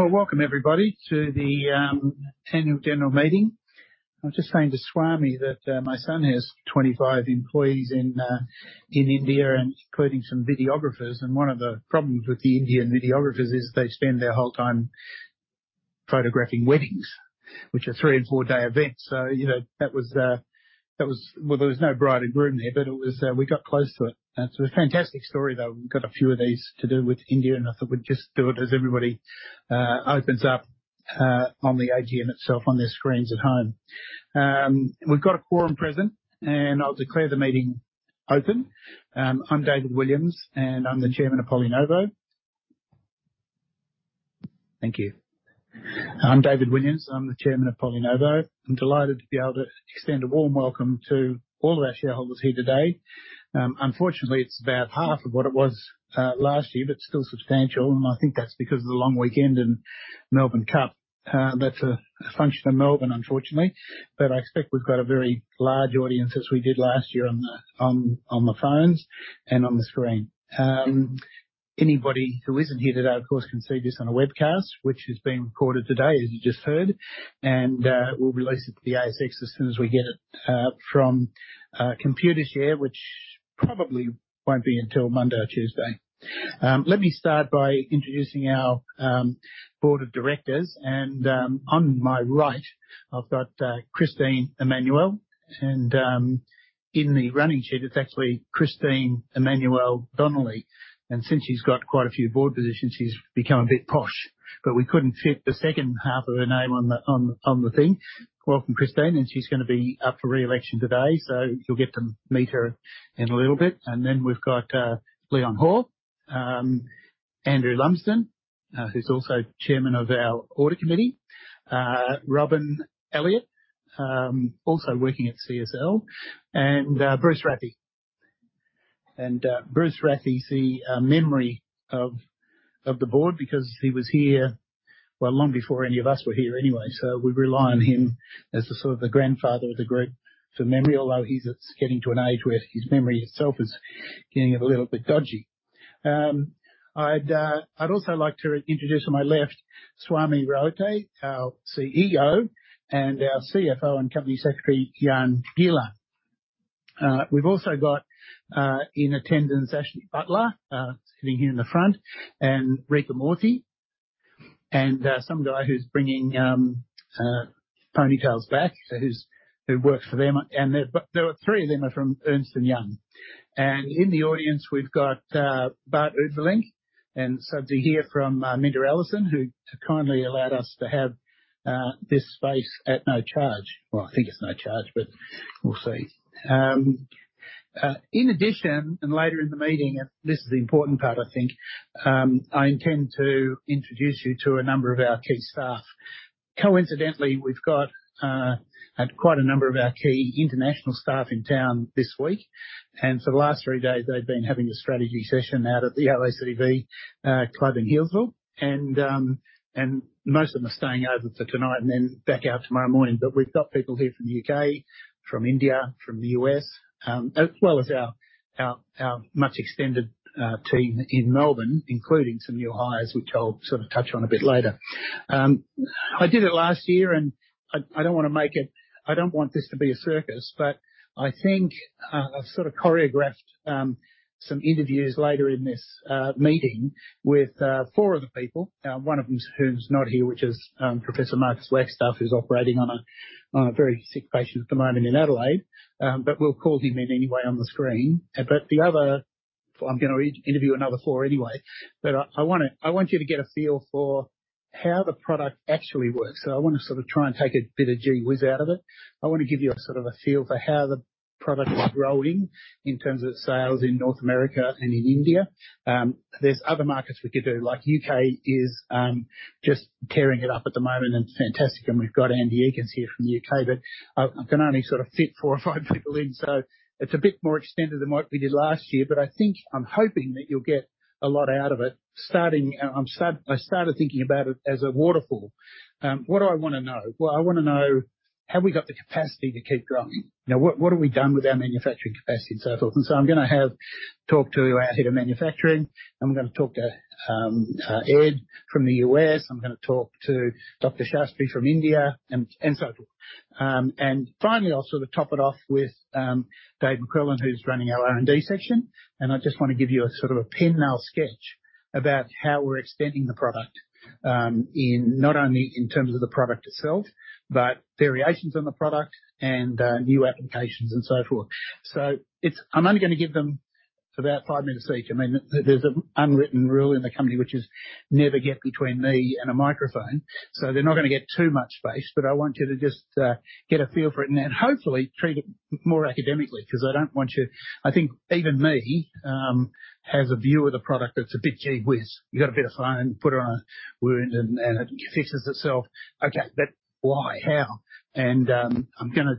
Well, welcome, everybody, to the Annual General Meeting. I was just saying to Swami that my son has 25 employees in India, and including some videographers, and one of the problems with the Indian videographers is they spend their whole time photographing weddings, which are three- and four-day events. So, you know, that was. Well, there was no bride and groom there, but it was, we got close to it. It's a fantastic story, though. We've got a few of these to do with India, and I thought we'd just do it as everybody opens up on the AGM itself, on their screens at home. We've got a quorum present, and I'll declare the meeting open. I'm David Williams, and I'm the Chairman of PolyNovo. Thank you. I'm David Williams, I'm the Chairman of PolyNovo. I'm delighted to be able to extend a warm welcome to all of our shareholders here today. Unfortunately, it's about half of what it was last year, but still substantial, and I think that's because of the long weekend and Melbourne Cup. That's a function of Melbourne, unfortunately, but I expect we've got a very large audience, as we did last year on the phones and on the screen. Anybody who isn't here today, of course, can see this on a webcast, which is being recorded today, as you just heard, and we'll release it to the ASX as soon as we get it from Computershare, which probably won't be until Monday or Tuesday. Let me start by introducing our Board of directors, and on my right, I've got Christine Emmanuel, and in the running sheet, it's actually Christine Emmanuel-Donnelly, and since she's got quite a few Board positions, she's become a bit posh, but we couldn't fit the second half of her name on the thing. Welcome, Christine, and she's gonna be up for re-election today, so you'll get to meet her in a little bit. And then we've got Leon Hoare, Andrew Lumsden, who's also Chairman of our Audit Committee, Robyn Elliott, also working at CSL, and Bruce Rathie. Bruce Rathie is the memory of the Board because he was here, well, long before any of us were here anyway, so we rely on him as the sort of the grandfather of the group for memory, although he's getting to an age where his memory itself is getting a little bit dodgy. I'd also like to introduce on my left, Swami Raote, our CEO, and our CFO and company secretary, Jan Gielen. We've also got in attendance, Ashley Butler sitting here in the front, and Rick Armato, and some guy who's bringing ponytails back, who worked for them. And there are three of them from Ernst & Young. In the audience, we've got Bart Oude-Vrielink, and somebody here from MinterEllison, who kindly allowed us to have this space at no charge. Well, I think it's no charge, but we'll see. In addition, later in the meeting, and this is the important part, I think, I intend to introduce you to a number of our key staff. Coincidentally, we've got quite a number of our key international staff in town this week, and for the last three days, they've been having a strategy session out at the RACV Club in Healesville, and most of them are staying over for tonight and then back out tomorrow morning. But we've got people here from the U.K., from India, from the U.S., as well as our much extended team in Melbourne, including some new hires, which I'll sort of touch on a bit later. I did it last year, and I don't want to make it-- I don't want this to be a circus, but I think I've sort of choreographed some interviews later in this meeting with four other people, one of them who's not here, which is Professor Marcus Wagstaff, who's operating on a very sick patient at the moment in Adelaide. But we'll call him in anyway on the screen. But the other, I'm gonna interview another four anyway, but I want you to get a feel for how the product actually works. So I want to sort of try and take a bit of gee whiz out of it. I want to give you a sort of a feel for how the product is growing in terms of sales in North America and in India. There's other markets we could do, like U.K. is just tearing it up at the moment and fantastic, and we've got Andy Eakins here from the U.K., but I, I can only sort of fit four or five people in, so it's a bit more extended than what we did last year, but I think I'm hoping that you'll get a lot out of it. Starting, I started thinking about it as a waterfall. What do I wanna know? Well, I wanna know, have we got the capacity to keep growing? Now, what have we done with our manufacturing capacity and so forth? And so I'm gonna have talk to our head of manufacturing, and we're gonna talk to Ed from the U.S., I'm gonna talk to Dr. Shastri from India, and so forth. And finally, I'll sort of top it off with Dave McQuillan, who's running our R&D section, and I just want to give you a sort of a pencil sketch about how we're extending the product in not only in terms of the product itself, but variations on the product and new applications and so forth. So it's. I'm only gonna give them about five minutes each. I mean, there's an unwritten rule in the company, which is never get between me and a microphone, so they're not gonna get too much space, but I want you to just get a feel for it and then hopefully treat it more academically. 'Cause I don't want you. I think even me has a view of the product that's a bit gee whiz. You got a bit of phone, put it on a wound, and it fixes itself. Okay, but why? How? And I'm gonna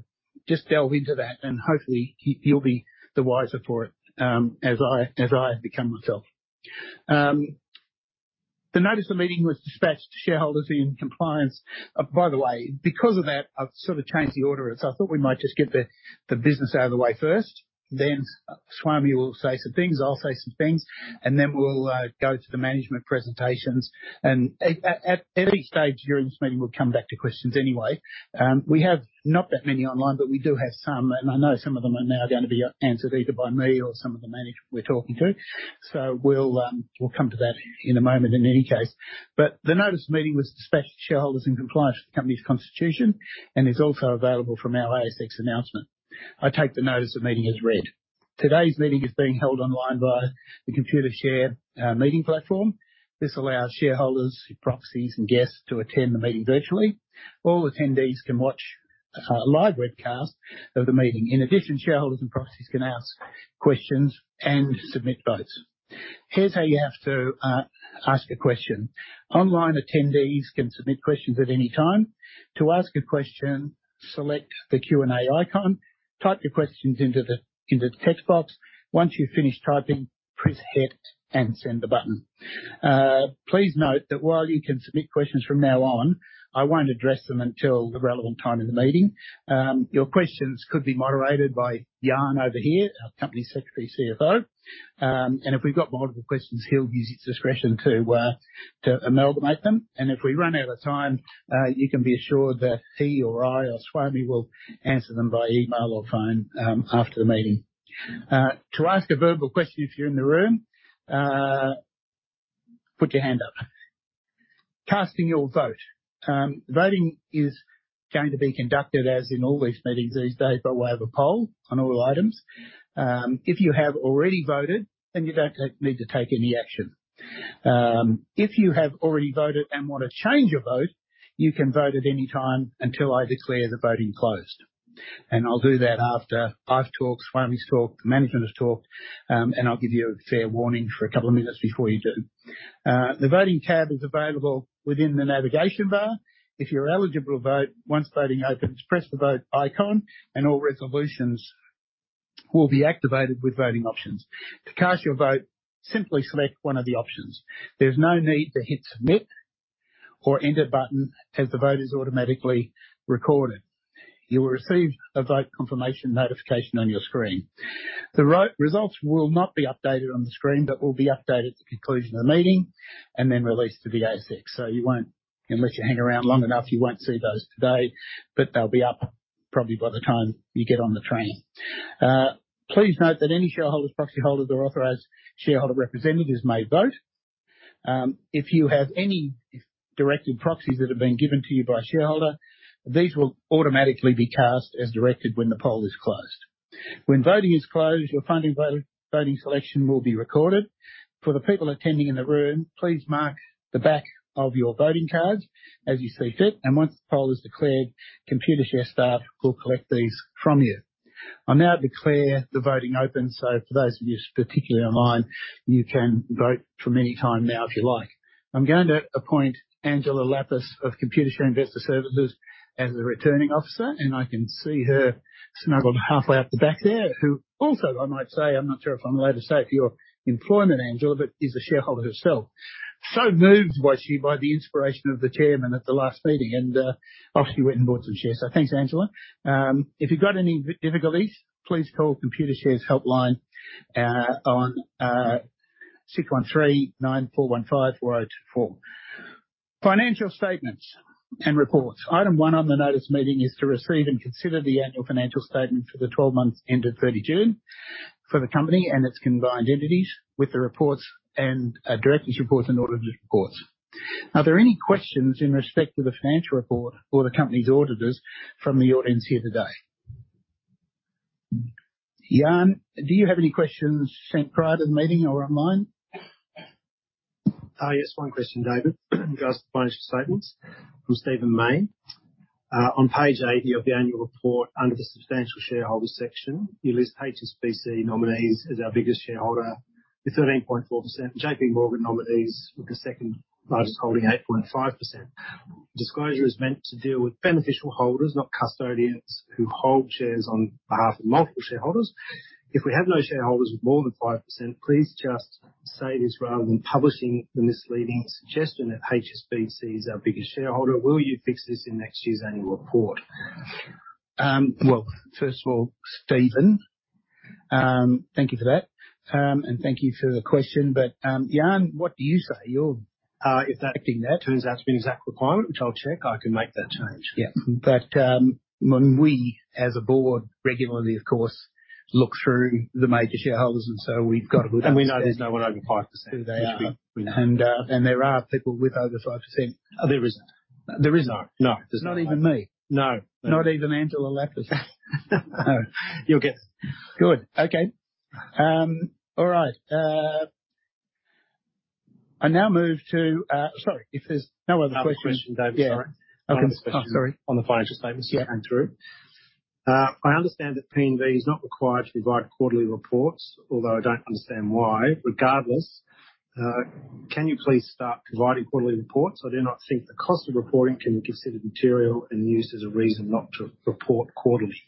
just delve into that, and hopefully you'll be the wiser for it as I become myself. The notice of meeting was dispatched to shareholders in compliance. By the way, because of that, I've sort of changed the order. So I thought we might just get the business out of the way first. Then Swami will say some things, I'll say some things, and then we'll go to the management presentations. And at any stage during this meeting, we'll come back to questions anyway. We have not that many online, but we do have some, and I know some of them are now going to be answered either by me or some of the management we're talking to. So we'll come to that in a moment in any case. But the notice of meeting was dispatched to shareholders in compliance with the company's constitution and is also available from our ASX announcement. I take the notice the meeting is read. Today's meeting is being held online via the Computershare meeting platform. This allows shareholders, proxies, and guests to attend the meeting virtually. All attendees can watch a live webcast of the meeting. In addition, shareholders and proxies can ask questions and submit votes. Here's how you have to ask a question. Online attendees can submit questions at any time. To ask a question, select the Q&A icon, type your questions into the text box. Once you've finished typing, press, hit and send the button. Please note that while you can submit questions from now on, I won't address them until the relevant time in the meeting. Your questions could be moderated by Jan over here, our Company Secretary, CFO. And if we've got multiple questions, he'll use his discretion to amalgamate them. And if we run out of time, you can be assured that he or I or Swami will answer them by email or phone after the meeting. To ask a verbal question, if you're in the room, put your hand up. Casting your vote. The voting is going to be conducted, as in all these meetings these days, by way of a poll on all items. If you have already voted, then you don't need to take any action. If you have already voted and want to change your vote, you can vote at any time until I declare the voting closed. And I'll do that after I've talked, Swami's talked, the management has talked, and I'll give you a fair warning for a couple of minutes before you do. The voting tab is available within the navigation bar. If you're eligible to vote, once voting opens, press the vote icon and all resolutions will be activated with voting options. To cast your vote, simply select one of the options. There's no need to hit submit or enter button, as the vote is automatically recorded. You will receive a vote confirmation notification on your screen. The results will not be updated on the screen, but will be updated at the conclusion of the meeting and then released to the ASX. So you won't, unless you hang around long enough, you won't see those today, but they'll be up probably by the time you get on the train. Please note that any shareholders, proxy holders, or authorized shareholder representatives may vote. If you have any directed proxies that have been given to you by a shareholder, these will automatically be cast as directed when the poll is closed. When voting is closed, your undirected voting selection will be recorded. For the people attending in the room, please mark the back of your voting cards as you see fit, and once the poll is declared, Computershare staff will collect these from you. I now declare the voting open, so for those of you, particularly online, you can vote from any time now if you like. I'm going to appoint Angela Lappas of Computershare Investor Services as the returning officer, and I can see her snuggled halfway up the back there, who also, I might say, I'm not sure if I'm allowed to say, if your employment, Angela, but is a shareholder herself. So moved was she by the inspiration of the chairman at the last meeting, and off she went and bought some shares. So thanks, Angela. If you've got any difficulties, please call Computershare's helpline on 613-9415-4024. Financial statements and reports. Item one on the notice meeting is to receive and consider the annual financial statement for the 12 months ended 30 June for the company and its combined entities with the reports and directors' reports and auditors' reports. Are there any questions in respect to the financial report or the company's auditors from the audience here today? Jan, do you have any questions sent prior to the meeting or online? Yes, one question, David, in regards to financial statements from Stephen May. On page 80 of the annual report under the substantial shareholders section, you list HSBC nominees as our biggest shareholder with 13.4%, JPMorgan nominees with the second-largest holding, 8.5%. Disclosure is meant to deal with beneficial holders, not custodians who hold shares on behalf of multiple shareholders. If we have no shareholders with more than 5%, please just say this rather than publishing the misleading suggestion that HSBC is our biggest shareholder. Will you fix this in next year's annual report? Well, first of all, Stephen, thank you for that, and thank you for the question. But, Jan, what do you say? You're... If that turns out to be an exact requirement, which I'll check, I can make that change. Yeah. But, when we as a Board regularly, of course, look through the major shareholders, and so we've got a good- We know there's no one over 5%. And there are people with over 5%. There isn't. There is not? No. There's not even me? No. Not even Angela Lappas? No. You'll get. Good. Okay. All right. I now move to-- Sorry, if there's no other questions. Question, David, sorry. I have a question on the financial statements. Yeah. I understand that PNV is not required to provide quarterly reports, although I don't understand why. Regardless, can you please start providing quarterly reports? I do not think the cost of reporting can be considered material and used as a reason not to report quarterly.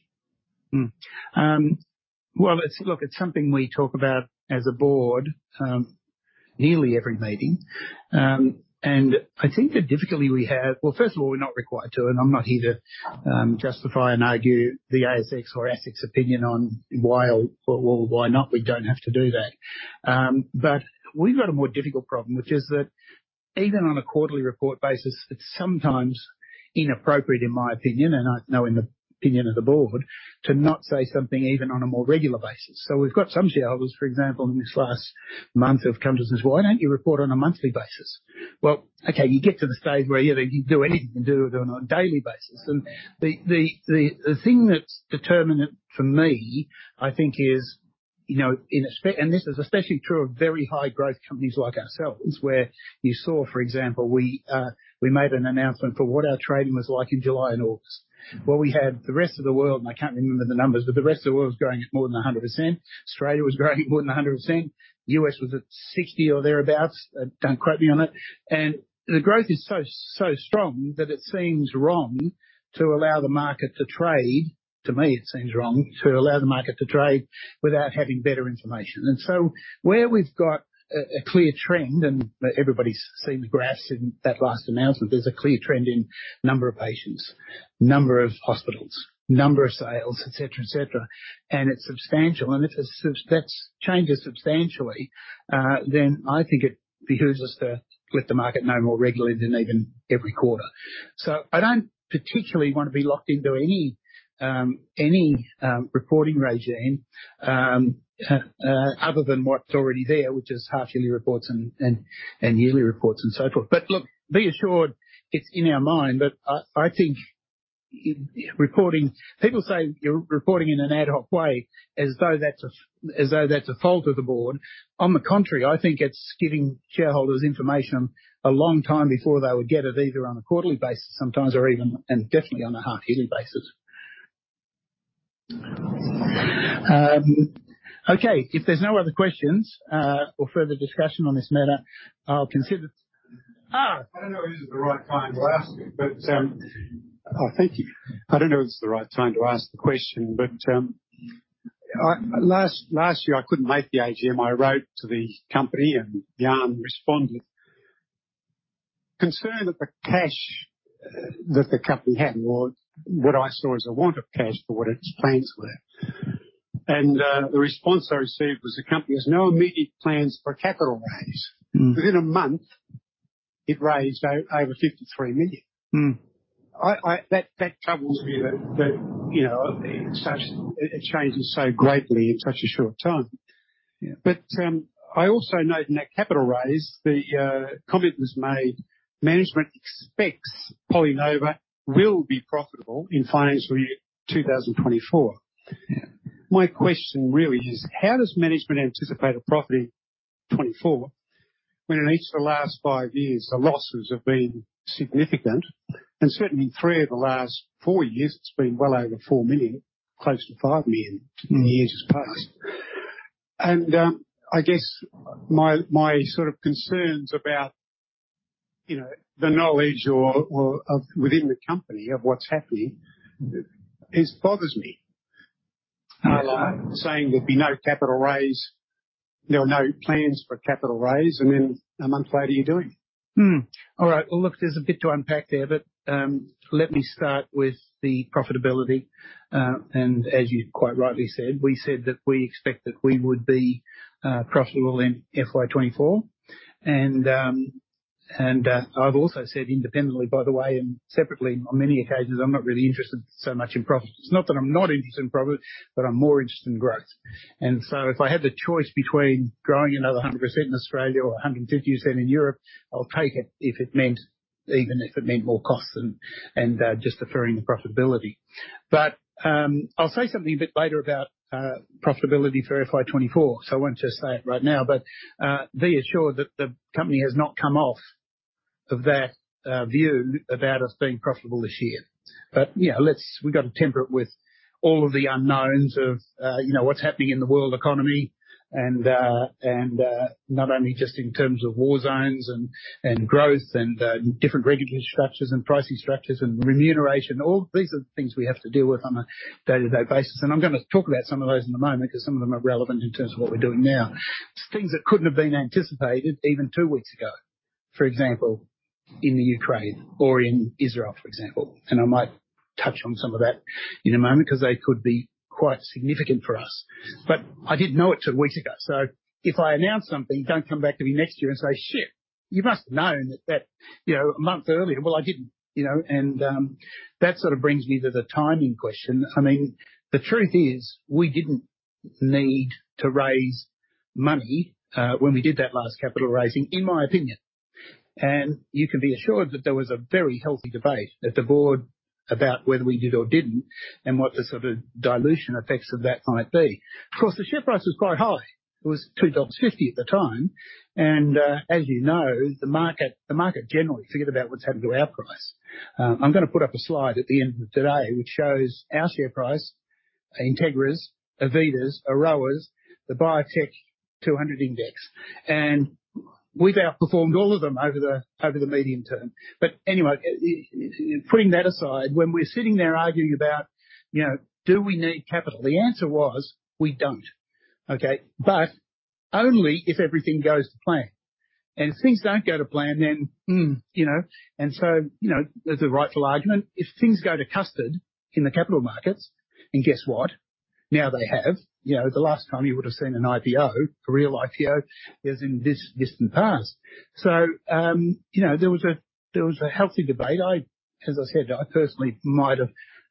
Well, it's, look, it's something we talk about as a Board, nearly every meeting. And I think the difficulty we have-- Well, first of all, we're not required to, and I'm not here to, justify and argue the ASX or ASIC's opinion on why or, or why not. We don't have to do that. But we've got a more difficult problem, which is that even on a quarterly report basis, it's sometimes inappropriate, in my opinion, and I know in the opinion of the Board, to not say something even on a more regular basis. So we've got some shareholders, for example, in this last month, have come to us and said, "Why don't you report on a monthly basis?" Well, okay, you get to the stage where, you know, you do anything, you can do it on a daily basis. And the thing that's determinant for me, I think, is, you know. And this is especially true of very high growth companies like ourselves, where you saw, for example, we made an announcement for what our trading was like in July and August. Well, we had the rest of the world, and I can't remember the numbers, but the rest of the world was growing at more than 100%. Australia was growing more than 100%. U.S. was at 60% or thereabouts. Don't quote me on it. And the growth is so, so strong that it seems wrong to allow the market to trade, to me, it seems wrong to allow the market to trade without having better information. And so where we've got a clear trend, and everybody's seen the graphs in that last announcement, there's a clear trend in number of patients, number of hospitals, number of sales, et cetera, et cetera, and it's substantial. And if it that changes substantially, then I think it behooves us to let the market know more regularly than even every quarter. So I don't particularly want to be locked into any reporting regime, other than what's already there, which is half-yearly reports and yearly reports and so forth. But look, be assured it's in our mind. But I think in reporting, people say you're reporting in an ad hoc way as though that's a, as though that's a fault of the Board. On the contrary, I think it's giving shareholders information a long time before they would get it, either on a quarterly basis sometimes, or even, and definitely on a half-yearly basis. Okay, if there's no other questions, or further discussion on this matter, I'll consider— I don't know if it's the right time to ask the question, but last year, I couldn't make the AGM. I wrote to the company, and Jan responded. Concerned that the cash that the company had or what I saw as a want of cash for what its plans were, and the response I received was the company has no immediate plans for a capital raise. Within a month, it raised over 53 million. That troubles me that, you know, such it changes so greatly in such a short time. But, I also note in that capital raise, the comment was made, "Management expects PolyNovo will be profitable in financial year 2024. My question really is: How does management anticipate a profit in 2024 when in each of the last five years, the losses have been significant, and certainly in three of the last four years, it's been well over 4 million, close to 5 million in years past? And, I guess my sort of concerns about, you know, the knowledge or of within the company of what's happening, it bothers me. Saying there'll be no capital raise, there are no plans for a capital raise, and then a month later, you're doing it. Hmm. All right. Well, look, there's a bit to unpack there, but let me start with the profitability, and as you quite rightly said, we said that we expect that we would be profitable in FY 2024. And I've also said independently, by the way, and separately on many occasions, I'm not really interested so much in profits. It's not that I'm not interested in profits, but I'm more interested in growth. And so if I had the choice between growing another 100% in Australia or 150% in Europe, I'll take it if it meant, even if it meant more costs and just deferring the profitability. But, I'll say something a bit later about profitability for FY 2024, so I won't just say it right now, but be assured that the company has not come off of that view about us being profitable this year. But, you know, let's—we've got to temper it with all of the unknowns of, you know, what's happening in the world economy and, and not only just in terms of war zones and, and growth and different regulatory structures and pricing structures and remuneration. All these are the things we have to deal with on a day-to-day basis, and I'm gonna talk about some of those in a moment because some of them are relevant in terms of what we're doing now. Things that couldn't have been anticipated even two weeks ago, for example, in the Ukraine or in Israel, for example, and I might touch on some of that in a moment because they could be quite significant for us. But I didn't know it two weeks ago, so if I announce something, don't come back to me next year and say, "Shit! You must have known that, that, you know, a month earlier." Well, I didn't, you know, and that sort of brings me to the timing question. I mean, the truth is, we didn't need to raise money when we did that last capital raising, in my opinion. And you can be assured that there was a very healthy debate at the Board about whether we did or didn't, and what the sort of dilution effects of that might be. Of course, the share price was quite high. It was 2.50 dollars at the time, and as you know, the market, the market generally, forget about what's happened to our price. I'm gonna put up a slide at the end of today which shows our share price, Integra's, Avita's, Aroa's, the Biotech 200 index, and we've outperformed all of them over the medium term. But anyway, putting that aside, when we're sitting there arguing about, you know, do we need capital? The answer was, we don't. Okay, but only if everything goes to plan. And if things don't go to plan, then you know, and so, you know, there's a rightful argument. If things go to custard in the capital markets, and guess what? Now they have. You know, the last time you would have seen an IPO, a real IPO, is in the distant, distant past. So, you know, there was a healthy debate. As I said, I personally might have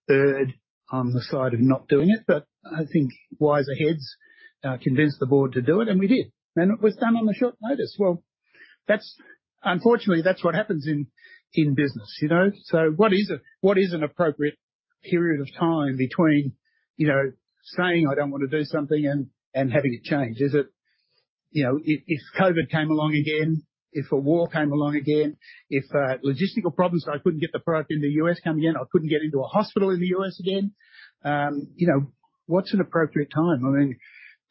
erred on the side of not doing it, but I think wiser heads convinced the Board to do it, and we did. And it was done on the short notice. Well, that's, unfortunately, that's what happens in business, you know. So what is an appropriate period of time between, you know, saying, "I don't want to do something," and having it change? Is it, you know, if COVID came along again, if a war came along again, if logistical problems, so I couldn't get the product in the U.S. come again, I couldn't get into a hospital in the U.S. again. You know, what's an appropriate time? I mean,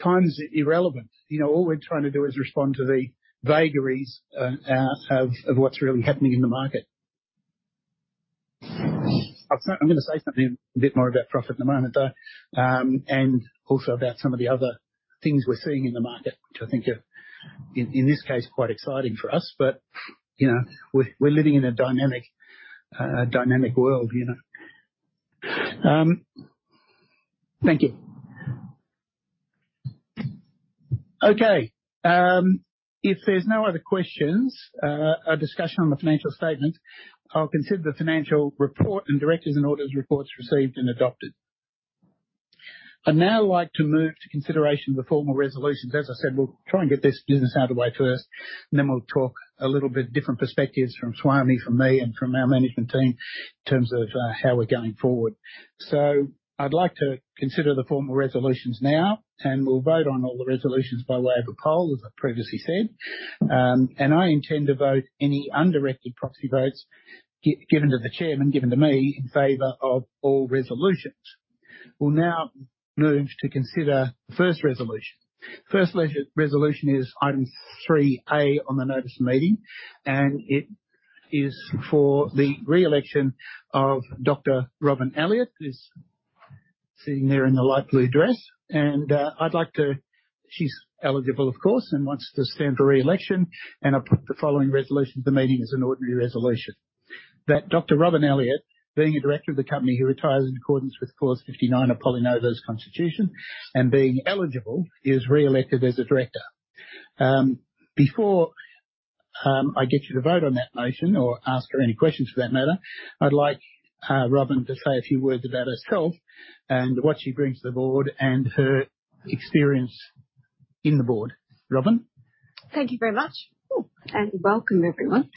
time is irrelevant. You know, all we're trying to do is respond to the vagaries of what's really happening in the market. I'm gonna say something a bit more about profit in a moment, though, and also about some of the other things we're seeing in the market, which I think are in this case quite exciting for us. But, you know, we're living in a dynamic world, you know? Thank you. Okay, if there's no other questions, a discussion on the financial statements, I'll consider the financial report and directors and auditors' reports received and adopted. I'd now like to move to consideration of the formal resolutions. As I said, we'll try and get this business out of the way first, and then we'll talk a little bit different perspectives from Swami, from me, and from our management team in terms of how we're going forward. So I'd like to consider the formal resolutions now, and we'll vote on all the resolutions by way of a poll, as I previously said. And I intend to vote any undirected proxy votes given to the chairman, given to me in favor of all resolutions. We'll now move to consider the first resolution. First resolution is item 3-A on the notice of meeting, and it is for the re-election of Dr Robyn Elliott, who's sitting there in the light blue dress. And I'd like to— She's eligible, of course, and wants to stand for re-election, and I put the following resolution to the meeting as an ordinary resolution. That Dr Robyn Elliott, being a director of the company, who retires in accordance with Clause 59 of PolyNovo's Constitution and being eligible, is re-elected as a Director. Before I get you to vote on that motion or ask her any questions for that matter, I'd like, Robyn to say a few words about herself and what she brings to the Board and her experience in the Board. Robyn? Thank you very much, and welcome, everyone.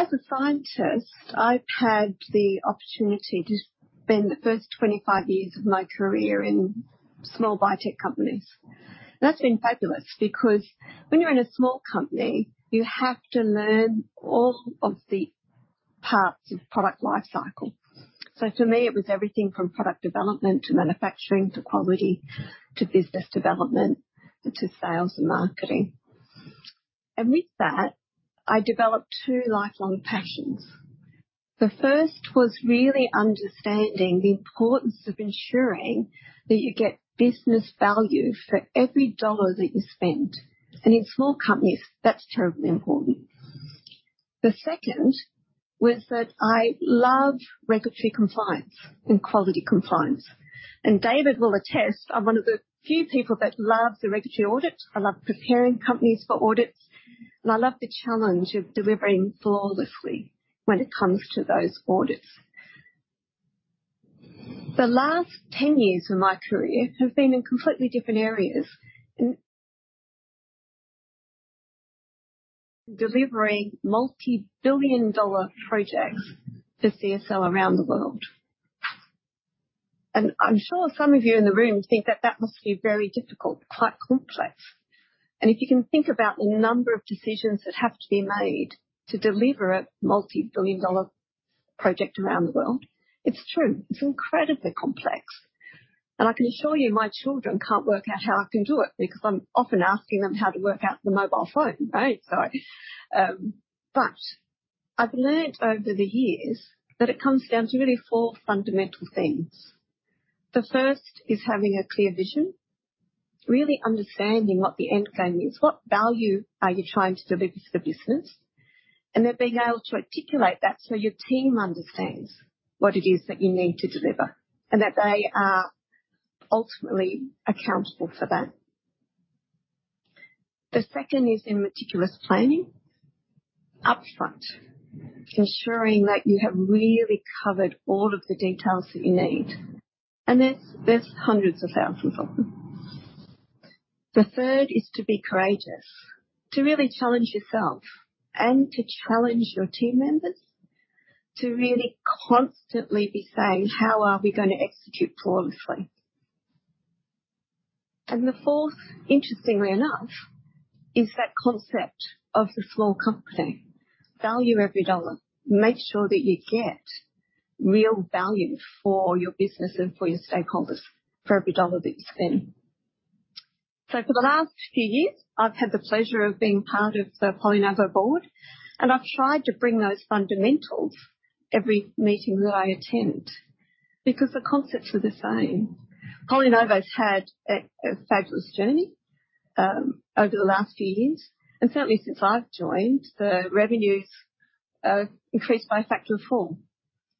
As a scientist, I've had the opportunity to spend the first 25 years of my career in small biotech companies. That's been fabulous because when you're in a small company, you have to learn all of the parts of the product life cycle. So for me, it was everything from product development to manufacturing to quality to business development to sales and marketing. And with that, I developed two lifelong passions. The first was really understanding the importance of ensuring that you get business value for every dollar that you spend. And in small companies, that's terribly important. The second was that I love regulatory compliance and quality compliance, and David will attest I'm one of the few people that love the regulatory audit. I love preparing companies for audits, and I love the challenge of delivering flawlessly when it comes to those audits. The last 10 years of my career have been in completely different areas, in delivering multibillion-dollar projects for CSL around the world. I'm sure some of you in the room think that that must be very difficult, quite complex. If you can think about the number of decisions that have to be made to deliver a multibillion-dollar project around the world, it's true. It's incredibly complex, and I can assure you my children can't work out how I can do it, because I'm often asking them how to work out the mobile phone, right? So, but I've learned over the years that it comes down to really four fundamental things. The first is having a clear vision, really understanding what the end game is, what value are you trying to deliver to the business? And then being able to articulate that so your team understands what it is that you need to deliver and that they are ultimately accountable for that. The second is in meticulous planning, upfront, ensuring that you have really covered all of the details that you need, and there's hundreds of thousands of them. The third is to be courageous, to really challenge yourself and to challenge your team members, to really constantly be saying, "How are we going to execute flawlessly?" And the fourth, interestingly enough, is that concept of the small company. Value every dollar. Make sure that you get real value for your business and for your stakeholders, for every dollar that you spend. So for the last few years, I've had the pleasure of being part of the PolyNovo Board, and I've tried to bring those fundamentals every meeting that I attend, because the concepts are the same. PolyNovo's had a fabulous journey over the last few years, and certainly since I've joined, the revenues increased by a factor of four.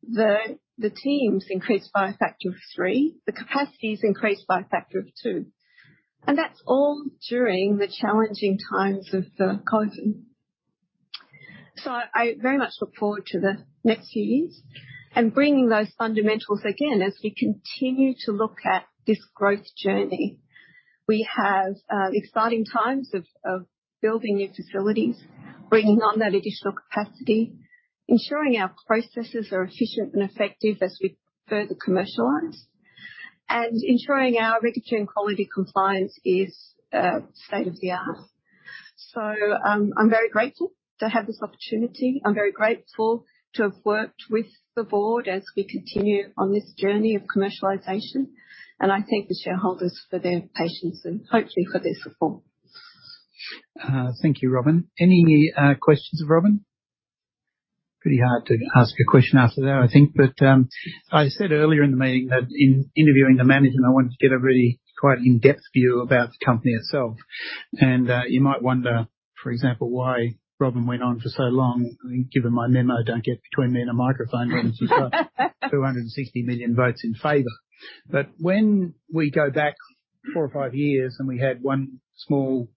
The team's increased by a factor of three. The capacity's increased by a factor of two, and that's all during the challengingx of COVID. So I very much look forward to the next few years and bringing those fundamentals again, as we continue to look at this growth journey. We have excitingx of building new facilities, bringing on that additional capacity, ensuring our processes are efficient and effective as we further commercialize, and ensuring our regulatory and quality compliance is state-of-the-art. I'm very grateful to have this opportunity. I'm very grateful to have worked with the Board as we continue on this journey of commercialization, and I thank the shareholders for their patience and hopefully for their support. Thank you, Robyn. Any questions of Robyn? Pretty hard to ask a question after that, I think. But I said earlier in the meeting that in interviewing the management, I wanted to get a really quite in-depth view about the company itself. And you might wonder, for example, why Robyn went on for so long, given my memo, "Don't get between me and a microphone," got 260 million votes in favor. But when we go back four or five years and we had one small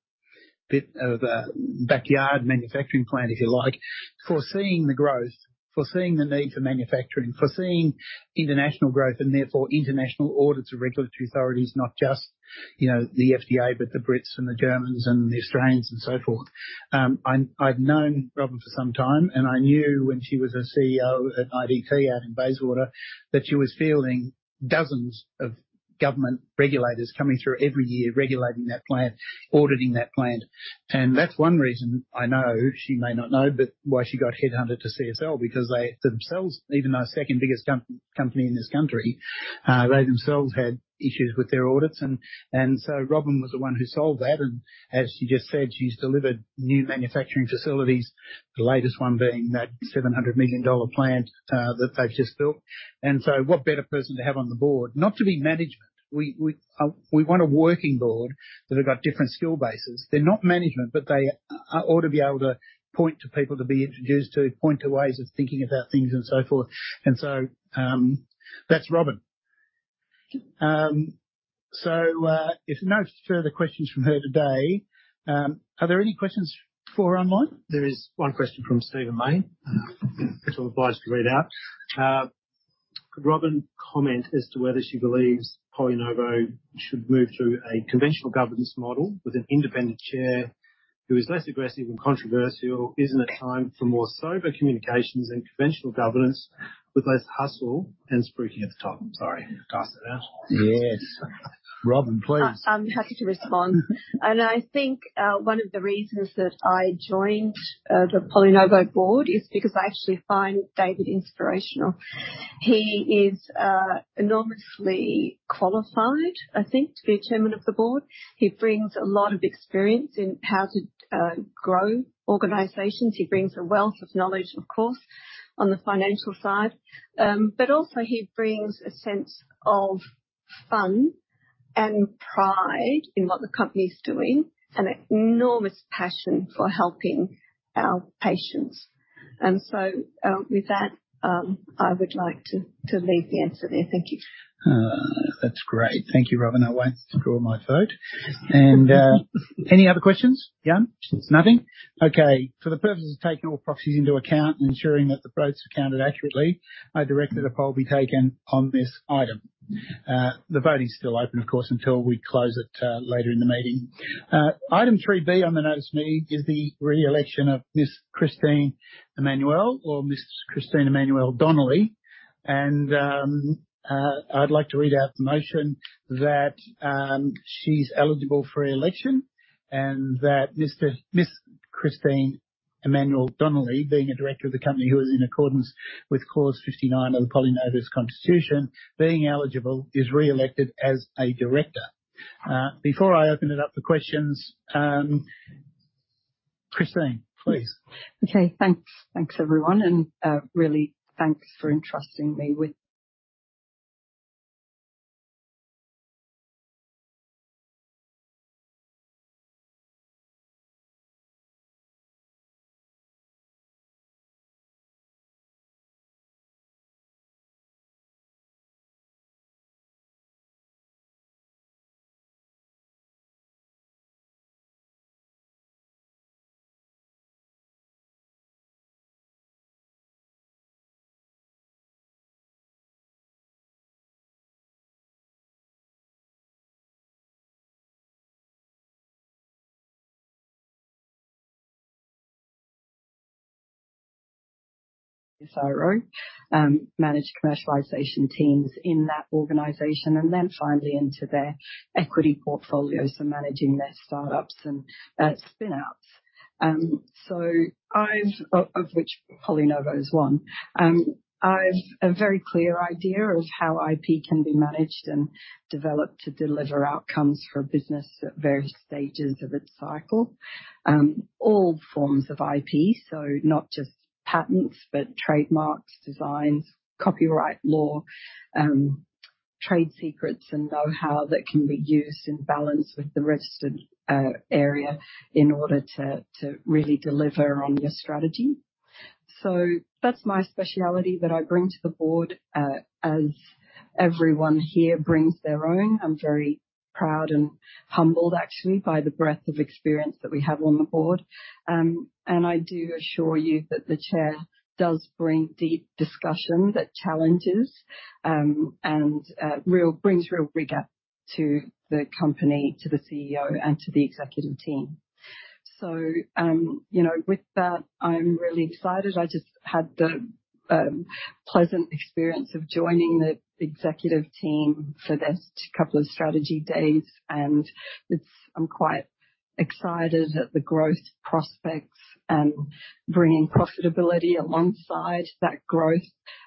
bit of a backyard manufacturing plant, if you like, foreseeing the growth, foreseeing the need for manufacturing, foreseeing international growth and therefore international audits of regulatory authorities, not just, you know, the FDA, but the Brits and the Germans and the Australians and so forth. I've known Robyn for some time, and I knew when she was a CEO at IDT out in Bayswater, that she was fielding dozens of government regulators coming through every year, regulating that plant, auditing that plant. And that's one reason I know, she may not know, but why she got headhunted to CSL, because they themselves, even though our second biggest company in this country, they themselves had issues with their audits, and so Robyn was the one who solved that. And as she just said, she's delivered new manufacturing facilities, the latest one being that 700 million dollar plant that they've just built. And so what better person to have on the Board? Not to be management. We want a working Board that have got different skill bases. They're not management, but they ought to be able to point to people to be introduced to, point to ways of thinking about things and so forth. And so, that's Robyn. So, if no further questions from her today, are there any questions for her online? There is one question from Stephen May, which I'm obliged to read out. "Could Robyn comment as to whether she believes PolyNovo should move to a conventional governance model with an independent chair who is less aggressive and controversial? Isn't it time for more sober communications and conventional governance with less hustle and spruiking at the top?" Sorry, pass that out. Yes. Robyn, please. I'm happy to respond. I think, one of the reasons that I joined, the PolyNovo Board is because I actually find David inspirational. He is enormously qualified, I think, to be Chairman of the Board. He brings a lot of experience in how to grow organizations. He brings a wealth of knowledge, of course, on the financial side. Also he brings a sense of fun and pride in what the company's doing and an enormous passion for helping our patients. So, with that, I would like to leave the answer there. Thank you. That's great. Thank you, Robyn. I won't draw my vote. Any other questions? Jan? Nothing. Okay, for the purposes of taking all proxies into account and ensuring that the votes are counted accurately, I direct that a poll be taken on this item. The vote is still open, of course, until we close it later in the meeting. Item 3-B on the notice meeting is the re-election of Ms. Christine Emmanuel-Donnelly. I'd like to read out the motion that she's eligible for re-election and that Ms. Christine Emmanuel-Donnelly, being a director of the company, who is in accordance with Clause 59 of the PolyNovo's Constitution, being eligible, is re-elected as a director. Before I open it up for questions, Christine, please. Okay, thanks. Thanks, everyone. And, really, thanks for entrusting me with CSIRO, managed commercialization teams in that organization and then finally into their equity portfolios and managing their startups and, spin outs. So I've of which PolyNovo is one. I've a very clear idea of how IP can be managed and developed to deliver outcomes for a business at various stages of its cycle. All forms of IP, so not just patents, but trademarks, designs, copyright law, trade secrets, and know-how that can be used in balance with the registered, area in order to, really deliver on your strategy. So that's my specialty that I bring to the Board, as everyone here brings their own. I'm very proud and humbled, actually, by the breadth of experience that we have on the Board. And I do assure you that the chair does bring deep discussion, that challenges, and brings real rigor to the company, to the CEO, and to the executive team. So, you know, with that, I'm really excited. I just had the pleasant experience of joining the executive team for this couple of strategy days, and it's I'm quite excited at the growth prospects and bringing profitability alongside that growth,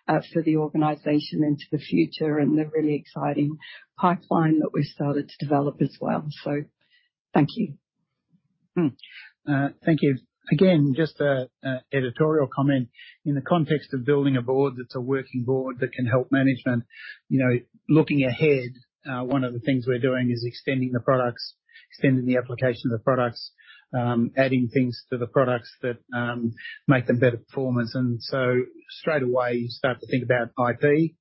for the organization into the future and the really exciting pipeline that we've started to develop as well. So thank you. Thank you. Again, just an editorial comment. In the context of building a Board that's a working Board that can help management, you know, looking ahead, one of the things we're doing is extending the products, extending the application of the products, adding things to the products that make them better performers. And so straight away, you start to think about IP,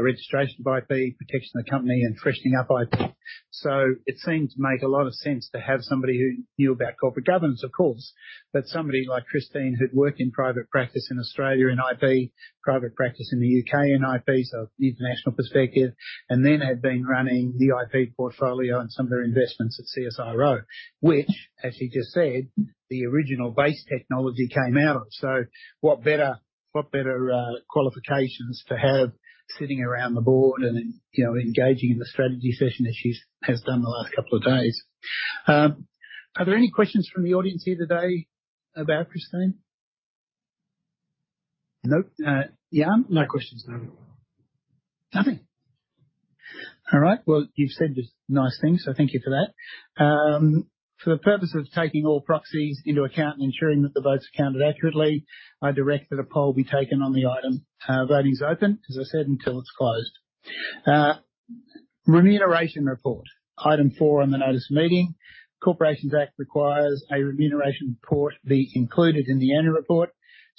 registration of IP, protecting the company, and freshening up IP. So it seemed to make a lot of sense to have somebody who knew about corporate governance, of course, but somebody like Christine, who'd worked in private practice in Australia, in IP, private practice in the U.K., in IP, so international perspective, and then had been running the IP portfolio and some of their investments at CSIRO, which, as she just said, the original base technology came out of. So what better qualifications to have sitting around the Board and, you know, engaging in the strategy session as she has done the last couple of days? Are there any questions from the audience here today about Christine? Nope. Jan? No questions, David. Nothing. All right. Well, you've said just nice things, so thank you for that. For the purpose of taking all proxies into account and ensuring that the votes are counted accurately, I direct that a poll be taken on the item. Voting is open, as I said, until it's closed. Remuneration report, item four on the notice of meeting. Corporations Act requires a remuneration report be included in the annual report.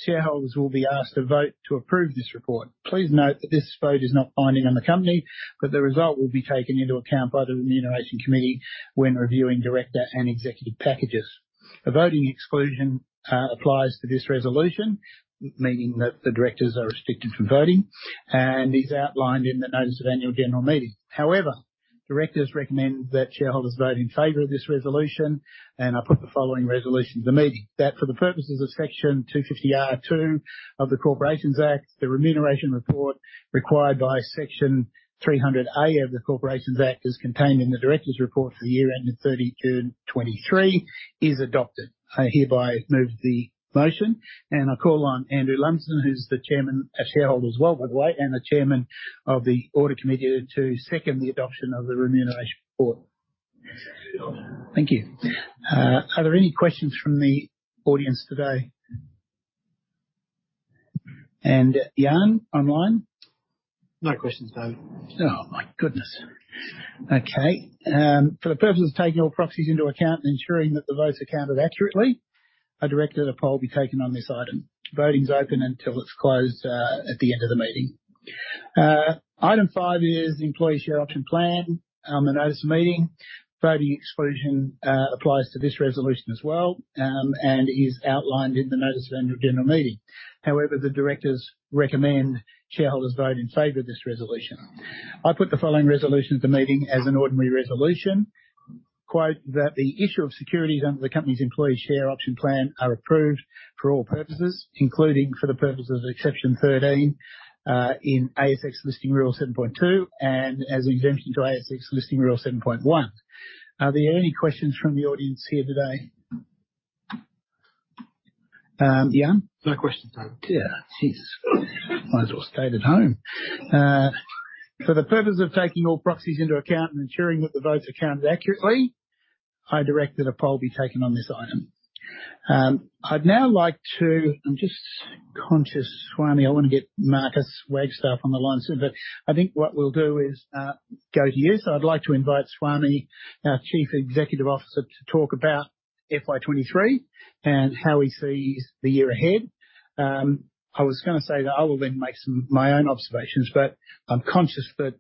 Shareholders will be asked to vote to approve this report. Please note that this vote is not binding on the company, but the result will be taken into account by the Remuneration Committee when reviewing director and executive packages. A voting exclusion applies to this resolution, meaning that the directors are restricted from voting, and is outlined in the notice of Annual General Meeting. However, Directors recommend that shareholders vote in favor of this resolution, and I put the following resolution to the meeting: That for the purposes of Section 250R(2) of the Corporations Act, the remuneration report required by Section 300A of the Corporations Act is contained in the Directors' report for the year ending 30 June 2023 is adopted. I hereby move the motion, and I call on Andrew Lumsden, who's the Chairman, a shareholder as well, by the way, and the Chairman of the Audit Committee, to second the adoption of the remuneration report. Thank you. Are there any questions from the audience today? And Jan, online? No questions, David. Oh, my goodness! Okay. For the purpose of taking all proxies into account and ensuring that the votes are counted accurately, I direct that a poll be taken on this item. Voting is open until it's closed at the end of the meeting. Item five is the employee share option plan. On the notice of the meeting, voting exclusion applies to this resolution as well, and is outlined in the notice of the Annual General Meeting. However, the directors recommend shareholders vote in favor of this resolution. I put the following resolution to the meeting as an ordinary resolution, quote, "That the issue of securities under the company's employee share option plan are approved for all purposes, including for the purposes of exception 13 in ASX Listing Rule 7.2, and as an exemption to ASX Listing Rule 7.1." Are there any questions from the audience here today? Jan? No questions, David. Yeah. Jesus, might as well stayed at home. For the purpose of taking all proxies into account and ensuring that the votes are counted accurately, I direct that a poll be taken on this item. I'd now like to-- I'm just conscious, Swami, I want to get Marcus Wagstaff on the line. So but I think what we'll do is, go to you. So I'd like to invite Swami, our Chief Executive Officer, to talk about FY 2023 and how he sees the year ahead. I was gonna say that I will then make some, my own observations, but I'm conscious that,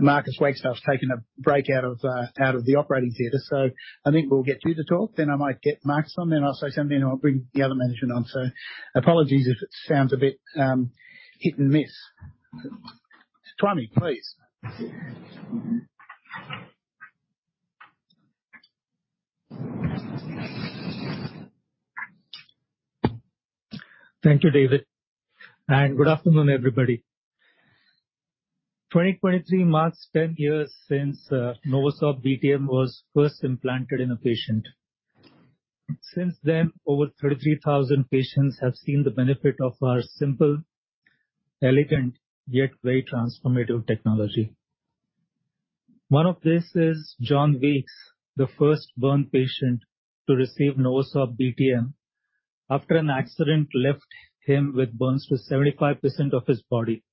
Marcus Wagstaff's taking a break out of, out of the operating theater. So I think we'll get you to talk. Then I might get Marcus on, then I'll say something, and I'll bring the other management on. Apologies if it sounds a bit, hit and miss. Swami, please. Thank you, David, and good afternoon, everybody. 2023 marks 10 years since NovoSorb BTM was first implanted in a patient. Since then, over 33,000 patients have seen the benefit of our simple, elegant, yet very transformative technology. One of this is John Weeks, the first burn patient to receive NovoSorb BTM after an accident left him with burns to 75% of his body.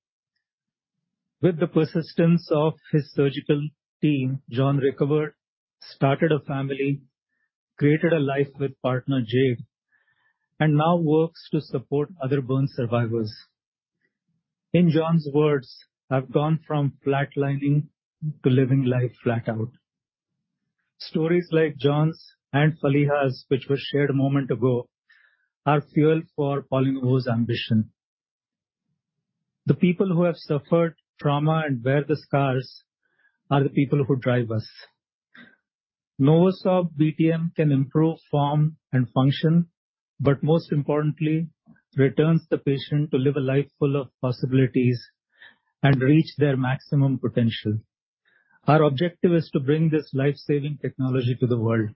With the persistence of his surgical team, John recovered, started a family, created a life with partner, Jake, and now works to support other burn survivors. In John's words, "I've gone from flatlining to living life flat out." Stories like John's and Faliha's, which was shared a moment ago, are fuel for PolyNovo's ambition. The people who have suffered trauma and wear the scars are the people who drive us. NovoSorb BTM can improve form and function, but most importantly, returns the patient to live a life full of possibilities and reach their maximum potential. Our objective is to bring this life-saving technology to the world.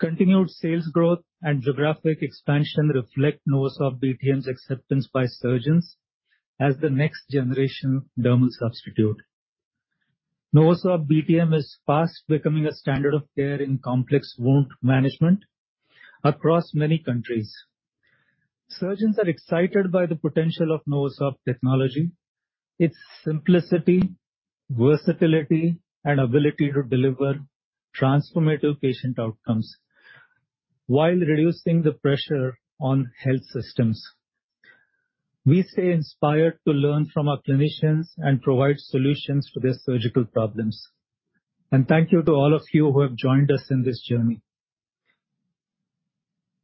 Continued sales growth and geographic expansion reflect NovoSorb BTM's acceptance by surgeons as the next generation dermal substitute. NovoSorb BTM is fast becoming a standard of care in complex wound management across many countries. Surgeons are excited by the potential of NovoSorb technology, its simplicity, versatility, and ability to deliver transformative patient outcomes while reducing the pressure on health systems. We stay inspired to learn from our clinicians and provide solutions to their surgical problems. Thank you to all of you who have joined us in this journey.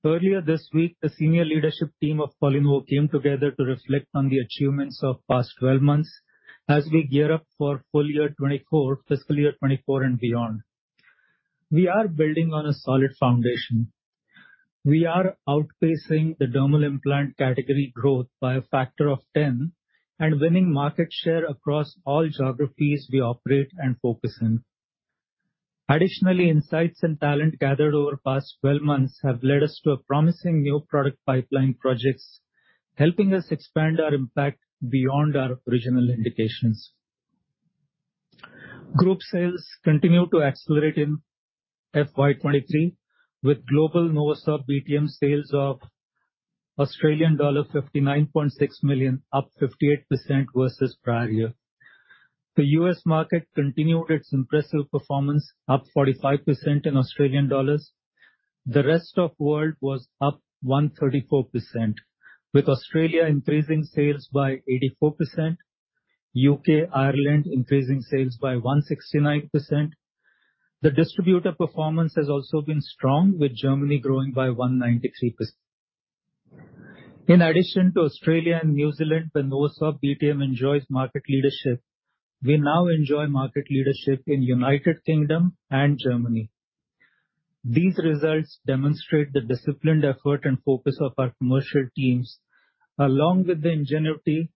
Earlier this week, the senior leadership team of PolyNovo came together to reflect on the achievements of past twelve months as we gear up for full-year 2024, fiscal year 2024 and beyond. We are building on a solid foundation. We are outpacing the dermal implant category growth by a factor of 10 and winning market share across all geographies we operate and focus in. Additionally, insights and talent gathered over past twelve months have led us to a promising new product pipeline projects, helping us expand our impact beyond our original indications. Group sales continued to accelerate in FY 2023, with global NovoSorb BTM sales of Australian dollar 59.6 million, up 58% versus prior year. The U.S. market continued its impressive performance, up 45% in Australian dollars. The rest of world was up 134%, with Australia increasing sales by 84%, U.K., Ireland, increasing sales by 169%. The distributor performance has also been strong, with Germany growing by 193%. In addition to Australia and New Zealand, where NovoSorb BTM enjoys market leadership, we now enjoy market leadership in United Kingdom and Germany. These results demonstrate the disciplined effort and focus of our commercial teams, along with the ingenuity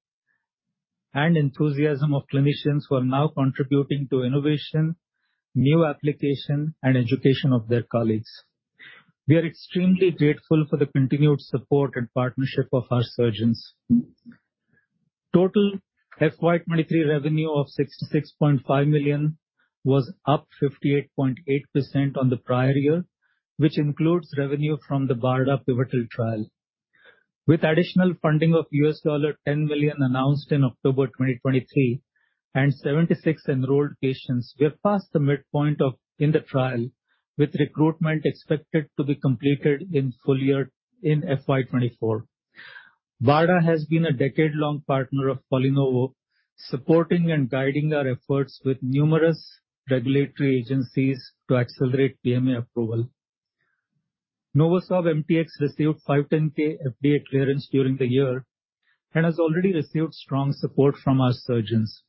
and enthusiasm of clinicians who are now contributing to innovation, new application, and education of their colleagues. We are extremely grateful for the continued support and partnership of our surgeons. Total FY 2023 revenue of 66.5 million was up 58.8% on the prior year, which includes revenue from the BARDA pivotal trial. With additional funding of $10 million announced in October 2023 and 76 enrolled patients, we are past the midpoint of in the trial, with recruitment expected to be completed in full year in FY 2024. BARDA has been a decade-long partner of PolyNovo, supporting and guiding our efforts with numerous regulatory agencies to accelerate PMA approval. NovoSorb MTX received 510(k) FDA clearance during the year and has already received strong support from our surgeons.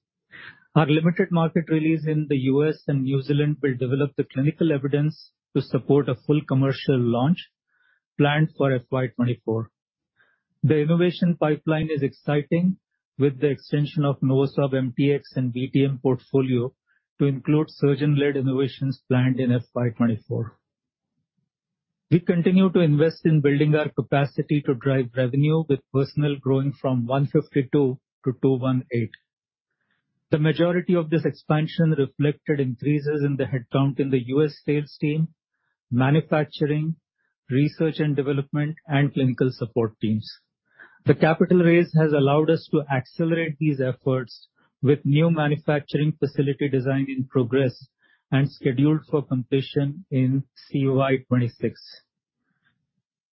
Our limited market release in the U.S. and New Zealand will develop the clinical evidence to support a full commercial launch planned for FY 2024. The innovation pipeline is exciting, with the extension of NovoSorb MTX and BTM portfolio to include surgeon-led innovations planned in FY 2024. We continue to invest in building our capacity to drive revenue, with personnel growing from 152 to 218. The majority of this expansion reflected increases in the headcount in the U.S. sales team, manufacturing, research and development, and clinical support teams. The capital raise has allowed us to accelerate these efforts with new manufacturing facility design in progress and scheduled for completion in CY 2026.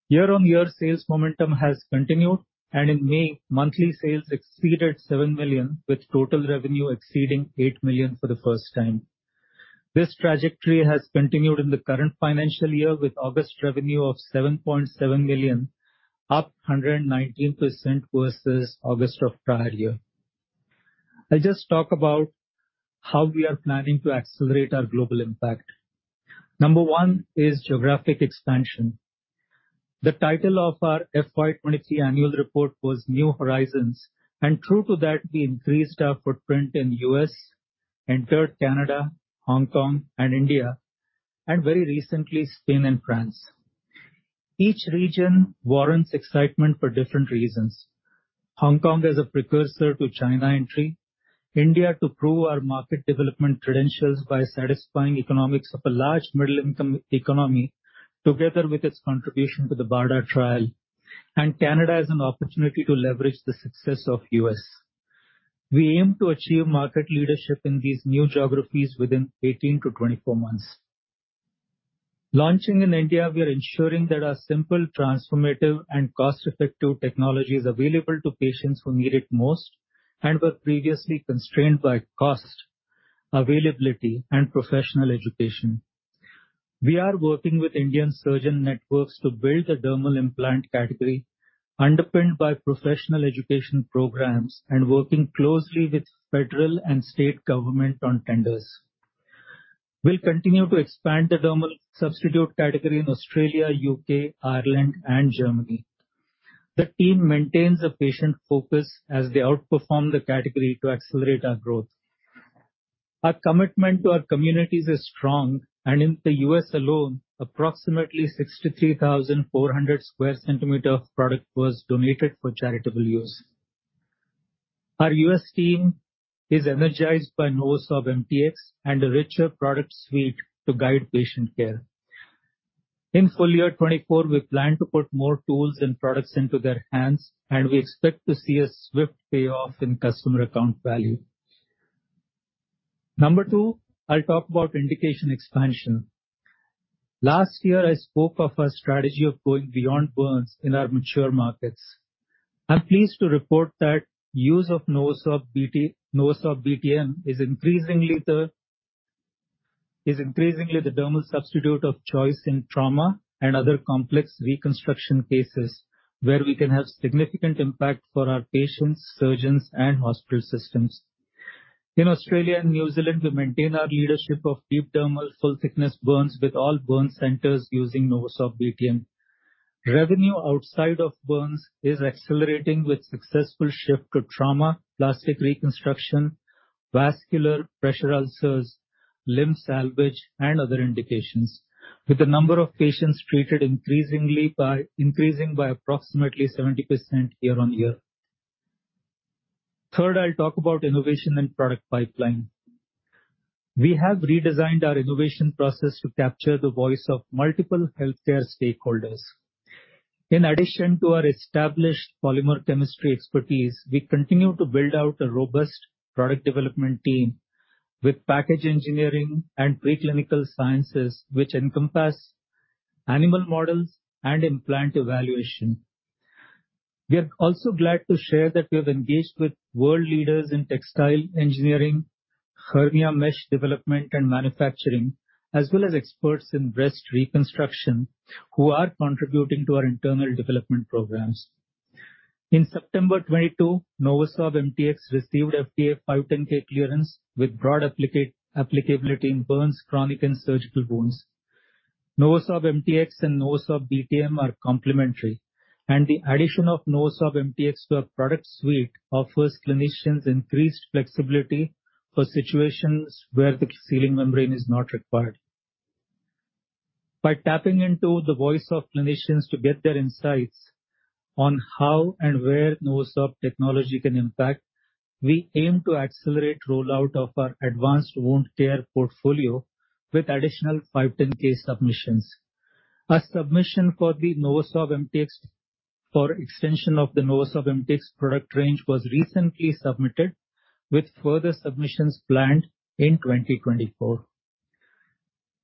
Year-on-year sales momentum has continued, and in May, monthly sales exceeded 7 million, with total revenue exceeding 8 million for the first time. This trajectory has continued in the current financial year, with August revenue of 7.7 million, up 119% versus August of prior year. I'll just talk about how we are planning to accelerate our global impact. Number one is geographic expansion. The title of our FY 2023 annual report was New Horizons, and true to that, we increased our footprint in U.S., entered Canada, Hong Kong, and India, and very recently, Spain and France. Each region warrants excitement for different reasons. Hong Kong is a precursor to China entry, India to prove our market development credentials by satisfying economics of a large middle-income economy, together with its contribution to the BARDA trial, and Canada as an opportunity to leverage the success of U.S. We aim to achieve market leadership in these new geographies within 18-24 months. Launching in India, we are ensuring that our simple, transformative, and cost-effective technology is available to patients who need it most and were previously constrained by cost, availability, and professional education. We are working with Indian surgeon networks to build a dermal implant category underpinned by professional education programs and working closely with federal and state government on tenders. We'll continue to expand the dermal substitute category in Australia, U.K., Ireland, and Germany. The team maintains a patient focus as they outperform the category to accelerate our growth. Our commitment to our communities is strong, and in the U.S. alone, approximately 63,400 sq cm of product was donated for charitable use. Our U.S. team is energized by NovoSorb MTX and a richer product suite to guide patient care. In full-year 2024, we plan to put more tools and products into their hands, and we expect to see a swift payoff in customer account value. Number two, I'll talk about indication expansion. Last year, I spoke of a strategy of going beyond burns in our mature markets. I'm pleased to report that use of NovoSorb BTM is increasingly the dermal substitute of choice in trauma and other complex reconstruction cases, where we can have significant impact for our patients, surgeons, and hospital systems. In Australia and New Zealand, we maintain our leadership of deep dermal full thickness burns, with all burn centers using NovoSorb BTM. Revenue outside of burns is accelerating, with successful shift to trauma, plastic reconstruction, vascular pressure ulcers, limb salvage, and other indications, with the number of patients treated increasing by approximately 70% year-on-year. Third, I'll talk about innovation and product pipeline. We have redesigned our innovation process to capture the voice of multiple healthcare stakeholders. In addition to our established polymer chemistry expertise, we continue to build out a robust product development team with package engineering and preclinical sciences, which encompass animal models and implant evaluation. We are also glad to share that we have engaged with world leaders in textile engineering, hernia mesh development and manufacturing, as well as experts in breast reconstruction, who are contributing to our internal development programs. In September 2022, NovoSorb MTX received FDA 510(k) clearance with broad applicability in burns, chronic and surgical wounds. NovoSorb MTX and NovoSorb BTM are complementary, and the addition of NovoSorb MTX to our product suite offers clinicians increased flexibility for situations where the sealing membrane is not required. By tapping into the voice of clinicians to get their insights on how and where NovoSorb technology can impact, we aim to accelerate rollout of our advanced wound care portfolio with additional 510(k) submissions. A submission for the NovoSorb MTX for extension of the NovoSorb MTX product range was recently submitted, with further submissions planned in 2024.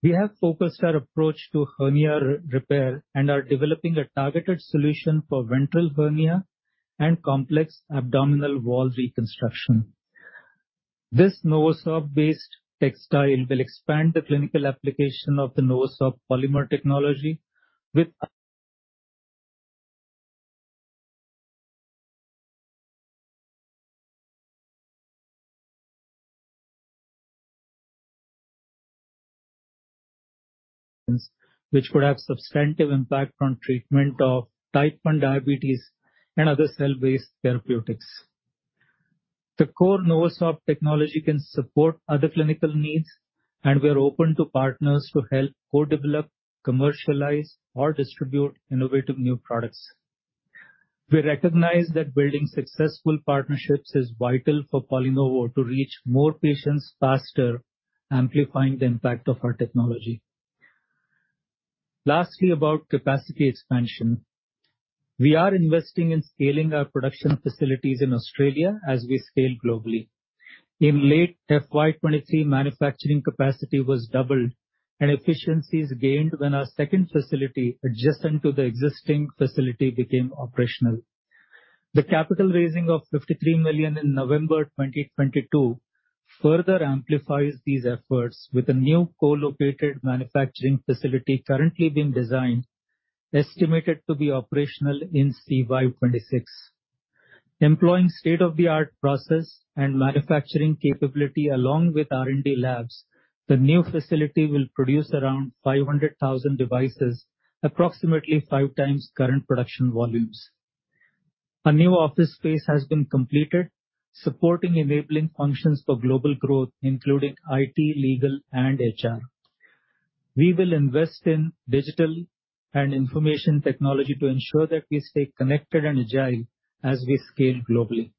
We have focused our approach to hernia repair and are developing a targeted solution for ventral hernia and complex abdominal wall reconstruction. This NovoSorb-based textile will expand the clinical application of the NovoSorb polymer technology, which would have substantive impact on treatment of type 1 diabetes and other cell-based therapeutics. The core NovoSorb technology can support other clinical needs, and we are open to partners to help co-develop, commercialize, or distribute innovative new products. We recognize that building successful partnerships is vital for PolyNovo to reach more patients faster, amplifying the impact of our technology. Lastly, about capacity expansion. We are investing in scaling our production facilities in Australia as we scale globally. In late FY 23, manufacturing capacity was doubled and efficiencies gained when our second facility, adjacent to the existing facility, became operational. The capital raising of 53 million in November 2022 further amplifies these efforts, with a new co-located manufacturing facility currently being designed, estimated to be operational in CY 2026. Employing state-of-the-art process and manufacturing capability, along with R&D labs, the new facility will produce around 500,000 devices, approximately 5x current production volumes. A new office space has been completed, supporting enabling functions for global growth, including IT, Legal, and HR. We will invest in digital and information technology to ensure that we stay connected and agile as we scale globally.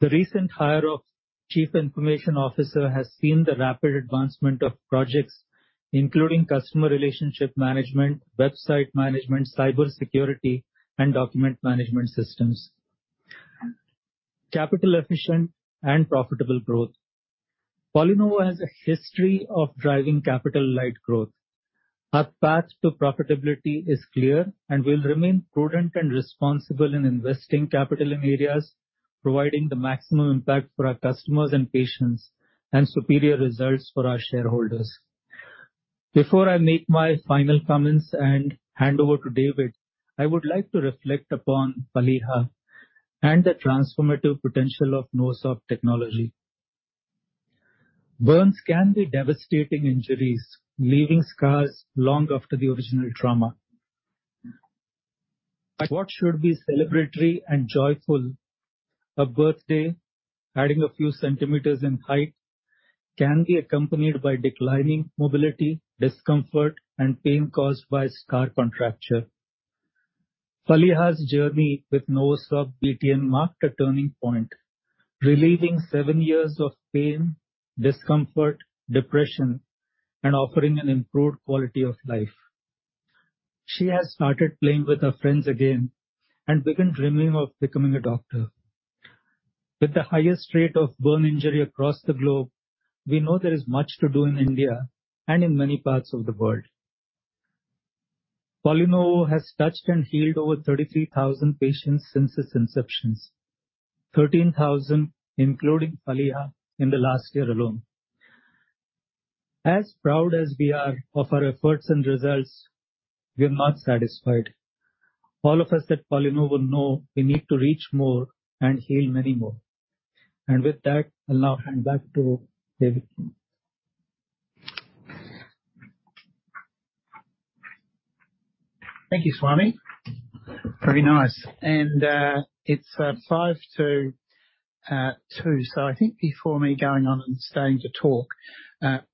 The recent hire of Chief Information Officer has seen the rapid advancement of projects, including customer relationship management, website management, cyber security, and document management systems. Capital efficient and profitable growth. PolyNovo has a history of driving capital-light growth. Our path to profitability is clear, and we'll remain prudent and responsible in investing capital in areas providing the maximum impact for our customers and patients, and superior results for our shareholders. Before I make my final comments and hand over to David, I would like to reflect upon Faliha and the transformative potential of NovoSorb technology. Burns can be devastating injuries, leaving scars long after the original trauma. What should be celebratory and joyful, a birthday, adding a few centimeters in height, can be accompanied by declining mobility, discomfort, and pain caused by scar contracture. Faliha's journey with NovoSorb BTM marked a turning point, relieving seven years of pain, discomfort, depression, and offering an improved quality of life. She has started playing with her friends again and began dreaming of becoming a doctor. With the highest rate of burn injury across the globe, we know there is much to do in India and in many parts of the world. PolyNovo has touched and healed over 33,000 patients since its inception. 13,000, including Faliha, in the last year alone. As proud as we are of our efforts and results, we're not satisfied. All of us at PolyNovo know we need to reach more and heal many more. With that, I'll now hand back to David. Thank you, Swami. Very nice. It's 1:55 P.M., so I think before me going on and starting to talk,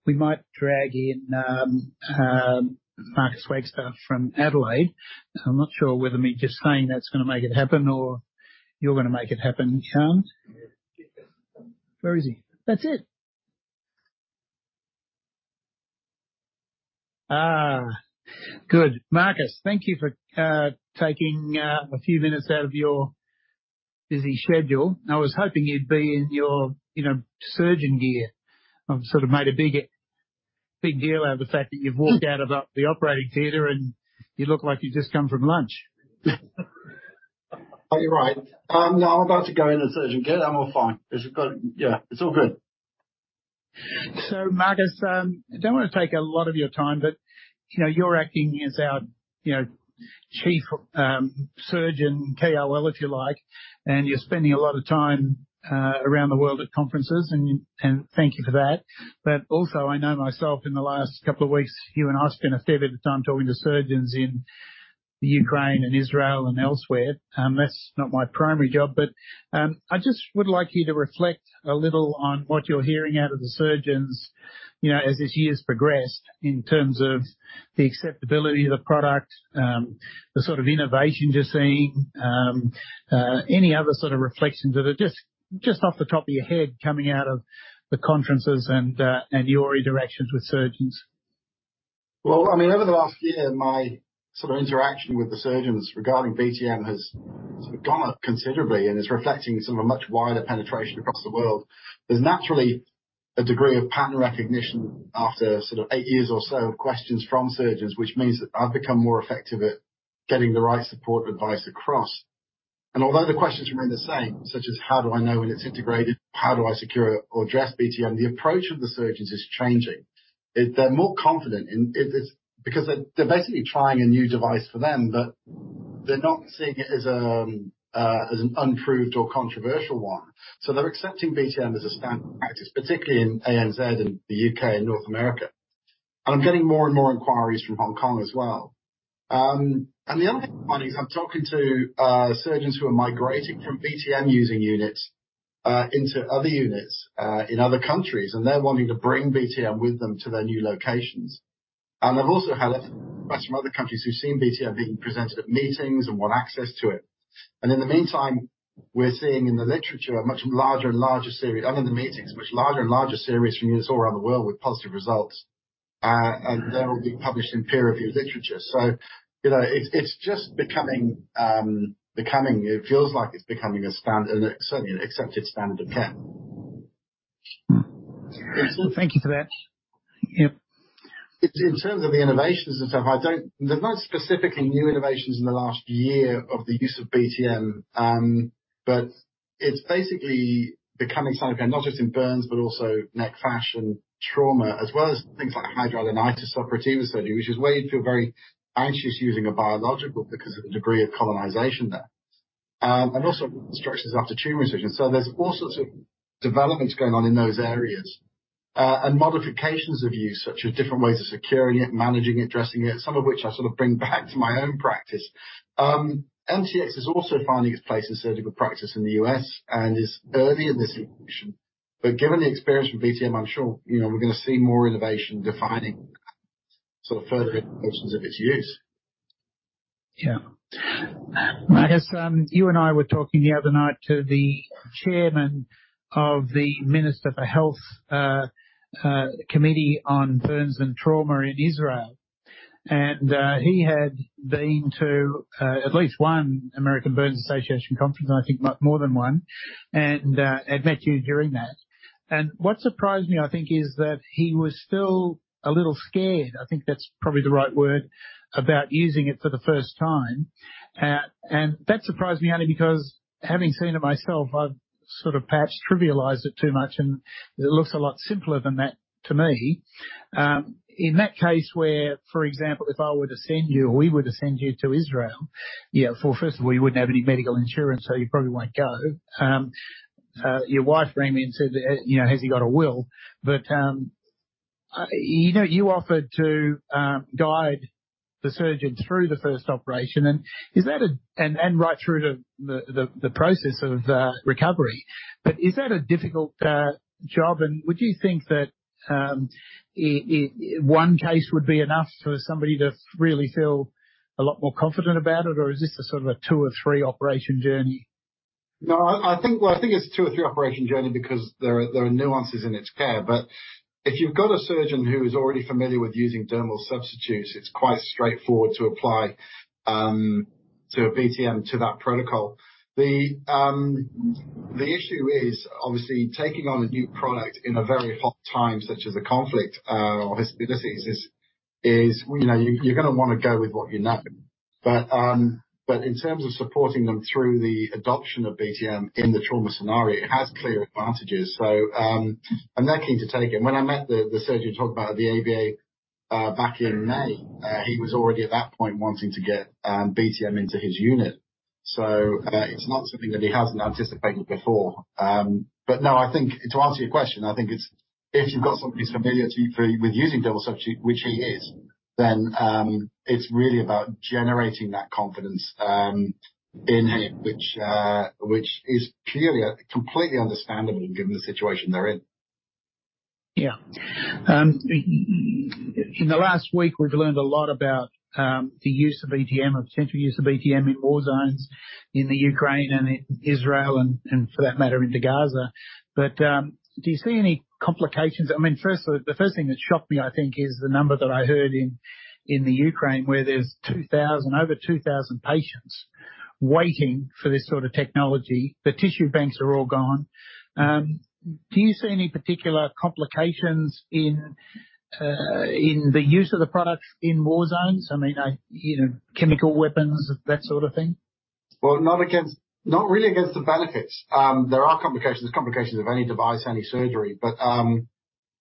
we might drag in Marcus Wagstaff from Adelaide. I'm not sure whether me just saying that's gonna make it happen or you're gonna make it happen, James. Where is he? That's it. Ah, good. Marcus, thank you for taking a few minutes out of your busy schedule. I was hoping you'd be in your, you know, surgeon gear. I've sort of made a big, big deal out of the fact that you've walked out of the operating theater, and you look like you've just come from lunch. Oh, you're right. No, I'm about to go in the surgeon gear, I'm all fine. It's got-- Yeah, it's all good. So, Marcus, I don't want to take a lot of your time, but, you know, you're acting as our, you know, Chief Surgeon, KOL, if you like, and you're spending a lot of time around the world at conferences, and thank you for that. But also, I know myself, in the last couple of weeks, you and I spent a fair bit of time talking to surgeons in the Ukraine and Israel and elsewhere. That's not my primary job, but I just would like you to reflect a little on what you're hearing out of the surgeons, you know, as this year's progressed, in terms of the acceptability of the product, the sort of innovation you're seeing, any other sort of reflections that are just, just off the top of your head coming out of the conferences and your interactions with surgeons. Well, I mean, over the last year, my sort of interaction with the surgeons regarding BTM has sort of gone up considerably and is reflecting sort of a much wider penetration across the world. There's naturally a degree of pattern recognition after sort of eight years or so of questions from surgeons, which means that I've become more effective at getting the right support advice across. And although the questions remain the same, such as: How do I know when it's integrated? How do I secure or address BTM? The approach of the surgeons is changing. They're more confident in it. It's because they're basically trying a new device for them, but they're not seeing it as an unproven or controversial one. So they're accepting BTM as a standard practice, particularly in ANZ and the U.K. and North America. And I'm getting more and more inquiries from Hong Kong as well. And the other thing, Swami, is I'm talking to surgeons who are migrating from BTM using units into other units in other countries, and they're wanting to bring BTM with them to their new locations. And I've also had a request from other countries who've seen BTM being presented at meetings and want access to it. And in the meantime, we're seeing in the literature a much larger and larger series, and in the meetings, much larger and larger series from units all around the world with positive results. And they're all being published in peer-reviewed literature. So, you know, it's, it's just becoming, becoming-- It feels like it's becoming a standard, and certainly an accepted standard of care. Excellent. Thank you for that. Yep. In terms of the innovations and stuff, there's not specifically new innovations in the last year of the use of BTM, but it's basically becoming standard care, not just in burns, but also necrotizing fasciitis, trauma, as well as things like hidradenitis suppurativa study, which is where you feel very anxious using a biological because of the degree of colonization there. And also reconstructions after tumor surgery. So there's all sorts of developments going on in those areas, and modifications of use, such as different ways of securing it, managing it, dressing it, some of which I sort of bring back to my own practice. MTX is also finding its place in surgical practice in the U.S. and is early in this evolution, but given the experience with BTM, I'm sure, you know, we're gonna see more innovation defining sort of further applications of its use. Yeah. Marcus, you and I were talking the other night to the Chairman of the Minister for Health Committee on Burns and Trauma in Israel, and he had been to at least one American Burns Association conference, and I think more than one, and had met you during that. And what surprised me, I think, is that he was still a little scared, I think that's probably the right word, about using it for the first time. And that surprised me only because, having seen it myself, I've sort of perhaps trivialized it too much, and it looks a lot simpler than that to me. In that case where, for example, if I were to send you, or we were to send you to Israel, well, first of all, you wouldn't have any medical insurance, so you probably won't go. Your wife rang me and said that, you know, "Has he got a will?" But, you know, you offered to guide the surgeon through the first operation. And is that a-- And right through to the process of recovery, but is that a difficult job, and would you think that one case would be enough for somebody to really feel a lot more confident about it, or is this a sort of a two or three operation journey? No, I think, well, I think it's a two or three operation journey because there are nuances in its care, but if you've got a surgeon who is already familiar with using dermal substitutes, it's quite straightforward to apply to a BTM to that protocol. The issue is, obviously, taking on a new product in a very hot time, such as a conflict, obviously, this is, you know, you're gonna want to go with what you know. But, but in terms of supporting them through the adoption of BTM in the trauma scenario, it has clear advantages, so, and they're keen to take it. When I met the surgeon you're talking about, the ABA, back in May, he was already at that point wanting to get BTM into his unit. So, it's not something that he hasn't anticipated before. But no, I think to answer your question, I think it's, if you've got somebody who's familiar to, with using dermal substitute, which he is, then, it's really about generating that confidence in him, which is clearly completely understandable given the situation they're in. Yeah. In the last week, we've learned a lot about the use of BTM or potential use of BTM in war zones, in the Ukraine and in Israel and, and for that matter, into Gaza. But, do you see any complications? I mean, firstly, the first thing that shocked me, I think, is the number that I heard in the Ukraine, where there's 2,000, over 2,000 patients waiting for this sort of technology. The tissue banks are all gone. Do you see any particular complications in the use of the products in war zones? I mean, you know, chemical weapons, that sort of thing. Well, not against, not really against the benefits. There are complications, complications of any device, any surgery, but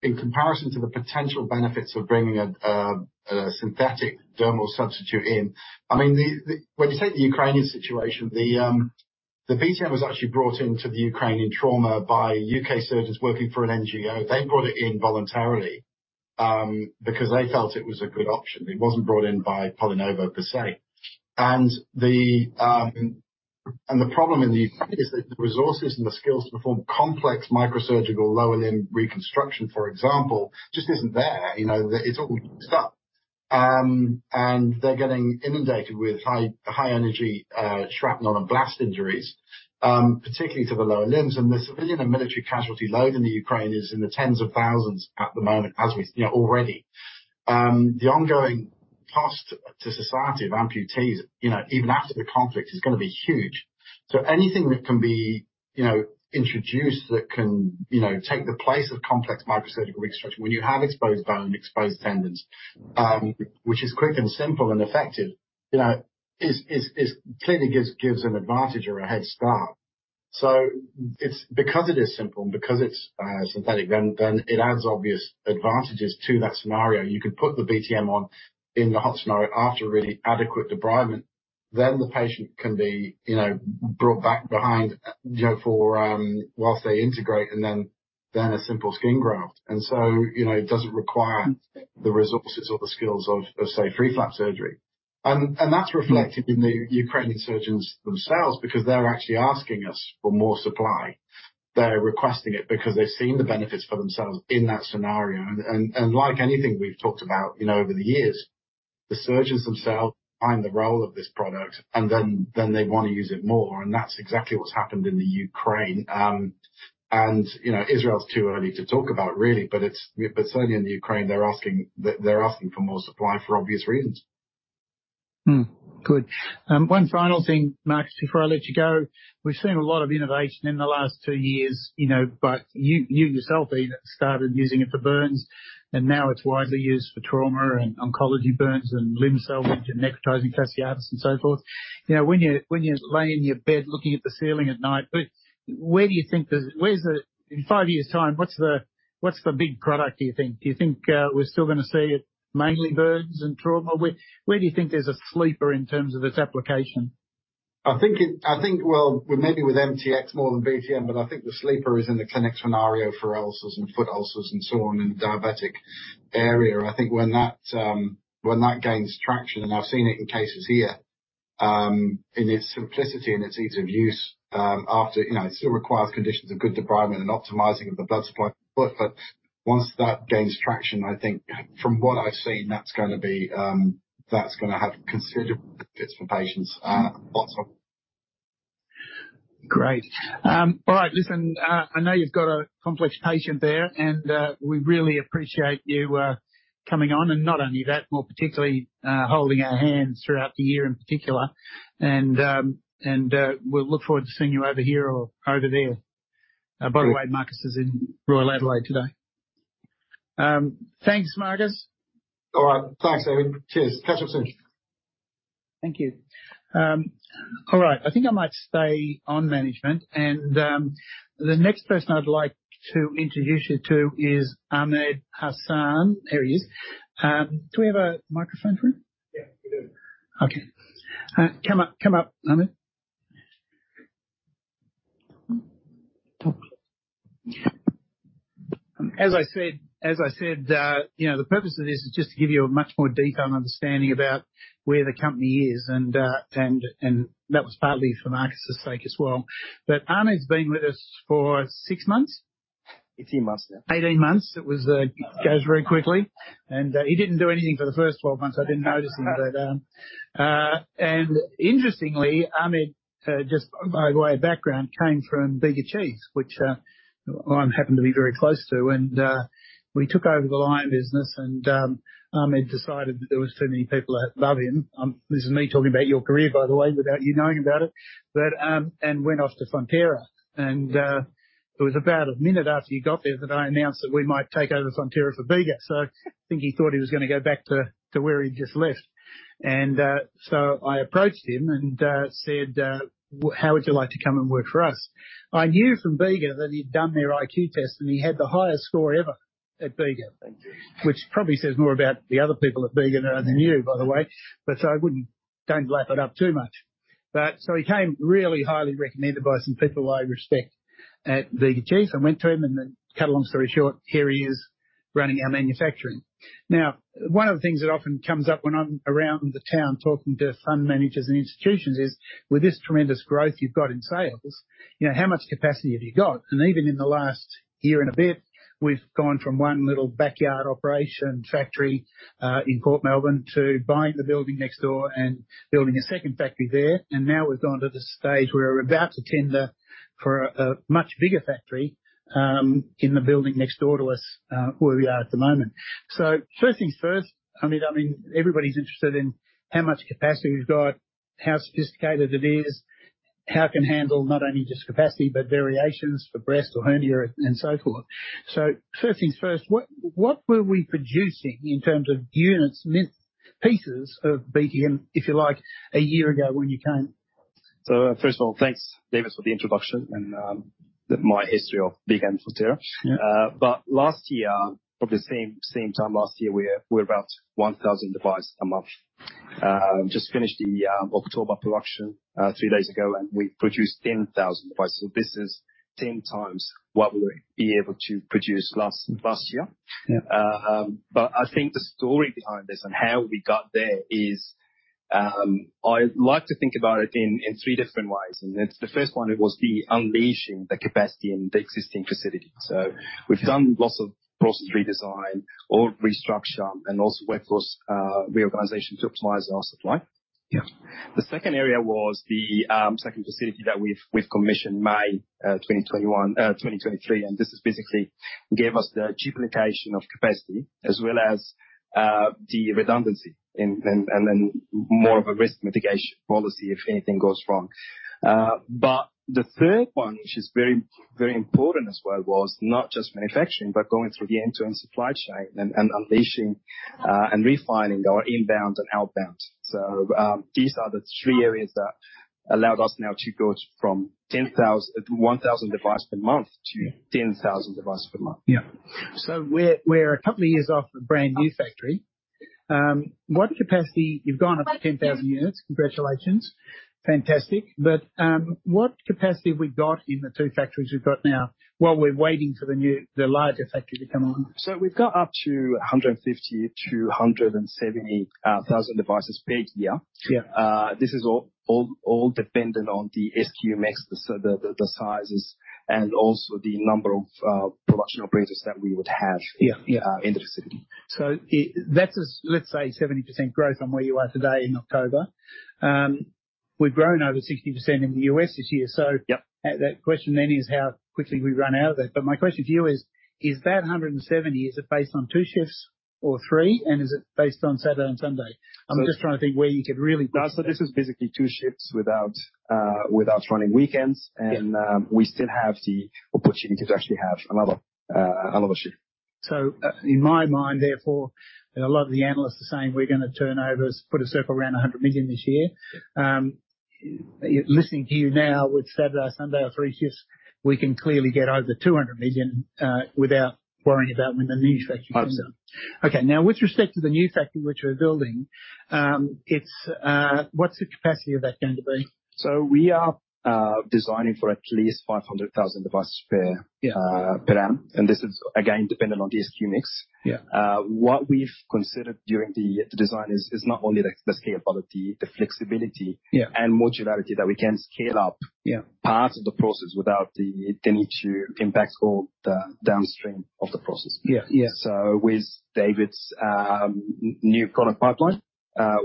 in comparison to the potential benefits of bringing a synthetic dermal substitute in. I mean, when you take the Ukrainian situation, the BTM was actually brought into the Ukrainian trauma by U.K. surgeons working for an NGO. They brought it in voluntarily because they felt it was a good option. It wasn't brought in by PolyNovo per se. And the problem in the Ukraine is that the resources and the skills to perform complex microsurgical lower limb reconstruction, for example, just isn't there. You know, it's all mixed up. And they're getting inundated with high-energy shrapnel and blast injuries, particularly to the lower limbs. The civilian and military casualty load in the Ukraine is in the tens of thousands at the moment, as we know already. The ongoing cost to society of amputees, you know, even after the conflict, is gonna be huge. Anything that can be, you know, introduced, that can, you know, take the place of complex microsurgical reconstruction, when you have exposed bone, exposed tendons, which is quick and simple and effective, you know, is clearly gives an advantage or a head start. It's because it is simple and because it's synthetic, then it adds obvious advantages to that scenario. You could put the BTM on in the hot scenario after a really adequate debridement, then the patient can be, you know, brought back behind, you know, for, whilst they integrate and then a simple skin graft. And so, you know, it doesn't require the resources or the skills of, say, free flap surgery. And that's reflected in the Ukrainian surgeons themselves, because they're actually asking us for more supply. They're requesting it because they've seen the benefits for themselves in that scenario. And like anything we've talked about, you know, over the years, the surgeons themselves find the role of this product, and then they want to use it more, and that's exactly what's happened in the Ukraine. And, you know, Israel's too early to talk about, really, but it's... But certainly in the Ukraine, they're asking for more supply for obvious reasons. Good. One final thing, Marcus, before I let you go. We've seen a lot of innovation in the last two years, you know, but you yourself even started using it for burns, and now it's widely used for trauma and oncology burns and limb salvage and necrotizing fasciitis and so forth. You know, when you lay in your bed looking at the ceiling at night, where do you think the-- where's the-- In five years' time, what's the big product, do you think? Do you think we're still gonna see it mainly burns and trauma? Where, where do you think there's a sleeper in terms of its application? I think, well, maybe with MTX more than BTM, but I think the sleeper is in the clinic scenario for ulcers and foot ulcers and so on, in the diabetic area. I think when that gains traction, and I've seen it in cases here, in its simplicity and its ease of use, after, you know, it still requires conditions of good debridement and optimizing of the blood supply. But once that gains traction, I think from what I've seen, that's gonna be, that's gonna have considerable benefits for patients, lots of them. Great. All right, listen, I know you've got a complex patient there, and we really appreciate you coming on, and not only that, more particularly, holding our hands throughout the year in particular. And, and we'll look forward to seeing you over here or over there. Great. By the way, Marcus is in Royal Adelaide today. Thanks, Marcus. All right. Thanks, David. Cheers. Catch you soon. Thank you. All right. I think I might stay on management, and the next person I'd like to introduce you to is Ahmed Hassan. There he is. Do we have a microphone for him? Yeah, we do. Okay. Come up, come up, Ahmed. As I said, as I said, you know, the purpose of this is just to give you a much more detailed understanding about where the company is, and that was partly for Marcus's sake as well. But Ahmed's been with us for six months? 18 months, yeah. 18 months. It was, goes very quickly, and, he didn't do anything for the first 12 months. I didn't notice him, but, And interestingly, Ahmed, just by way of background, came from Bega Cheese, which, I happen to be very close to, and, we took over the Lion business, and, Ahmed decided that there were too many people that love him. This is me talking about your career, by the way, without you knowing about it. But, and went off to Fonterra, and, it was about a minute after he got there that I announced that we might take over Fonterra for Bega. So I think he thought he was gonna go back to where he'd just left. So I approached him and said, "How would you like to come and work for us?" I knew from Bega that he'd done their IQ test, and he had the highest score ever at Bega. Thank you. Which probably says more about the other people at Bega than you, by the way, but so don't lap it up too much. But, so he came really highly recommended by some people I respect at Bega Cheese. I went to him, and then cut a long story short, here he is running our manufacturing. Now, one of the things that often comes up when I'm around the town talking to fund managers and institutions is, with this tremendous growth you've got in sales, you know, how much capacity have you got? And even in the last year and a bit, we've gone from one little backyard operation factory in Port Melbourne to buying the building next door and building a second factory there. And now we've gone to the stage where we're about to tender for a much bigger factory, in the building next door to us, where we are at the moment. So first things first, I mean, everybody's interested in how much capacity we've got, how sophisticated it is, how it can handle not only just capacity, but variations for breast or hernia and so forth. So first things first, what were we producing in terms of units, square meter pieces of BTM, if you like, a year ago when you came? So first of all, thanks, David, for the introduction and my history of Bega and Fonterra. But last year, probably the same time last year, we were about 1,000 devices a month. Just finished the October production three days ago, and we produced 10,000 devices. So this is 10x what we were able to produce last year. But I think the story behind this and how we got there is. I like to think about it in three different ways, and it's the first one was the unleashing the capacity in the existing facility. So we've done lots of process redesign or restructure, and also workforce reorganization to optimize our supply. The second area was the second facility that we've commissioned May 2023, and this has basically gave us the duplication of capacity as well as the redundancy and then more of a risk mitigation policy if anything goes wrong. But the third one, which is very, very important as well, was not just manufacturing, but going through the end-to-end supply chain and unleashing and refining our inbounds and outbounds. So, these are the three areas that allowed us now to go from 1,000 devices per month to 10,000 devices per month. Yeah. So we're a couple of years off the brand new factory. What capacity--You've gone up to 10,000 units. Congratulations. Fantastic. But, what capacity have we got in the two factories we've got now while we're waiting for the new, the larger factory to come on? So we've got up to 150,000-270,000 devices per year. This is all dependent o the SKU mix, so the sizes and also the number of production operators that we would have in the facility. So, that is, let's say, 70% growth from where you are today in October. We've grown over 60% in the U.S. this year, so that question then is how quickly we run out of it. But my question to you is: Is that 170, is it based on two shifts or two, and is it based on Saturday and Sunday? I'm just trying to think where you could really push that. So this is basically two shifts without, without running weekends. We still have the opportunity to actually have another shift. So, in my mind, therefore, and a lot of the analysts are saying we're gonna turn over, put a circle around 100 million this year. Listening to you now, with Saturday, Sunday, or three shifts, we can clearly get over 200 million, without worrying about when the new factory comes up. Absolutely. Okay, now, with respect to the new factory which we're building, it's, what's the capacity of that going to be? We are designing for at least 500,000 devices per annum, and this is again dependent on the SKU mix. What we've considered during the design is not only the scalability, the flexibility and modularity, that we can scale up part of the process without the... the need to impact all the downstream of the process. So with David's new product pipeline,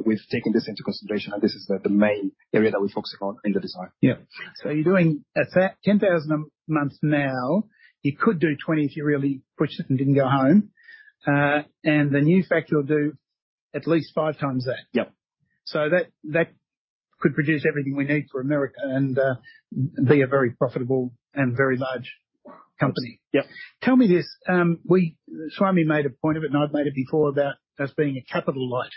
we've taken this into consideration, and this is the main area that we're focusing on in the design. Yeah. So you're doing at that 10,000 a month now, you could do 20 if you really pushed it and didn't go home. And the new factory will do at least 5x that. Yep. So that, that could produce everything we need for America and, and be a very profitable and very large company. Yep. Tell me this, Swami made a point of it, and I've made it before, about us being a capital light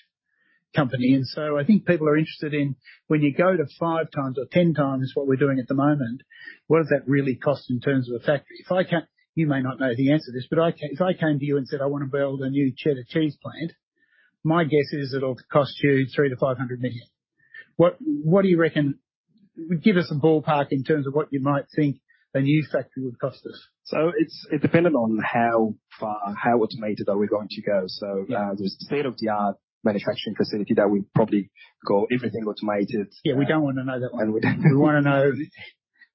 company, and so I think people are interested in when you go to 5x or 10x what we're doing at the moment, what does that really cost in terms of a factory? If I come-- You may not know the answer to this, but if I came to you and said, "I want to build a new cheddar cheese plant," my guess is it'll cost you 300 million-500 million. What, what do you reckon? Give us a ballpark in terms of what you might think a new factory would cost us. It's dependent on how far, how automated we are going to go. So, the state-of-the-art manufacturing facility that we probably got everything automated. Yeah, we don't want to know that one. And we don't. We want to know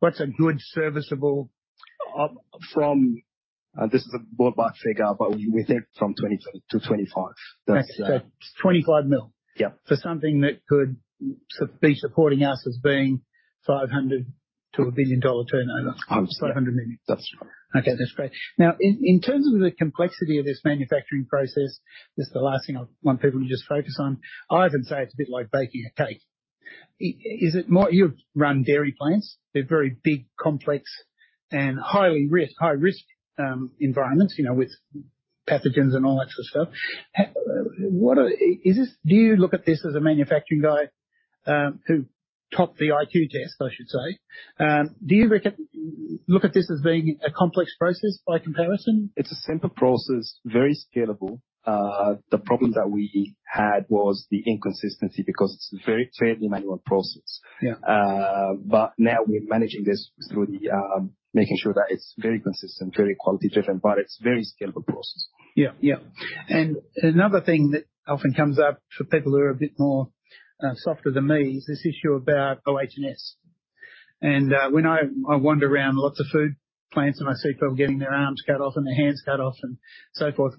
what's a good serviceable? From this is a ballpark figure, but we think from 20 million-25 million. That 25 million? For something that could be supporting us as being a 500 million-1 billion dollar turnover. Absolutely. 500 million. That's correct. Okay, that's great. Now, in terms of the complexity of this manufacturing process, this is the last thing I want people to just focus on. I often say it's a bit like baking a cake. Is it more you've run dairy plants. They're very big, complex, and high-risk environments, you know, with pathogens and all that sort of stuff. What are-- Is this-- Do you look at this as a manufacturing guy who topped the IQ test, I should say. Do you reckon, look at this as being a complex process by comparison? It's a simple process, very scalable. The problem that we had was the inconsistency, because it's a very fairly manual process. But now we're managing this through the making sure that it's very consistent, very quality driven, but it's a very scalable process. Yeah. Yeah. And another thing that often comes up for people who are a bit more softer than me is this issue about OH&S. And when I wander around lots of food plants, and I see people getting their arms cut off and their hands cut off and so forth.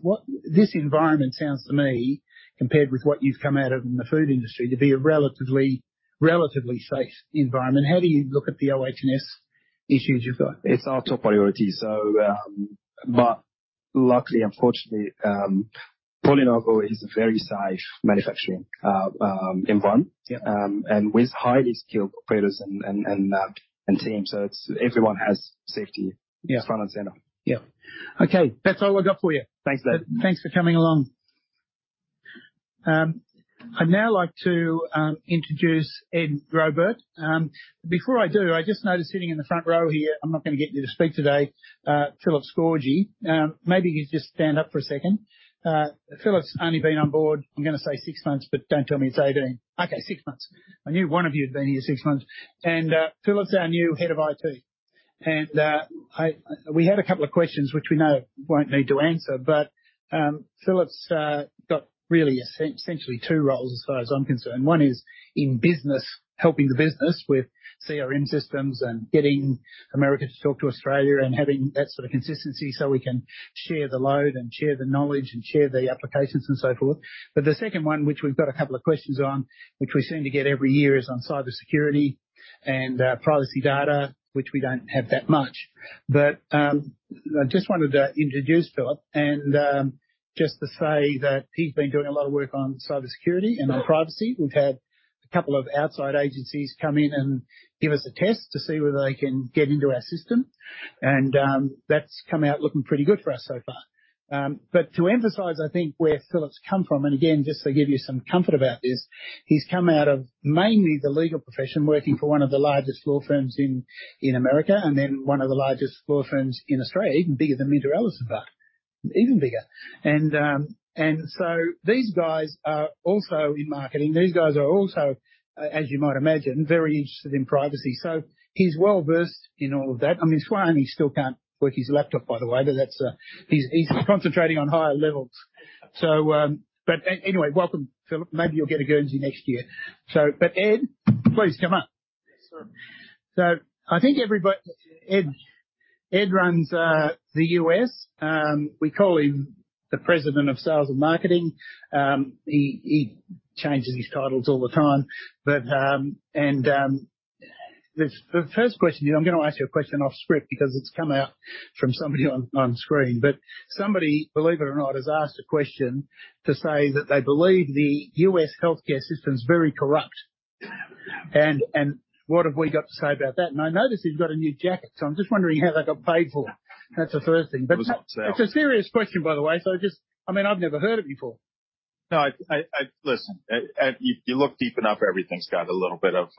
This environment sounds to me, compared with what you've come out of in the food industry, to be a relatively, relatively safe environment. How do you look at the OH&S issues you've got? It's our top priority, so, but luckily, unfortunately, PolyNovo is a very safe manufacturing environment and with highly skilled operators and team. So it's everyone has safety front and center. Yeah. Okay, that's all I got for you. Thanks, David. Thanks for coming along. I'd now like to introduce Ed Graubart. Before I do, I just noticed sitting in the front row here, I'm not going to get you to speak today, Philip Scorgie. Maybe you just stand up for a second. Philip's only been on Board, I'm gonna say six months, but don't tell me it's eighteen. Okay, six months. I knew one of you had been here six months, and Philip's our new head of IT, and I-- We had a couple of questions which we know won't need to answer, but Philip's got really essentially two roles as far as I'm concerned. One is in business, helping the business with CRM systems and getting America to talk to Australia and having that sort of consistency so we can share the load and share the knowledge and share the applications and so forth. But the second one, which we've got a couple of questions on, which we seem to get every year, is on cybersecurity and privacy data, which we don't have that much. But I just wanted to introduce Philip and just to say that he's been doing a lot of work on cybersecurity and on privacy. We've had a couple of outside agencies come in and give us a test to see whether they can get into our system, and that's come out looking pretty good for us so far. But to emphasize, I think, where Philip's come from, and again, just to give you some comfort about this, he's come out of mainly the legal profession, working for one of the largest law firms in America, and then one of the largest law firms in Australia, even bigger than MinterEllison, but even bigger. And so these guys are also in marketing. These guys are also, as you might imagine, very interested in privacy. So he's well-versed in all of that. I mean, Swami still can't work his laptop, by the way, but that's, he's concentrating on higher levels. So, anyway, welcome, Philip. Maybe you'll get into next year. But Ed, please come up. Yes, sir. So I think everybody-- Ed runs the U.S. We call him the President of Sales and Marketing. He changes his titles all the time, but the first question, I'm gonna ask you a question off script because it's come out from somebody on screen, but somebody, believe it or not, has asked a question to say that they believe the U.S. healthcare system is very corrupt. And what have we got to say about that? And I notice you've got a new jacket, so I'm just wondering how that got paid for. That's the first thing. It was on sale. But it's a serious question, by the way, so just... I mean, I've never heard it before. No, listen, if you look deep enough, everything's got a little bit of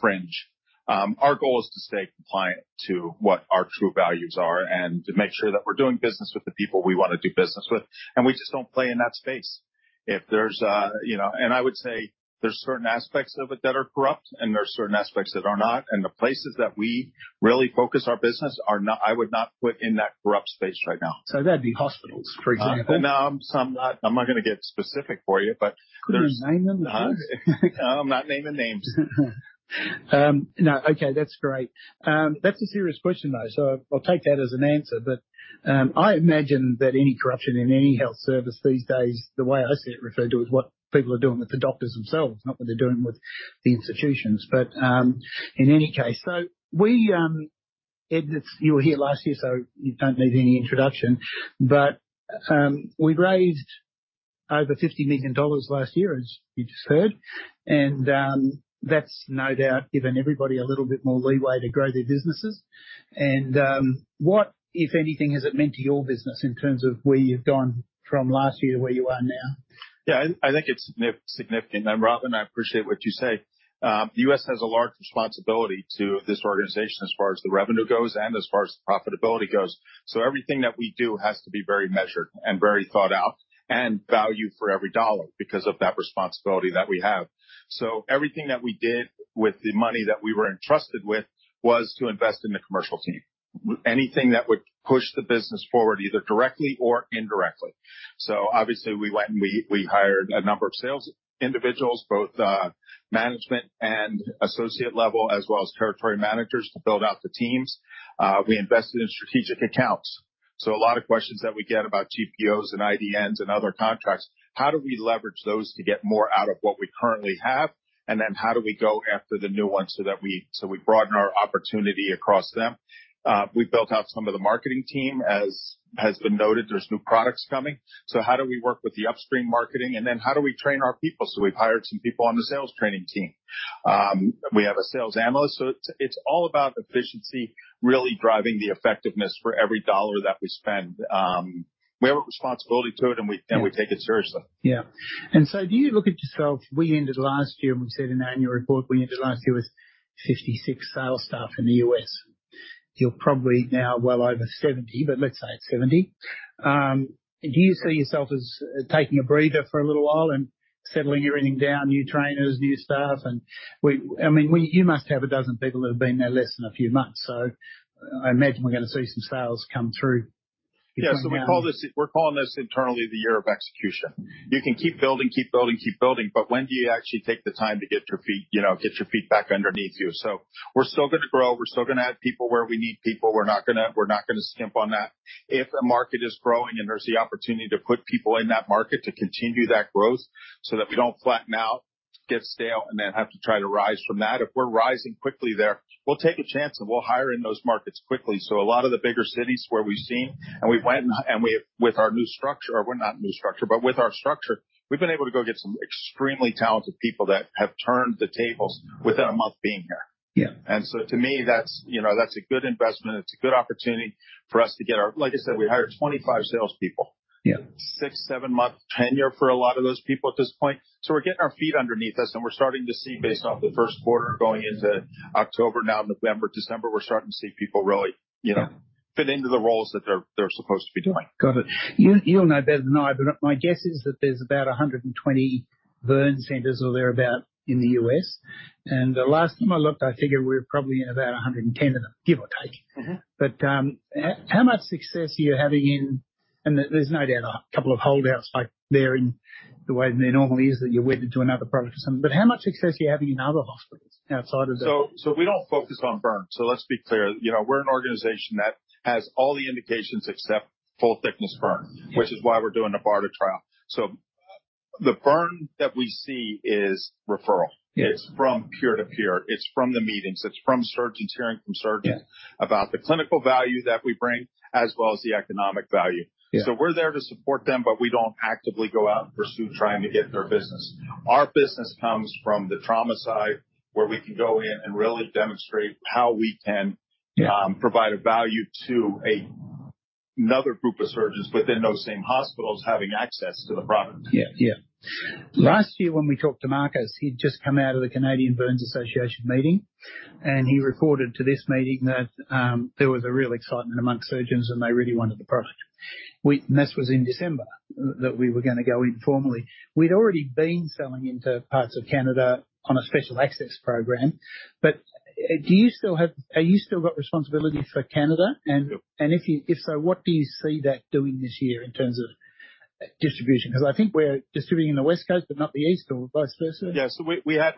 fringe. Our goal is to stay compliant to what our true values are and to make sure that we're doing business with the people we want to do business with, and we just don't play in that space. If there's, you know, and I would say there's certain aspects of it that are corrupt, and there are certain aspects that are not, and the places that we really focus our business are not. I would not put in that corrupt space right now. That'd be hospitals, for example? No, I'm not gonna get specific for you, but- Could you name them for us? No, I'm not naming names. No. Okay, that's great. That's a serious question, though, so I'll take that as an answer. But, I imagine that any corruption in any health service these days, the way I see it referred to, is what people are doing with the doctors themselves, not what they're doing with the institutions. But, in any case-- So we, Ed, you were here last year, so you don't need any introduction, but, we raised over 50 million dollars last year, as you just heard, and, that's no doubt given everybody a little bit more leeway to grow their businesses. And, what, if anything, has it meant to your business in terms of where you've gone from last year to where you are now? Yeah, I think it's significant. And, Robyn, I appreciate what you say. U.S. has a large responsibility to this organization as far as the revenue goes and as far as profitability goes. So everything that we do has to be very measured and very thought out and value for every dollar because of that responsibility that we have. So everything that we did with the money that we were entrusted with was to invest in the commercial team. Anything that would push the business forward, either directly or indirectly. So obviously, we went and we hired a number of sales individuals, both management and associate level, as well as territory managers to build out the teams. We invested in strategic accounts, so a lot of questions that we get about GPOs and IDNs and other contracts, how do we leverage those to get more out of what we currently have? And then, how do we go after the new ones so that we broaden our opportunity across them? We've built out some of the marketing team. As has been noted, there's new products coming, so how do we work with the upstream marketing? And then, how do we train our people? So we've hired some people on the sales training team. We have a sales analyst, so it's all about efficiency, really driving the effectiveness for every dollar that we spend. We have a responsibility to it, and we take it seriously. Yeah. So do you look at yourself... We ended last year, and we said in our annual report, we ended last year with 56 sales staff in the U.S. You're probably now well over 70, but let's say it's 70. Do you see yourself as taking a breather for a little while and settling everything down, new trainers, new staff, and we, I mean, we, you must have 12 people that have been there less than a few months, so I imagine we're gonna see some sales come through. Yeah. So we call this, we're calling this internally, the year of execution. You can keep building, keep building, keep building, but when do you actually take the time to get your feet, you know, get your feet back underneath you? So we're still gonna grow. We're still gonna add people where we need people. We're not gonna, we're not gonna skimp on that. If a market is growing, and there's the opportunity to put people in that market to continue that growth so that we don't flatten out, get stale, and then have to try to rise from that. If we're rising quickly there, we'll take a chance, and we'll hire in those markets quickly. So a lot of the bigger cities where we've seen and we went with our new structure, or well, not new structure, but with our structure, we've been able to go get some extremely talented people that have turned the tables within a month of being here. So to me, that's, you know, that's a good investment. It's a good opportunity for us to get our-- Like I said, we hired 25 salespeople. Six-, seven-month tenure for a lot of those people at this point. So we're getting our feet underneath us, and we're starting to see based off the first quarter, going into October, now November, December, we're starting to see people really, you know, fit into the roles that they're supposed to be doing. Got it. You, you'll know better than I, but my guess is that there's about 120 burn centers or thereabout in the U.S., and the last time I looked, I figured we're probably at about 110 of them, give or take. But, how much success are you having in-- And there's no doubt a couple of holdouts like there in the way there normally is, that you're wedded to another product or something. But how much success are you having in other hospitals outside of that? So, we don't focus on burns. So let's be clear. You know, we're an organization that has all the indications except full-thickness burns which is why we're doing the BARDA trial. So the burn that we see is referral. It's from peer to peer. It's from the meetings. It's from surgeons hearing from surgeons about the clinical value that we bring, as well as the economic value. We're there to support them, but we don't actively go out and pursue trying to get their business. Our business comes from the trauma side, where we can go in and really demonstrate how we can provide a value to another group of surgeons within those same hospitals having access to the product. Yeah. Last year, when we talked to Marcus, he'd just come out of the Canadian Burns Association meeting, and he reported to this meeting that there was a real excitement among surgeons, and they really wanted the product. And this was in December, that we were gonna go in formally. We'd already been selling into parts of Canada on a special access program, but have you still got responsibility for Canada? Yep. If so, what do you see that doing this year in terms of distribution? Because I think we're distributing in the West Coast, but not the East, or vice versa. Yeah. So we had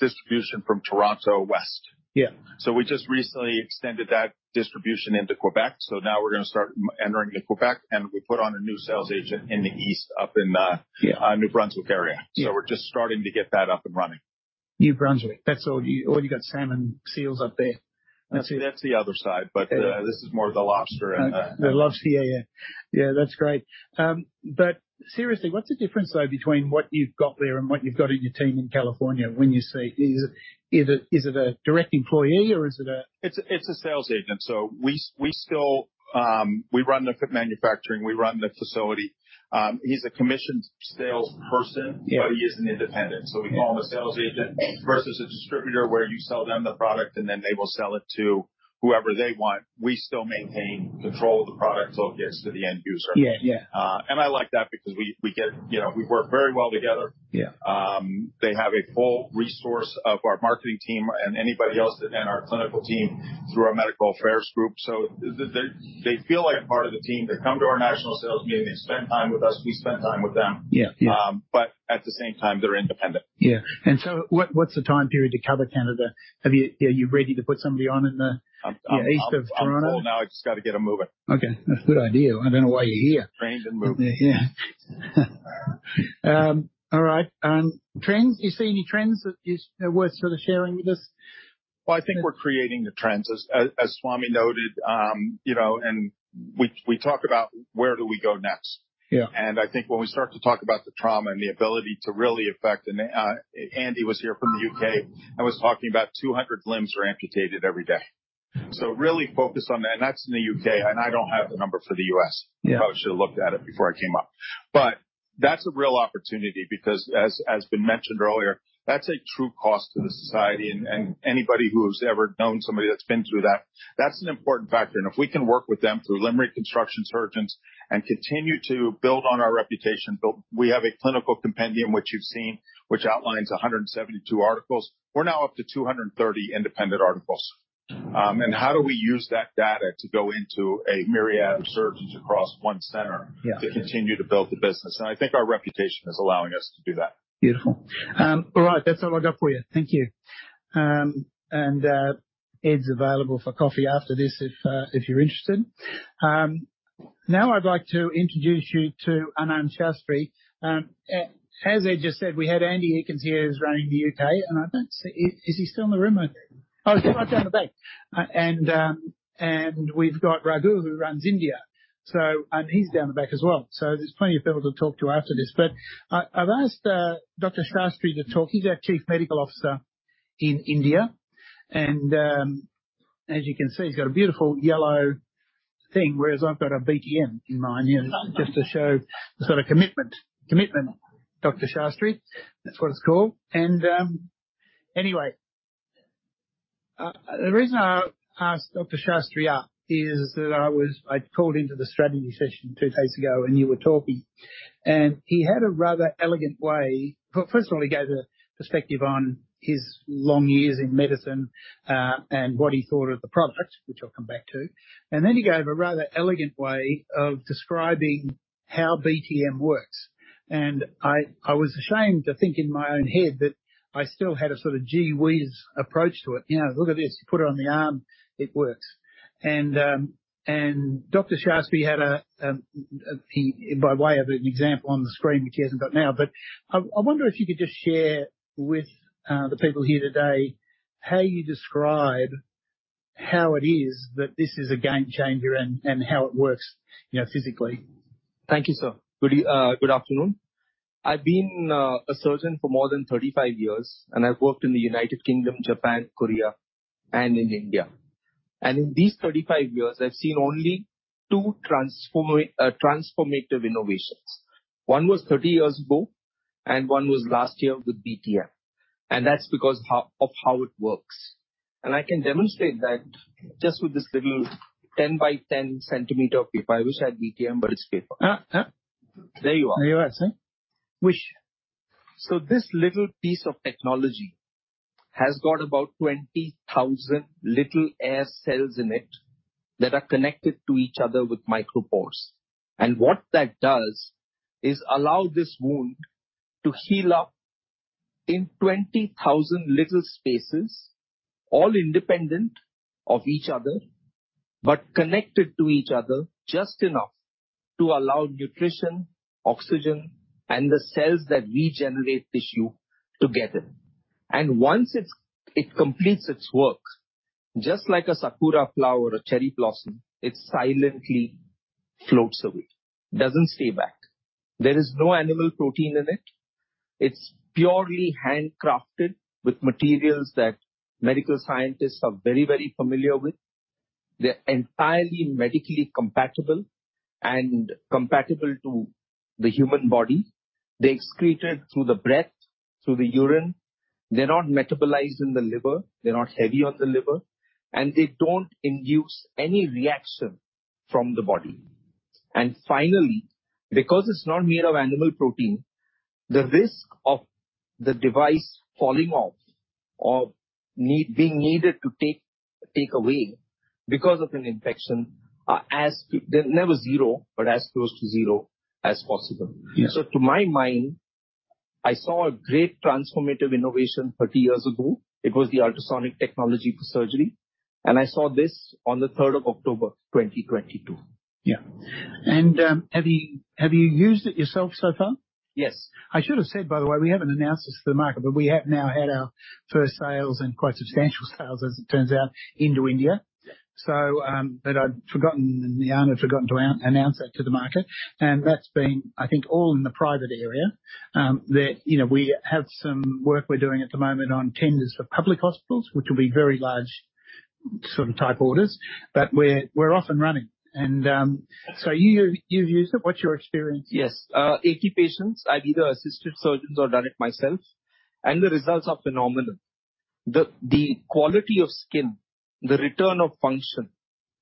distribution from Toronto West. So we just recently extended that distribution into Quebec, so now we're gonna start entering into Quebec, and we put on a new sales agent in the east, up in the New Brunswick area. We're just starting to get that up and running. New Brunswick. That's all, all you got salmon and seals up there? That's, that's the other side, but, this is more of the lobster area. The lobster, yeah, yeah. Yeah, that's great. But seriously, what's the difference, though, between what you've got there and what you've got in your team in California when you say, is it, is it, is it a direct employee or is it a— It's a sales agent, so we still run the manufacturing, we run the facility. He's a commissioned salesperson but he is an independent, so we call him a sales agent versus a distributor, where you sell them the product, and then they will sell it to whoever they want. We still maintain control of the product till it gets to the end user. I like that because we, we get--You know, we work very well together. They have a full resource of our marketing team and anybody else, and our clinical team through our medical affairs group. So they feel like part of the team. They come to our national sales meeting, they spend time with us, we spend time with them. But at the same time, they're independent. Yeah. And so what, what's the time period to cover Canada? Have you-- Are you ready to put somebody on in the east of Toronto? I'm full now. I just got to get them moving. Okay, that's a good idea. I don't know why you're here. Trained and moving. Yeah. All right. Trends, do you see any trends that is worth sort of sharing with us? Well, I think we're creating the trends, as Swami noted, you know, and we talk about where do we go next? I think when we start to talk about the trauma and the ability to really affect and Andy was here from the U.K. and was talking about 200 limbs are amputated every day. So really focus on that. And that's in the U.K., and I don't have the number for the U.S. I probably should have looked at it before I came up. But that's a real opportunity because as has been mentioned earlier, that's a true cost to the society. And anybody who's ever known somebody that's been through that, that's an important factor. And if we can work with them through limb reconstruction surgeons and continue to build on our reputation. But we have a clinical compendium, which you've seen, which outlines 172 articles. We're now up to 230 independent articles. And how do we use that data to go into a myriad of surgeons across one center to continue to build the business? I think our reputation is allowing us to do that. Beautiful. All right. That's all I got for you. Thank you. Ed's available for coffee after this if you're interested. Now I'd like to introduce you to Anand Shastri. As Ed just said, we had Andy Eakins here, who's running the U.K., and I don't see-- Is he still in the room? Oh, he's right down the back. And we've got Raghu, who runs India, so he's down the back as well. So there's plenty of people to talk to after this. But I've asked Dr. Shastri to talk. He's our Chief Medical Officer in India, and as you can see, he's got a beautiful yellow thing, whereas I've got a BTM in mine here. Just to show sort of commitment, Dr. Shastri. That's what it's called. And, anyway, the reason I asked Dr. Shastri up is that I was... I'd called into the strategy session two days ago, and you were talking, and he had a rather elegant way... Well, first of all, he gave a perspective on his long years in medicine, and what he thought of the product, which I'll come back to. And then he gave a rather elegant way of describing how BTM works. And I was ashamed to think in my own head that I still had a sort of gee whiz approach to it. You know, "Look at this. You put it on the arm, it works." And, and Dr. Shastri had a, he... By way of an example on the screen, which he hasn't got now, but I wonder if you could just share with the people here today how you describe how it is that this is a game changer and how it works, you know, physically? Thank you, sir. Good afternoon. I've been a surgeon for more than 35 years, and I've worked in the United Kingdom, Japan, Korea, and in India. And in these 35 years, I've seen only two transformative innovations. One was 30 years ago, and one was last year with BTM. And that's because of how it works. And I can demonstrate that just with this little 10 x 10 cm of paper. I wish I had BTM, but it's paper. There you are. There you are, sir. So this little piece of technology has got about 20,000 little air cells in it that are connected to each other with micropores. And what that does is allow this wound to heal up in 20,000 little spaces, all independent of each other, but connected to each other just enough to allow nutrition, oxygen, and the cells that regenerate tissue together. And once it's, it completes its work, just like a sakura flower or cherry blossom, it silently floats away. Doesn't stay back. There is no animal protein in it. It's purely handcrafted with materials that medical scientists are very, very familiar with. They're entirely medically compatible and compatible to the human body. They're excreted through the breath, through the urine. They're not metabolized in the liver, they're not heavy on the liver, and they don't induce any reaction from the body. Finally, because it's not made of animal protein, the risk of the device falling off or needing to be taken away because of an infection. They're never zero, but as close to zero as possible. To my mind, I saw a great transformative innovation 30 years ago. It was the ultrasonic technology for surgery, and I saw this on the 3rd of October, 2022. Yeah. And, have you used it yourself so far? Yes. I should have said, by the way, we haven't announced this to the market, but we have now had our first sales, and quite substantial sales, as it turns out, into India. So, but I'd forgotten, and Jan had forgotten to announce that to the market, and that's been, I think, all in the private area. That, you know, we have some work we're doing at the moment on tenders for public hospitals, which will be very large sort of type orders. But we're off and running. So you, you've used it. What's your experience? Yes. 80 patients. I've either assisted surgeons or done it myself, and the results are phenomenal. The quality of skin, the return of function,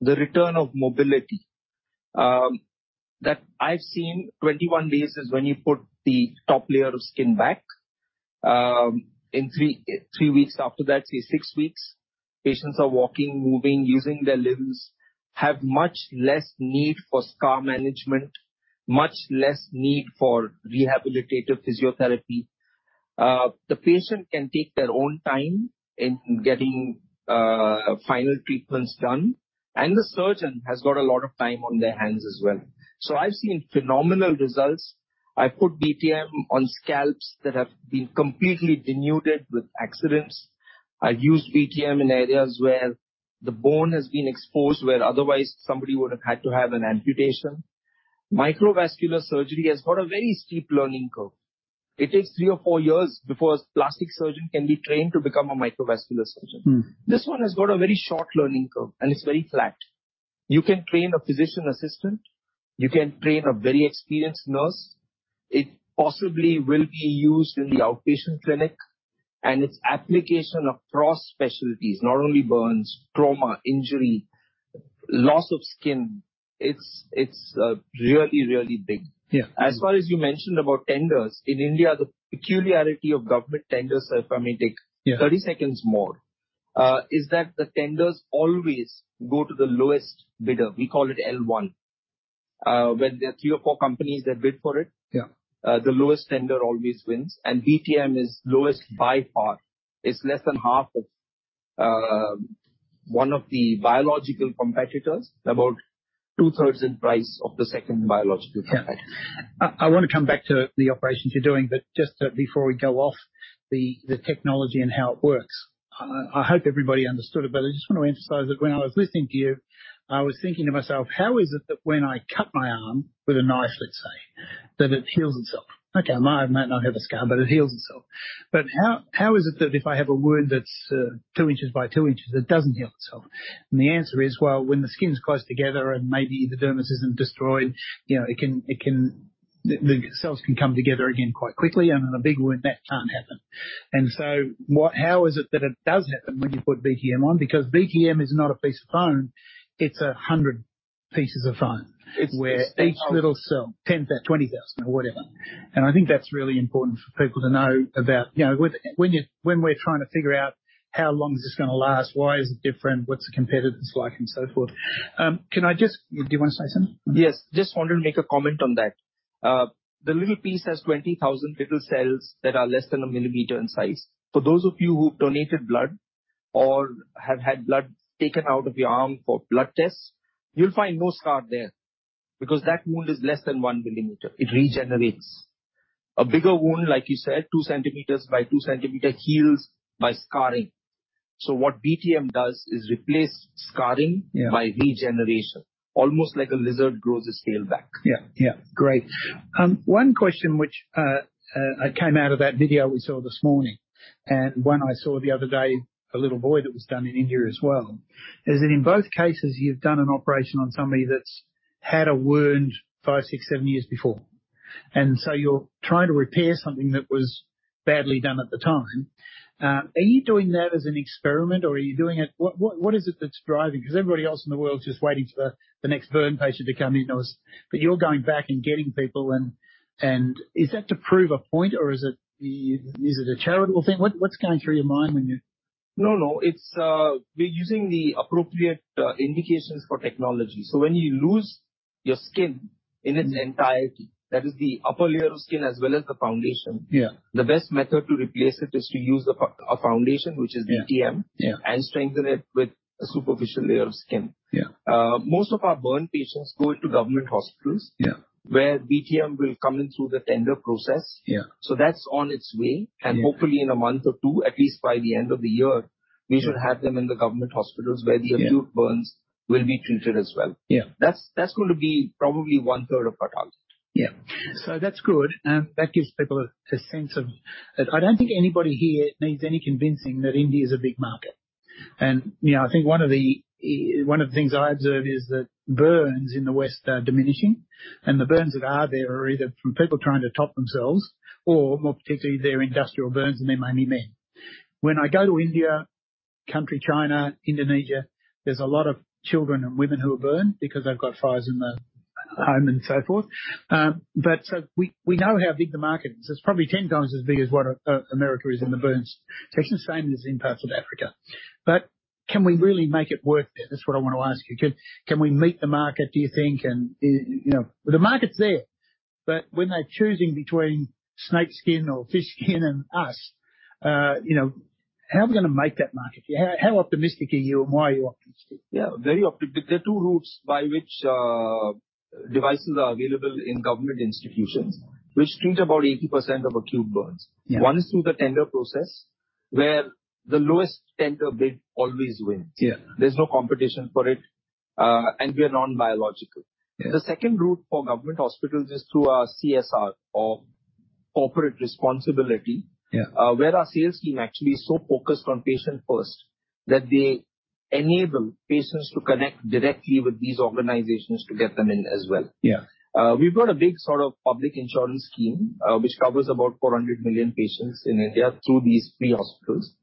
the return of mobility, that I've seen, 21 days is when you put the top layer of skin back. In three weeks after that, say, six weeks, patients are walking, moving, using their limbs, have much less need for scar management, much less need for rehabilitative physiotherapy. The patient can take their own time in getting final treatments done, and the surgeon has got a lot of time on their hands as well. So I've seen phenomenal results. I've put BTM on scalps that have been completely denuded with accidents. I've used BTM in areas where the bone has been exposed, where otherwise somebody would have had to have an amputation. Microvascular surgery has got a very steep learning curve. It takes three or four years before a plastic surgeon can be trained to become a microvascular surgeon. This one has got a very short learning curve, and it's very flat. You can train a physician assistant. You can train a very experienced nurse. It possibly will be used in the outpatient clinic, and its application across specialties, not only burns, trauma, injury, loss of skin. It's really, really big. As far as you mentioned about tenders, in India, the peculiarity of government tenders, if I may take 30 seconds more, is that the tenders always go to the lowest bidder. We call it L1. When there are three or four companies that bid for it, the lowest tender always wins, and BTM is lowest by far. It's less than half of one of the biological competitors, about two thirds in price of the second biological competitor. Yeah. I, I want to come back to the operations you're doing, but just, before we go off the, the technology and how it works, I, I hope everybody understood it, but I just want to emphasize that when I was listening to you, I was thinking to myself: How is it that when I cut my arm with a knife, let's say, that it heals itself? Okay, I might, might not have a scar, but it heals itself. But how, how is it that if I have a wound that's, 2 in x 2 in, it doesn't heal itself? And the answer is: Well, when the skin's close together and maybe the epidermis isn't destroyed, you know, it can, it can--The, the cells can come together again quite quickly, and on a big wound, that can't happen. How is it that it does happen when you put BTM on? Because BTM is not a piece of foam, it's 100 pieces of foam where each little cell, 10,000-20,000, or whatever. And I think that's really important for people to know about. You know, when we're trying to figure out how long is this gonna last, why is it different, what's the competitors like, and so forth. Can I just—Do you want to say something? Yes. Just wanted to make a comment on that. The little piece has 20,000 little cells that are less than a millimeter in size. For those of you who've donated blood or have had blood taken out of your arm for blood tests, you'll find no scar there, because that wound is less than 1 mm. It regenerates. A bigger wound, like you said, 2 cm x 2 cm, heals by scarring. So what BTM does is replace scarring by regeneration, almost like a lizard grows its tail back. Yeah, yeah. Great. One question which came out of that video we saw this morning, and one I saw the other day, a little boy that was done in India as well, is that in both cases, you've done an operation on somebody that's had a wound five, six, seven years before. And so you're trying to repair something that was badly done at the time. Are you doing that as an experiment, or are you doing it-- What, what, what is it that's driving? Because everybody else in the world is just waiting for the next burn patient to come in on us, but you're going back and getting people and, and is that to prove a point, or is it, is it a charitable thing? What, what's going through your mind when you—? No, no, it's. We're using the appropriate indications for technology. So when you lose your skin in its entirety, that is the upper layer of skin as well as the foundation. The best method to replace it is to use a foundation, which is BTM. Strengthen it with a superficial layer of skin. Most of our burn patients go to government hospitals where BTM will come in through the tender process. So that's on its way, and hopefully in a month or two, at least by the end of the year, we should have them in the government hospitals, where the acute burns will be treated as well. That's going to be probably one third of our target. Yeah. So that's good, and that gives people a sense of-- I don't think anybody here needs any convincing that India is a big market. And, you know, I think one of the things I observe is that burns in the West are diminishing, and the burns that are there are either from people trying to top themselves or more particularly, they're industrial burns, and they're mainly men. When I go to India, China, Indonesia, there's a lot of children and women who are burned because they've got fires in the home and so forth. But so we know how big the market is. It's probably 10x as big as what America is in the burns. It's the same as in parts of Africa. But can we really make it work there? That's what I want to ask you. Can we meet the market, do you think? And, you know, the market's there, but when they're choosing between snake skin or fish skin and us, you know, how are we gonna make that market? How optimistic are you, and why are you optimistic? Yeah, very optimistic. There are two routes by which devices are available in government institutions, which treat about 80% of acute burns. One is through the tender process, where the lowest tender bid always wins. There's no competition for it, and we are non-biological. The second route for government hospitals is through our CSR or corporate responsibility, where our sales team actually is so focused on patient first, that they enable patients to connect directly with these organizations to get them in as well. We've got a big sort of public insurance scheme, which covers about 400 million patients in India through these three hospitals.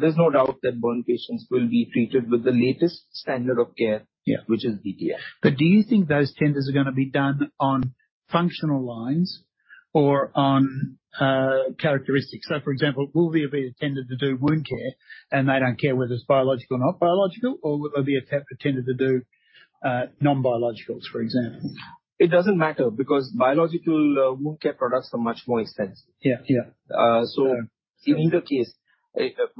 There's no doubt that burn patients will be treated with the latest standard of care which is BTM. But do you think those tenders are gonna be done on functional lines or on, characteristics? So, for example, will they be tendered to do wound care, and they don't care whether it's biological or not biological, or will they be tendered to do, non-biologicals, for example? It doesn't matter, because biological, wound care products are much more expensive. So in either case,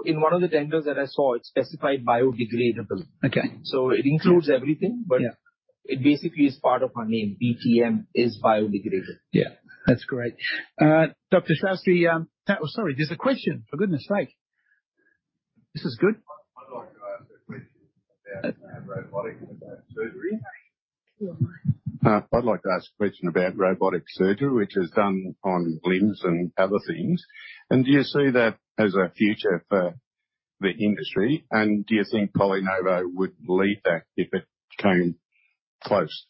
in one of the tenders that I saw, it specified biodegradable. It includes everything but it basically is part of our name. BTM is biodegradable. Yeah. That's great. Dr. Shastri, sorry, there's a question, for goodness' sake! This is good. I'd like to ask a question about robotic surgery, which is done on limbs and other things, and do you see that as a future for the industry, and do you think PolyNovo would lead that if it came close?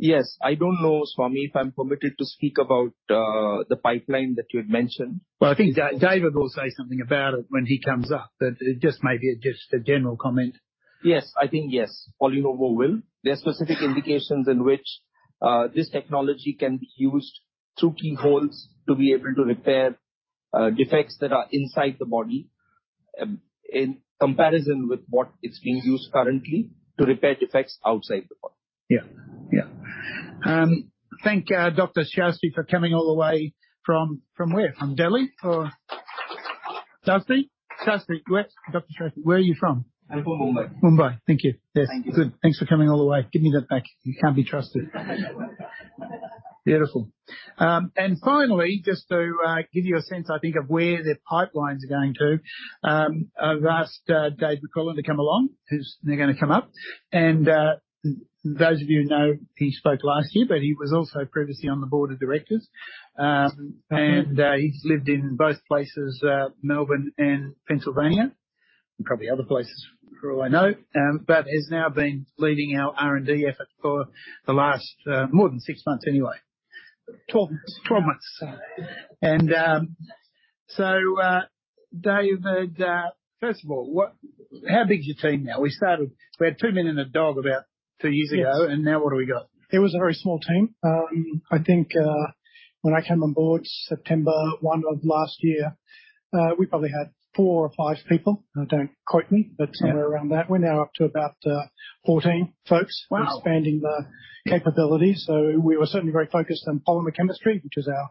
Yes. I don't know, Swami, if I'm permitted to speak about the pipeline that you had mentioned. Well, I think David will say something about it when he comes up, that it just might be just a general comment. Yes. I think, yes, PolyNovo will. There are specific indications in which, this technology can be used through keyholes to be able to repair, defects that are inside the body, in comparison with what is being used currently to repair defects outside the body. Yeah. Yeah. Thank Dr. Shastri for coming all the way from—from where? From Delhi, or... Shastri? Shastri, where... Dr. Shastri, where are you from? I'm from Mumbai. Mumbai. Thank you. Thank you. Yes. Good. Thanks for coming all the way. Give me that back. You can't be trusted. Beautiful. And finally, just to give you a sense, I think of where the pipelines are going to, I've asked David McQuillan to come along, who's now gonna come up. And those of you who know, he spoke last year, but he was also previously on the Board of Directors. And he's lived in both places, Melbourne and Pennsylvania, and probably other places, for all I know. But he's now been leading our R&D effort for the last more than six months anyway. 12, 12 months. And so David, first of all, what-- How big is your team now? We started, we had two men and a dog about two years ago. Now what have we got? It was a very small team. I think, when I came on Board, September 1 of last year, we probably had four or five people. Don't quote me, but somewhere around that. We're now up to about, 14 folks. Wow! We're expanding the capabilities. So we were certainly very focused on polymer chemistry, which is our,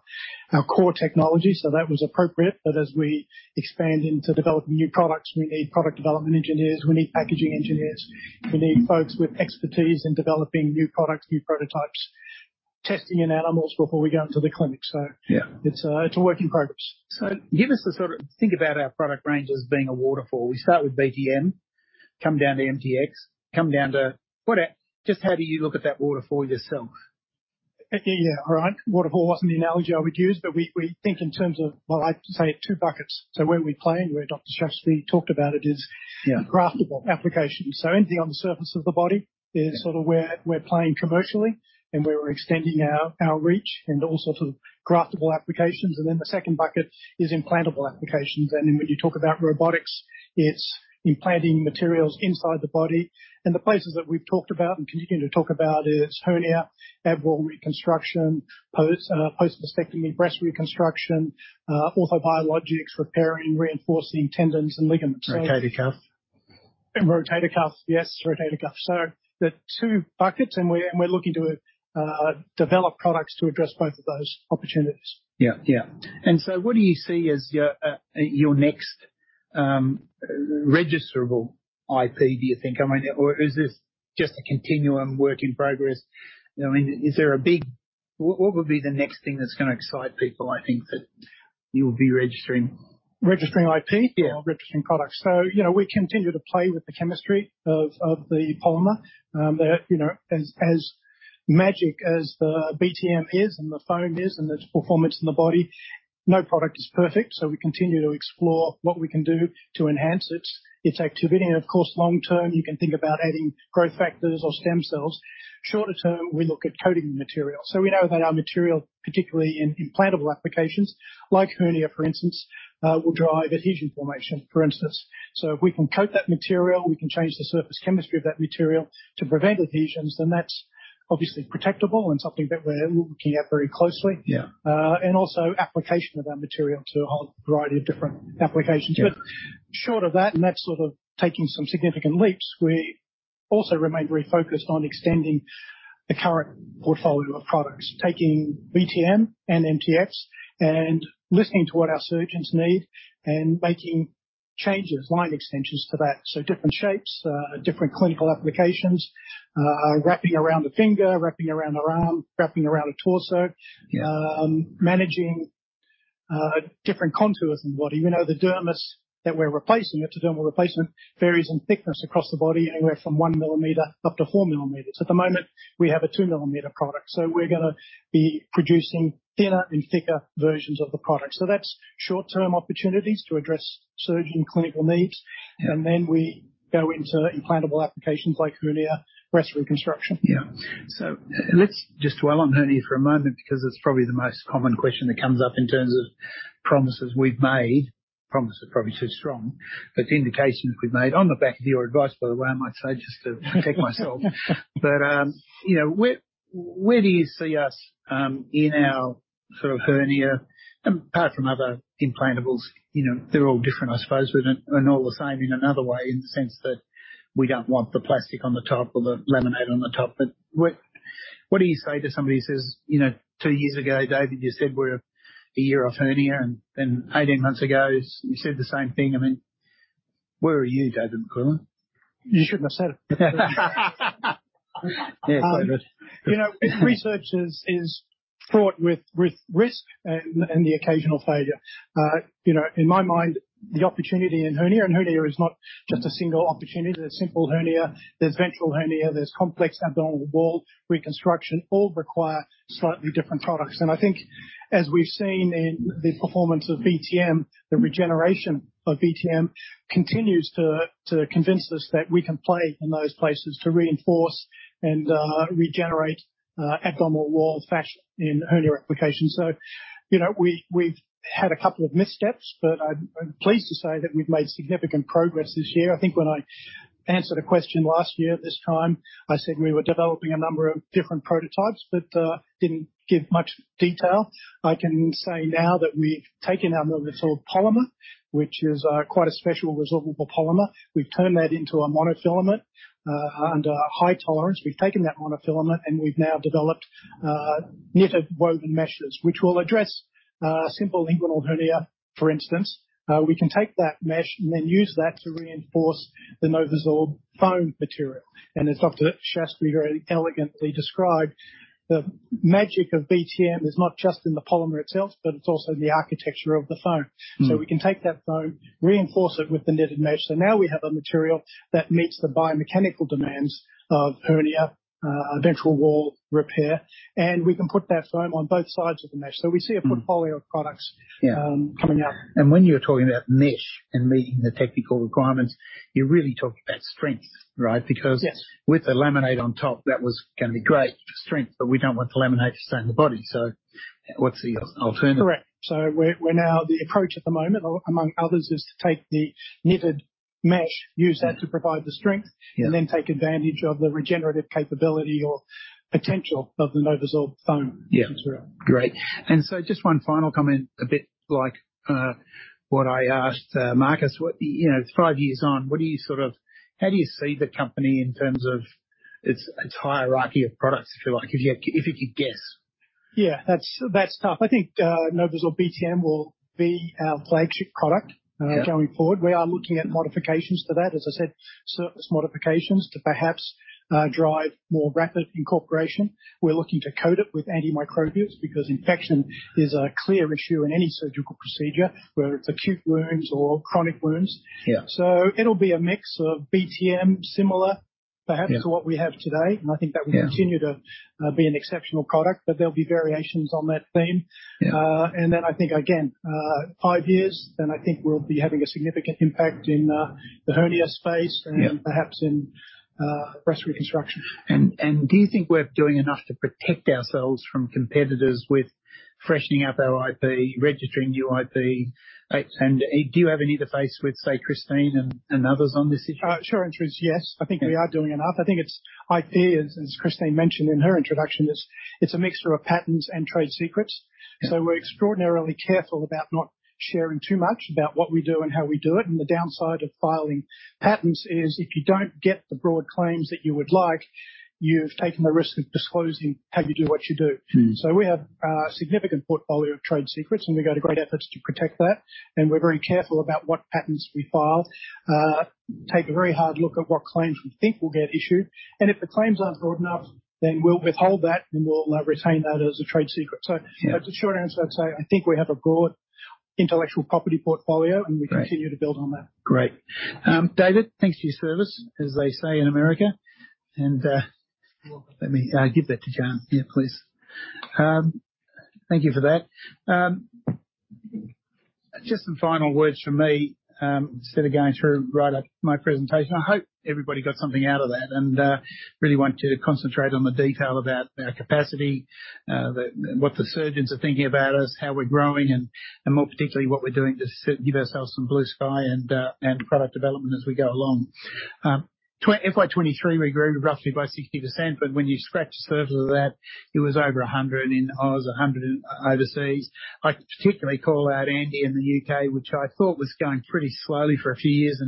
our core technology. So that was appropriate, but as we expand into developing new products, we need product development engineers, we need packaging engineers, we need folks with expertise in developing new products, new prototypes, testing in animals before we go into the clinic. So it's a work in progress. Give us a sort of-- Think about our product range as being a waterfall. We start with BTM, come down to MTX, come down to whatever. Just how do you look at that waterfall yourself? Yeah, all right. Waterfall wasn't the analogy I would use, but we, we think in terms of, well, I'd say two buckets. So where we play, and where Dr. Shastri talked about it is graftable applications. So anything on the surface of the body is sort of where we're playing commercially, and we're extending our reach and all sorts of graftable applications. And then the second bucket is implantable applications. And then when you talk about robotics, it's implanting materials inside the body. And the places that we've talked about and continuing to talk about is hernia, abdominal reconstruction, post-mastectomy, breast reconstruction, orthobiologics, repairing, reinforcing tendons and ligaments. Rotator cuff. Rotator cuff. Yes, rotator cuff. So the two buckets, and we're looking to develop products to address both of those opportunities. Yeah. Yeah. So what do you see as your next registerable IP, do you think? I mean, or is this just a continuum work in progress? You know what I mean? Is there a big-- What would be the next thing that's gonna excite people, I think, that you will be registering? Registering IP? Yeah. Or registering products. So, you know, we continue to play with the chemistry of the polymer. But, you know, as magic as the BTM is, and the foam is, and its performance in the body, no product is perfect, so we continue to explore what we can do to enhance its activity. And of course, long term, you can think about adding growth factors or stem cells. Shorter term, we look at coating materials. So we know that our material, particularly in implantable applications like hernia, for instance, will drive adhesion formation, for instance. So if we can coat that material, we can change the surface chemistry of that material to prevent adhesions, then that's obviously protectable and something that we're looking at very closely. And also application of that material to a whole variety of different applications. Short of that, and that's sort of taking some significant leaps, we also remain very focused on extending the current portfolio of products, taking BTM and MTX and listening to what our surgeons need and making changes, line extensions to that. So different shapes, different clinical applications, wrapping around a finger, wrapping around an arm, wrapping around a torso, managing different contours in the body. You know, the dermis that we're replacing, it's a dermal replacement, varies in thickness across the body, anywhere from 1 mm up to 4 mm. At the moment, we have a 2 mm product, so we're gonna be producing thinner and thicker versions of the product. So that's short-term opportunities to address surgeon clinical needs, and then we go into implantable applications like hernia, breast reconstruction. Yeah. So let's just dwell on hernia for a moment because it's probably the most common question that comes up in terms of promises we've made. Promise is probably too strong, but the indications we've made on the back of your advice, by the way, I might say, just to protect myself. But, you know, where, where do you see us, in our sort of hernia, apart from other implantables? You know, they're all different, I suppose, but, and all the same in another way, in the sense that we don't want the plastic on the top or the laminate on the top. But what, what do you say to somebody who says, "You know, two years ago, David, you said we're one year off hernia, and then 18 months ago, you said the same thing." I mean, where are you, David McQuillan? You shouldn't have said it. Yeah, sorry about it. You know, research is fraught with risk and the occasional failure. You know, in my mind, the opportunity in hernia, and hernia is not just a single opportunity. There's simple hernia, there's ventral hernia, there's complex abdominal wall reconstruction. All require slightly different products. And I think as we've seen in the performance of BTM, the regeneration of BTM continues to convince us that we can play in those places to reinforce and regenerate abdominal wall fascia in hernia applications. So, you know, we've had a couple of missteps, but I'm pleased to say that we've made significant progress this year. I think when I answered a question last year at this time, I said we were developing a number of different prototypes, but didn't give much detail. I can say now that we've taken our NovoSorb polymer, which is, quite a special resorbable polymer, we've turned that into a monofilament, under high tolerance. We've taken that monofilament, and we've now developed, knitted woven meshes, which will address, simple inguinal hernia, for instance. We can take that mesh and then use that to reinforce the NovoSorb foam material. And as Dr. Shastri very elegantly described, the magic of BTM is not just in the polymer itself, but it's also in the architecture of the foam. So we can take that foam, reinforce it with the knitted mesh, so now we have a material that meets the biomechanical demands of hernia, ventral wall repair, and we can put that foam on both sides of the mesh. We see a portfolio of products coming up. When you're talking about mesh and meeting the technical requirements, you're really talking about strength, right? Yes. Because with the laminate on top, that was gonna be great for strength, but we don't want the laminate to stay in the body, so what's the alternative? Correct. So we're now-- The approach at the moment, among others, is to take the knitted mesh, use that to provide the strength and then take advantage of the regenerative capability or potential of the NovoSorb foam Material. Great. And so just one final comment, a bit like what I asked Marcus, what you know, it's five years on, what do you sort of-- How do you see the company in terms of its, its hierarchy of products, if you like, if you, if you could guess? Yeah, that's, that's tough. I think, NovoSorb BTM will be our flagship product going forward. We are looking at modifications to that, as I said, surface modifications to perhaps drive more rapid incorporation. We're looking to coat it with antimicrobials because infection is a clear issue in any surgical procedure, whether it's acute wounds or chronic wounds. So it'll be a mix of BTM, similar, perhaps to what we have today, and I think that will continue to be an exceptional product, but there'll be variations on that theme. And then I think again, five years, then I think we'll be having a significant impact in the hernia space and perhaps in breast reconstruction. And do you think we're doing enough to protect ourselves from competitors with freshening up our IP, registering new IP, and do you have any interface with, say, Christine and others on this issue? Short answer is yes. I think we are doing enough. I think it's IP, as Christine mentioned in her introduction, it's a mixture of patents and trade secrets. So we're extraordinarily careful about not sharing too much about what we do and how we do it, and the downside of filing patents is if you don't get the broad claims that you would like, you've taken the risk of disclosing how you do what you do. So we have a significant portfolio of trade secrets, and we go to great efforts to protect that, and we're very careful about what patents we file. Take a very hard look at what claims we think will get issued, and if the claims aren't broad enough, then we'll withhold that, and we'll retain that as a trade secret. So that's the short answer, I'd say I think we have a broad intellectual property portfolio and we continue to build on that. Great. David, thanks for your service, as they say in America, and let me give that to Jan. Yeah, please. Thank you for that. Just some final words from me, instead of going through right up my presentation, I hope everybody got something out of that, and really want to concentrate on the detail about our capacity, the what the surgeons are thinking about us, how we're growing, and more particularly, what we're doing to give ourselves some blue sky and product development as we go along. FY 2023, we grew roughly by 60%, but when you scratch the surface of that, it was over 100%, and it was 100% in overseas. I'd particularly call out Andy in the U.K., which I thought was going pretty slowly for a few years,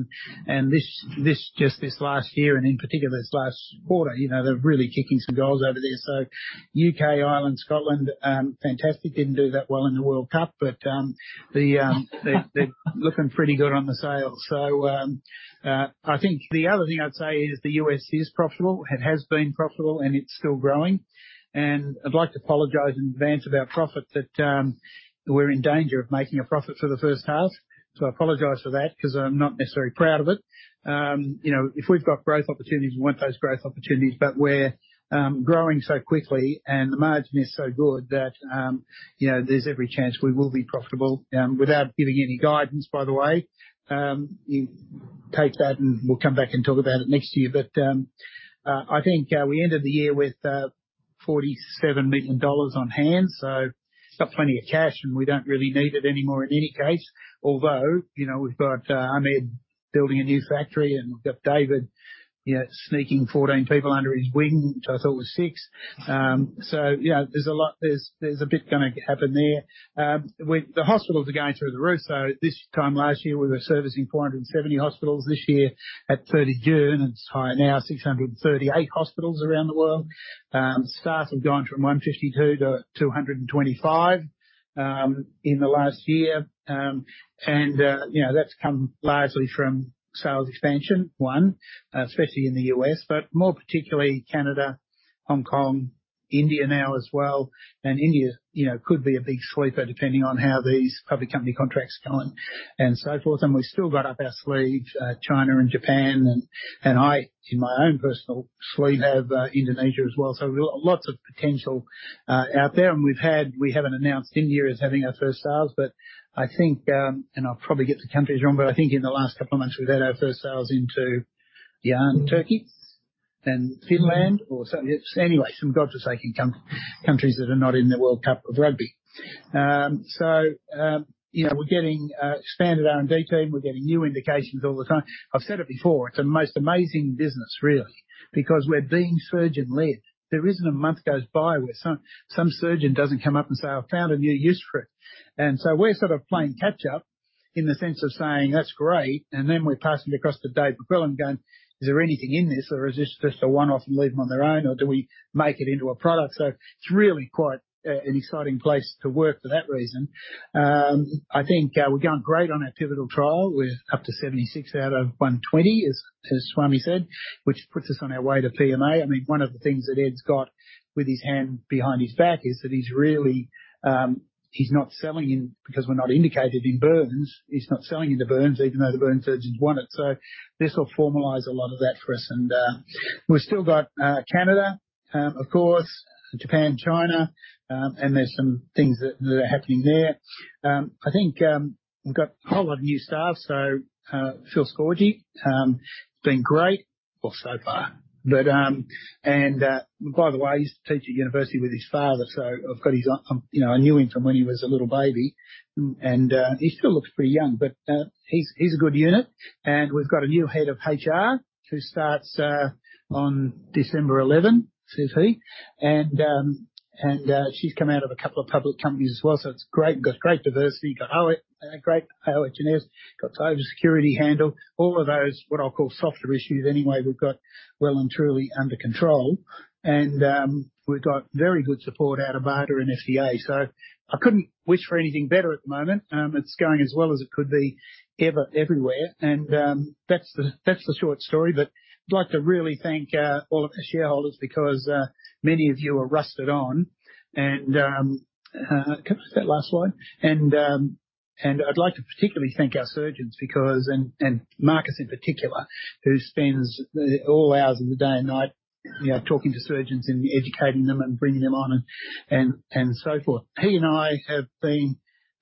and this just last year, and in particular, this last quarter, you know, they're really kicking some goals over there. So U.K., Ireland, Scotland, fantastic. Didn't do that well in the World Cup, but they're looking pretty good on the sales. So I think the other thing I'd say is the U.S. is profitable, it has been profitable, and it's still growing. And I'd like to apologize in advance about profit that we're in danger of making a profit for the first half. So I apologize for that because I'm not necessarily proud of it. You know, if we've got growth opportunities, we want those growth opportunities, but we're growing so quickly and the margin is so good that, you know, there's every chance we will be profitable, without giving any guidance, by the way. You take that, and we'll come back and talk about it next year. But, I think, we ended the year with 47 million dollars on hand, so got plenty of cash, and we don't really need it anymore in any case. Although, you know, we've got Ahmed building a new factory, and we've got David, you know, sneaking 14 people under his wing, which I thought was six. So, you know, there's a lot. There's a bit gonna happen there. The hospitals are going through the roof, so this time last year, we were servicing 470 hospitals. This year, at 30 June, and it's higher now, 638 hospitals around the world. Staff have gone from 152 to 225 in the last year. And you know, that's come largely from sales expansion, especially in the U.S., but more particularly Canada, Hong Kong, India now as well, and India, you know, could be a big sleeper, depending on how these public company contracts go on, and so forth. And we've still got up our sleeves China and Japan, and I, in my own personal sleeve, have Indonesia as well. So we've got lots of potential out there. And we've had-- We haven't announced India as having our first sales, but I think, and I'll probably get the countries wrong, but I think in the last couple of months, we've had our first sales into Iran, Turkey, and Finland or something. Anyway, some God just taking countries that are not in the World Cup of rugby. So, you know, we're getting expanded R&D team, we're getting new indications all the time. I've said it before, it's the most amazing business, really, because we're being surgeon-led. There isn't a month goes by where some surgeon doesn't come up and say, "I've found a new use for it." And so we're sort of playing catch-up in the sense of saying, "That's great," and then we pass them across to David McQuillan going, "Is there anything in this, or is this just a one-off and leave them on their own, or do we make it into a product?" So it's really quite an exciting place to work for that reason. I think we're going great on our pivotal trial. We're up to 76 out of 120, as Swami said, which puts us on our way to PMA. I mean, one of the things that Ed's got with his hand behind his back is that he's really, he's not selling in, because we're not indicated in burns. He's not selling into burns, even though the burn surgeons want it. So this will formalize a lot of that for us, and we've still got Canada, of course, Japan, China, and there's some things that are happening there. I think we've got a whole lot of new staff, so Phil Scorgie been great so far, but and by the way, I used to teach at university with his father, so I've got his, you know, I knew him from when he was a little baby, and he still looks pretty young, but he's a good unit. And we've got a new head of HR, who starts on December 11th, Susie. And she's come out of a couple of public companies as well, so it's great. We've got great diversity, got our, great I&O engineers, got cybersecurity handled, all of those, what I'll call softer issues anyway, we've got well and truly under control, and, we've got very good support out of BARDA and FDA. So I couldn't wish for anything better at the moment. It's going as well as it could be, ever, everywhere, and, that's the, that's the short story. But I'd like to really thank, all of the shareholders because, many of you are rusted on, and, can I see that last slide? And, and I'd like to particularly thank our surgeons because, and, Marcus in particular, who spends all hours of the day and night, you know, talking to surgeons and educating them and bringing them on, and, and, so forth. He and I have been,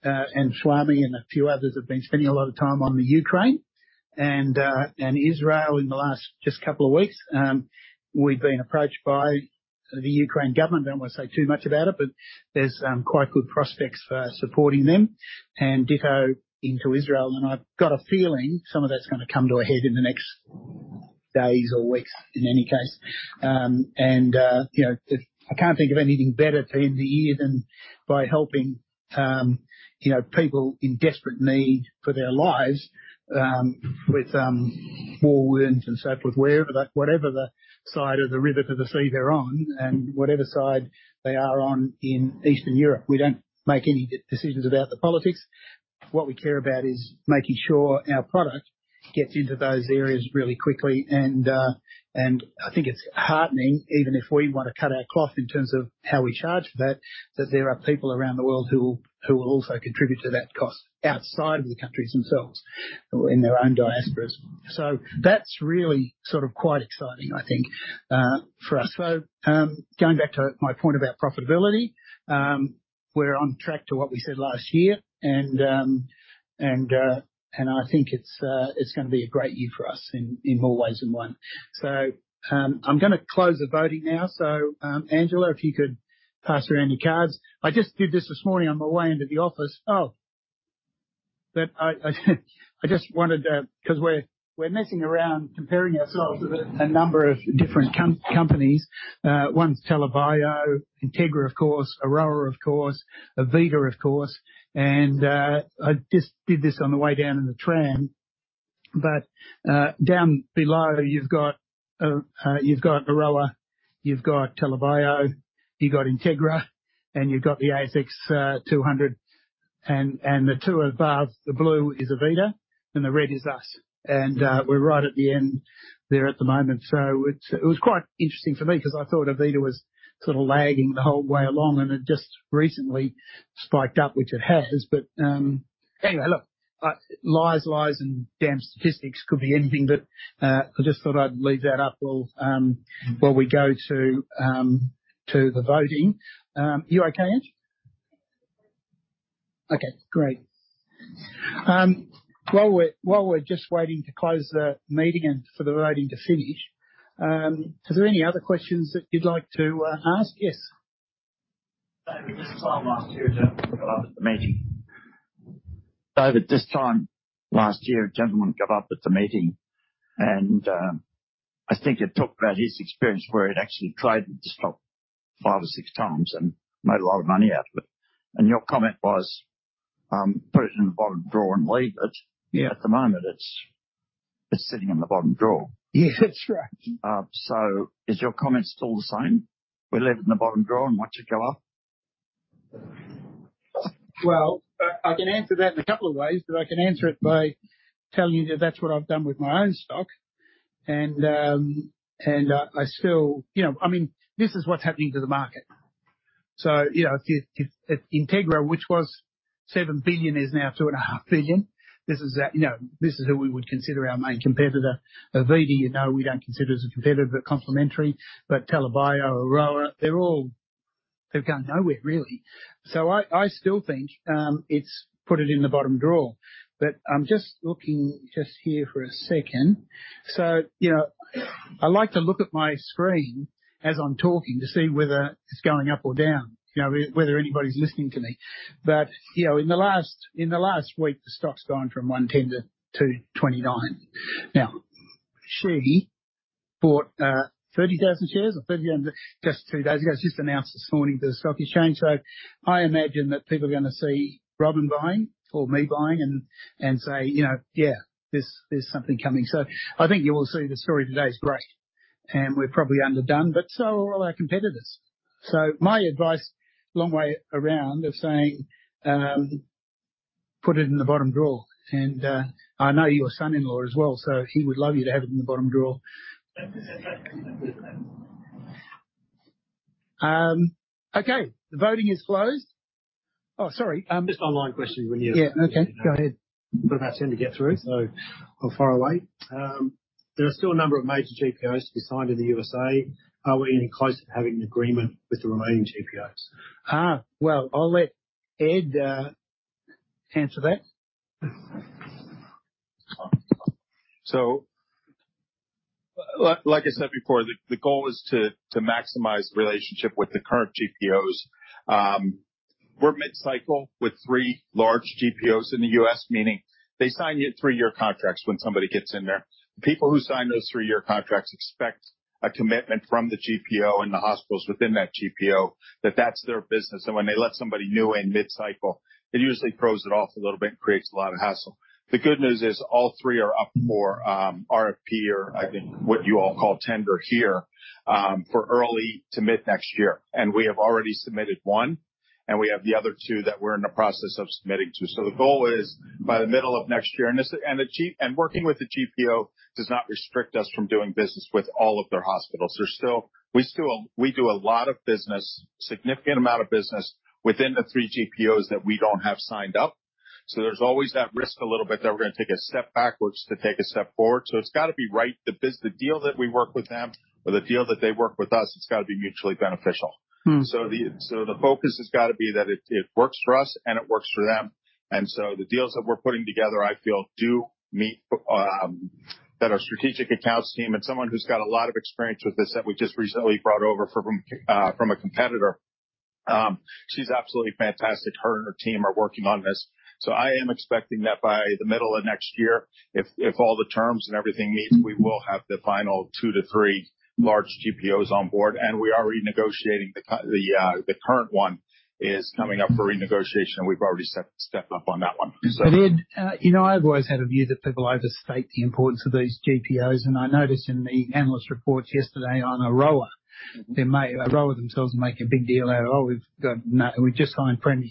and Swami and a few others have been spending a lot of time on the Ukraine and, and Israel in the last just couple of weeks. We've been approached by the Ukraine government. I don't want to say too much about it, but there's quite good prospects for supporting them, and ditto into Israel. And I've got a feeling some of that's gonna come to a head in the next days or weeks, in any case. And, you know, I can't think of anything better to end the year than by helping, you know, people in desperate need for their lives, with war wounds and so forth, wherever the, whatever the side of the river to the sea they're on, and whatever side they are on in Eastern Europe. We don't make any decisions about the politics. What we care about is making sure our product gets into those areas really quickly, and, and I think it's heartening, even if we want to cut our cloth in terms of how we charge for that, that there are people around the world who will, who will also contribute to that cost outside of the countries themselves, in their own diasporas. So that's really sort of quite exciting, I think, for us. So, going back to my point about profitability, we're on track to what we said last year, and, and, and I think it's, it's gonna be a great year for us in, in more ways than one. So, I'm gonna close the voting now. So, Angela, if you could pass around your cards. I just did this this morning on my way into the office. Oh! But I just wanted to, because we're messing around comparing ourselves with a number of different companies. One's TELA Bio, Integra, of course, Aroa, of course, Avita, of course. And I just did this on the way down in the tram, but down below, you've got Aroa, you've got TELA Bio, you've got Integra, and you've got the ASX 200, and the two above, the blue is Avita, and the red is us. And we're right at the end there at the moment. So it was quite interesting for me because I thought Avita was sort of lagging the whole way along, and it just recently spiked up, which it has. But, anyway, look, lies, lies, and damn statistics could be anything, but I just thought I'd leave that up while we go to the voting. You okay, Ed? Okay, great. While we're just waiting to close the meeting and for the voting to finish, are there any other questions that you'd like to ask? Yes. David, this time last year, a gentleman got up at the meeting, and I think it talked about his experience, where he'd actually traded the stock five or six and made a lot of money out of it. And your comment was, "Put it in the bottom drawer and leave it." Yeah, at the moment, it's sitting in the bottom drawer. Yeah, that's right. So, is your comment still the same? We leave it in the bottom drawer and watch it go up? Well, I can answer that in a couple of ways, but I can answer it by telling you that that's what I've done with my own stock. And, and, I still-- You know, I mean, this is what's happening to the market. So, you know, if Integra, which was $7 billion, is now $2.5 billion, this is that, you know, this is who we would consider our main competitor. Avita, you know, we don't consider as a competitor, but complementary, but TELA Bio, Aroa, they're all-- They've gone nowhere, really. So I still think, it's put it in the bottom drawer, but I'm just looking just here for a second. So, you know, I like to look at my screen as I'm talking, to see whether it's going up or down, you know, whether anybody's listening to me. But, you know, in the last week, the stock's gone from 1.10 to 2.29. Now, Sherry bought 30,000 shares just two days ago. It's just announced this morning that the stock has changed. So I imagine that people are going to see Robyn buying or me buying and, and say, "You know, yeah, there's, there's something coming." So I think you will see the story today is great, and we're probably underdone, but so are all our competitors. So my advice, long way around, of saying, put it in the bottom drawer. And, I know your son-in-law as well, so he would love you to have it in the bottom drawer. Okay, the voting is closed. Oh, sorry. Just online questions when you Yeah, okay, go ahead. But that's up to him to get through, so I'll stay far away. There are still a number of major GPOs to be signed in the U.S.A. Are we any closer to having an agreement with the remaining GPOs? Well, I'll let Ed answer that. So, like I said before, the goal is to maximize the relationship with the current GPOs. We're mid-cycle with three large GPOs in the U.S., meaning they sign you three-year contracts when somebody gets in there. People who sign those three-year contracts expect a commitment from the GPO and the hospitals within that GPO that that's their business, and when they let somebody new in mid-cycle, it usually throws it off a little bit and creates a lot of hassle. The good news is all three are up for RFP or I think what you all call tender here, for early to mid-next year. And we have already submitted one, and we have the other two that we're in the process of submitting to. So the goal is by the middle of next year, and this, and the G— Working with the GPO does not restrict us from doing business with all of their hospitals. There's still... We still, we do a lot of business, significant amount of business, within the three GPOs that we don't have signed up. So there's always that risk a little bit, that we're going to take a step backwards to take a step forward. So it's got to be right, the deal that we work with them or the deal that they work with us, it's got to be mutually beneficial. So the focus has got to be that it works for us, and it works for them. And so the deals that we're putting together, I feel, do meet that our strategic accounts team and someone who's got a lot of experience with this, that we just recently brought over from a competitor, she's absolutely fantastic. Her and her team are working on this. So I am expecting that by the middle of next year, if all the terms and everything meets, we will have the final 2-3 large GPOs on Board, and we are renegotiating the current one is coming up for renegotiation, and we've already stepped up on that one. But Ed, you know, I've always had a view that people overstate the importance of these GPOs, and I noticed in the analyst reports yesterday on Aroa, they may, Aroa themselves are making a big deal out of, "Oh, we've got We've just signed Premier.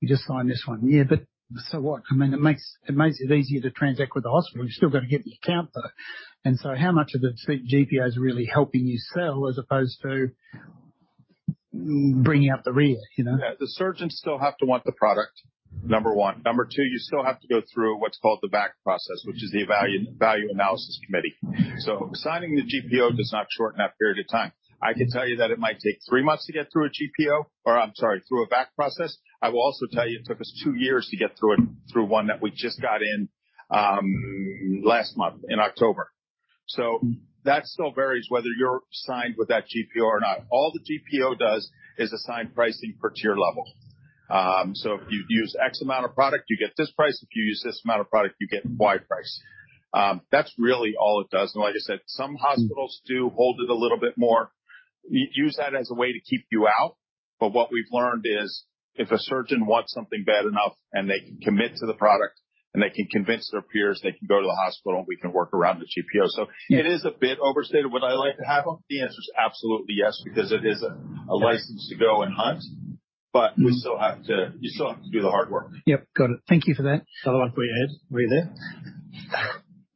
We just signed this one." Yeah, but so what? I mean, it makes, it makes it easier to transact with the hospital. You've still got to get the account, though. And so how much are the GPOs really helping you sell as opposed to bringing up the rear, you know? Yeah, the surgeons still have to want the product, number one. Number two, you still have to go through what's called the VAC process, which is the value analysis committee. So signing the GPO does not shorten that period of time. I can tell you that it might take three months to get through a GPO, or I'm sorry, through a VAC process. I will also tell you it took us two years to get through it, through one that we just got in last month, in October. So that still varies whether you're signed with that GPO or not. All the GPO does is assign pricing per tier level. So if you use X amount of product, you get this price. If you use this amount of product, you get Y price. That's really all it does. And like I said, some hospitals do hold it a little bit more. Use that as a way to keep you out, but what we've learned is, if a surgeon wants something bad enough, and they can commit to the product, and they can convince their peers, they can go to the hospital, and we can work around the GPO. So it is a bit overstated. Would I like to have them? The answer is absolutely yes, because it is a license to go and hunt, but we still have to-- You still have to do the hard work. Yep, got it. Thank you for that. Another one for you, Ed. Were you there?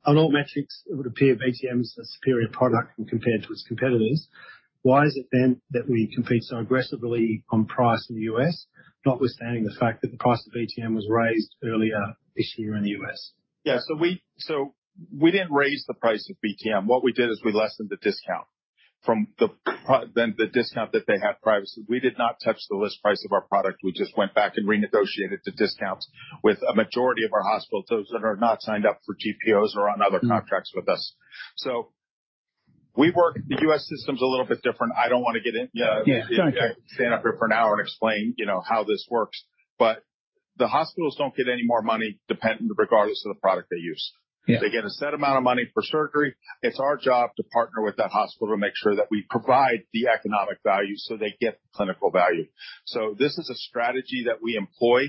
On all metrics, it would appear BTM is a superior product when compared to its competitors. Why is it then that we compete so aggressively on price in the U.S., notwithstanding the fact that the price of BTM was raised earlier this year in the U.S.? Yeah. So we, so we didn't raise the price of BTM. What we did is we lessened the discount from the pro- than the discount that they had previously. We did not touch the list price of our product. We just went back and renegotiated the discounts with a majority of our hospitals, those that are not signed up for GPOs or on other contracts with us. So we work... The U.S. system's a little bit different. I don't want to get into it. Yeah. It's all right. Stand up here for an hour and explain, you know, how this works, but the hospitals don't get any more money dependent, regardless of the product they use. They get a set amount of money for surgery. It's our job to partner with that hospital to make sure that we provide the economic value, so they get clinical value. So this is a strategy that we employ.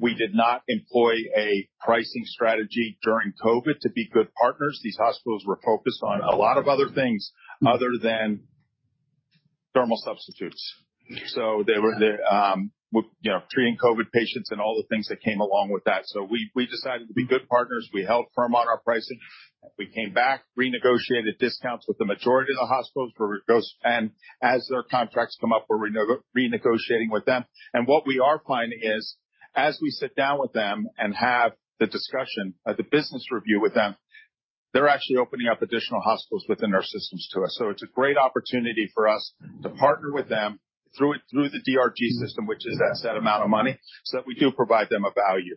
We did not employ a pricing strategy during COVID to be good partners. These hospitals were focused on a lot of other things other than dermal substitutes. So they were, they were, you know, treating COVID patients and all the things that came along with that. So we decided to be good partners. We held firm on our pricing. We came back, renegotiated discounts with the majority of the hospitals, where we go and as their contracts come up, we're renegotiating with them. What we are finding is, as we sit down with them and have the discussion at the business review with them, they're actually opening up additional hospitals within our systems to us. So it's a great opportunity for us to partner with them through it, through the DRG system, which is that set amount of money, so that we do provide them a value.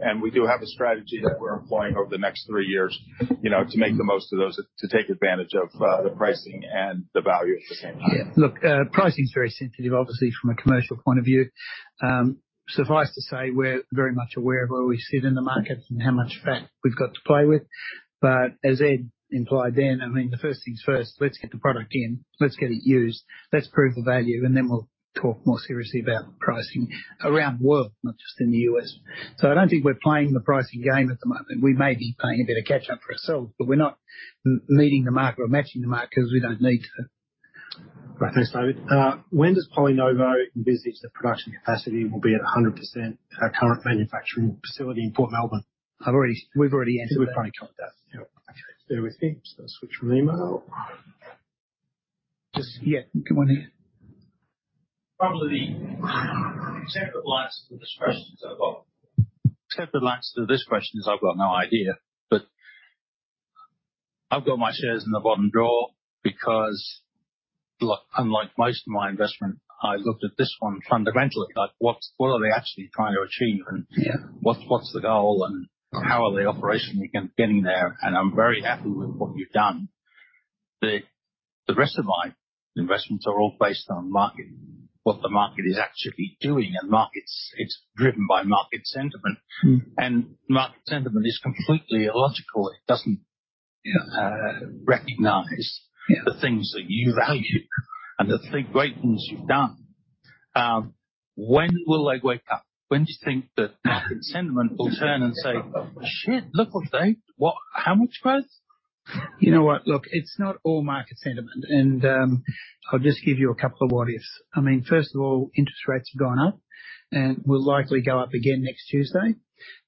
And we do have a strategy that we're employing over the next three years, you know, to make the most of those, to take advantage of the pricing and the value at the same time. Yeah. Look, pricing is very sensitive, obviously, from a commercial point of view. Suffice to say, we're very much aware of where we sit in the market and how much fat we've got to play with. But as Ed implied then, I mean, the first things first, let's get the product in, let's get it used, let's prove the value, and then we'll talk more seriously about pricing around the world, not just in the U.S.. So I don't think we're playing the pricing game at the moment. We may be playing a bit of catch-up for ourselves, but we're not leading the market or matching the market because we don't need to. Right. Thanks, David. When does PolyNovo envisage the production capacity will be at 100% at our current manufacturing facility in Port Melbourne? We've already answered that. We've already covered that. Okay. Everything. So switch from email. Just, yeah, come on in. Probably the short answer to this question, so, short answer to this question is I've got no idea, but I've got my shares in the bottom drawer because look, unlike most of my investment, I looked at this one fundamentally, like, what, what are they actually trying to achieve and-- What's the goal, and how are they operationally getting there? I'm very happy with what you've done. The rest of my investments are all based on market, what the market is actually doing, and markets, it's driven by market sentiment. Market sentiment is completely illogical. It doesn't recognize the things that you value and the three great things you've done. When will they wake up? When do you think the market sentiment will turn and say, "Shit! Look what they... What? How much growth? You know what? Look, it's not all market sentiment, and I'll just give you a couple of what-ifs. I mean, first of all, interest rates have gone up and will likely go up again next Tuesday,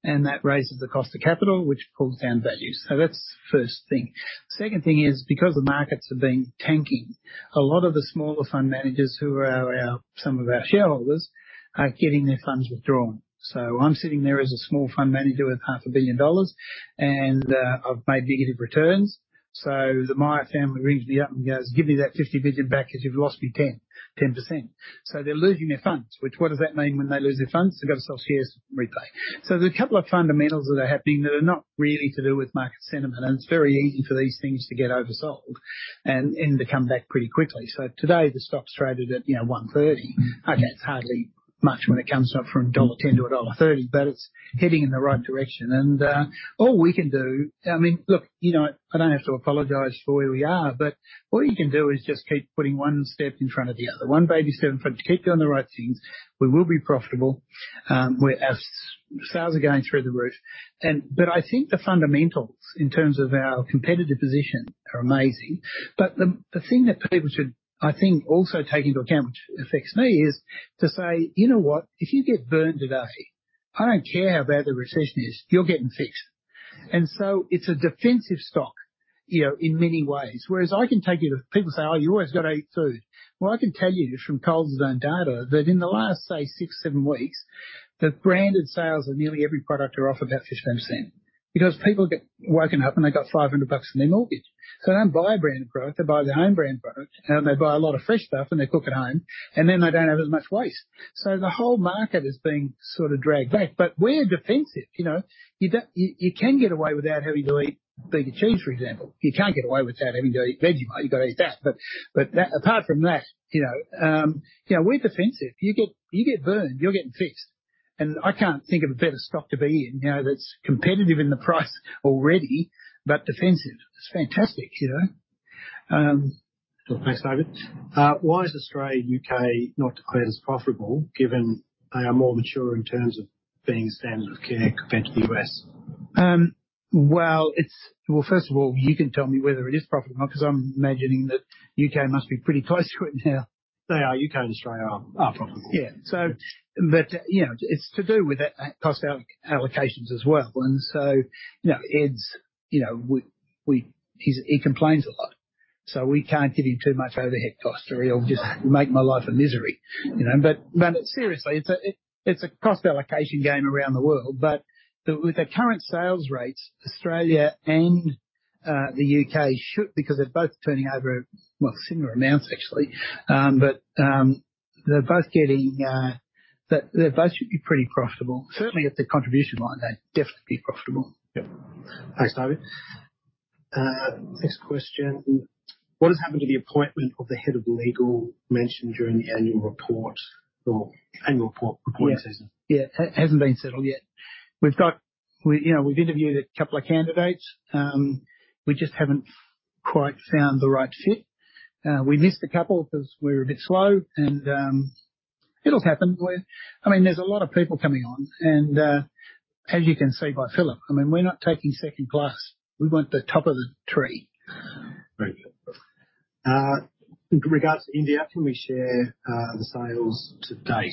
and that raises the cost of capital, which pulls down values. So that's the first thing. Second thing is, because the markets have been tanking, a lot of the smaller fund managers, who are our, some of our shareholders, are getting their funds withdrawn. So I'm sitting there as a small fund manager with 500 million dollars, and I've made negative returns. So the Myer family rings me up and goes, "Give me that 50 billion back because you've lost me 10%, 10%." So they're losing their funds, which, what does that mean when they lose their funds? They've got to sell shares, replay. So there's a couple of fundamentals that are happening that are not really to do with market sentiment, and it's very easy for these things to get oversold and to come back pretty quickly. So today, the stock's traded at, you know, 1.30. Okay, it's hardly much when it comes up from dollar 1.10 to dollar 1.30, but it's heading in the right direction. And all we can do, I mean, look, you know, I don't have to apologize for where we are, but all you can do is just keep putting one step in front of the other, one baby step in front. Keep doing the right things, we will be profitable, where our sales are going through the roof. And, but I think the fundamentals in terms of our competitive position are amazing. But the thing that people should, I think, also take into account, which affects me, is to say, "You know what? If you get burned today, I don't care how bad the recession is, you're getting fixed." And so it's a defensive stock, you know, in many ways. Whereas I can tell you, the people say, "Oh, you've always got to eat food." Well, I can tell you just from Coles' own data, that in the last, say, six to seven weeks, the branded sales of nearly every product are off about 15%. Because people get woken up, and they got 500 bucks in their mortgage. So they don't buy brand product, they buy their home brand product, and they buy a lot of fresh stuff, and they cook at home, and then they don't have as much waste. So the whole market is being sort of dragged back. But we're defensive. You know, you don't you can get away without having to eat beef or cheese, for example. You can't get away without having to eat Vegemite. You've got to eat that. But apart from that, you know, you know, we're defensive. You get burned, you're getting fixed. And I can't think of a better stock to be in, you know, that's competitive in the price already, but defensive. It's fantastic, you know? Thanks, David. Why is Australia and U.K. not declared as profitable, given they are more mature in terms of being standard of care compared to the U.S.? Well, first of all, you can tell me whether it is profitable or not, because I'm imagining that U.K. must be pretty close to it now. They are. U.K. and Australia are. Are profitable. Yeah. So, but you know, it's to do with the cost allocations as well. And so, you know, Ed's, you know, we, he's, he complains a lot, so we can't get him too much overhead cost or he'll just make my life a misery, you know? But seriously, it's a cost allocation game around the world, but with the current sales rates, Australia and the U.K. should, because they're both turning over, well, similar amounts, actually. But they're both getting, they both should be pretty profitable. Certainly at the contribution line, they'd definitely be profitable. Yep. Thanks, David. Next question: What has happened to the appointment of the head of legal mentioned during the annual report or annual report recording season? Yeah, it hasn't been settled yet. We've got, you know, we've interviewed a couple of candidates. We just haven't quite found the right fit. We missed a couple because we were a bit slow, and it'll happen. We're, I mean, there's a lot of people coming on, and as you can see by Philip, I mean, we're not taking second class. We want the top of the tree. Very good. In regards to India, can we share the sales to date?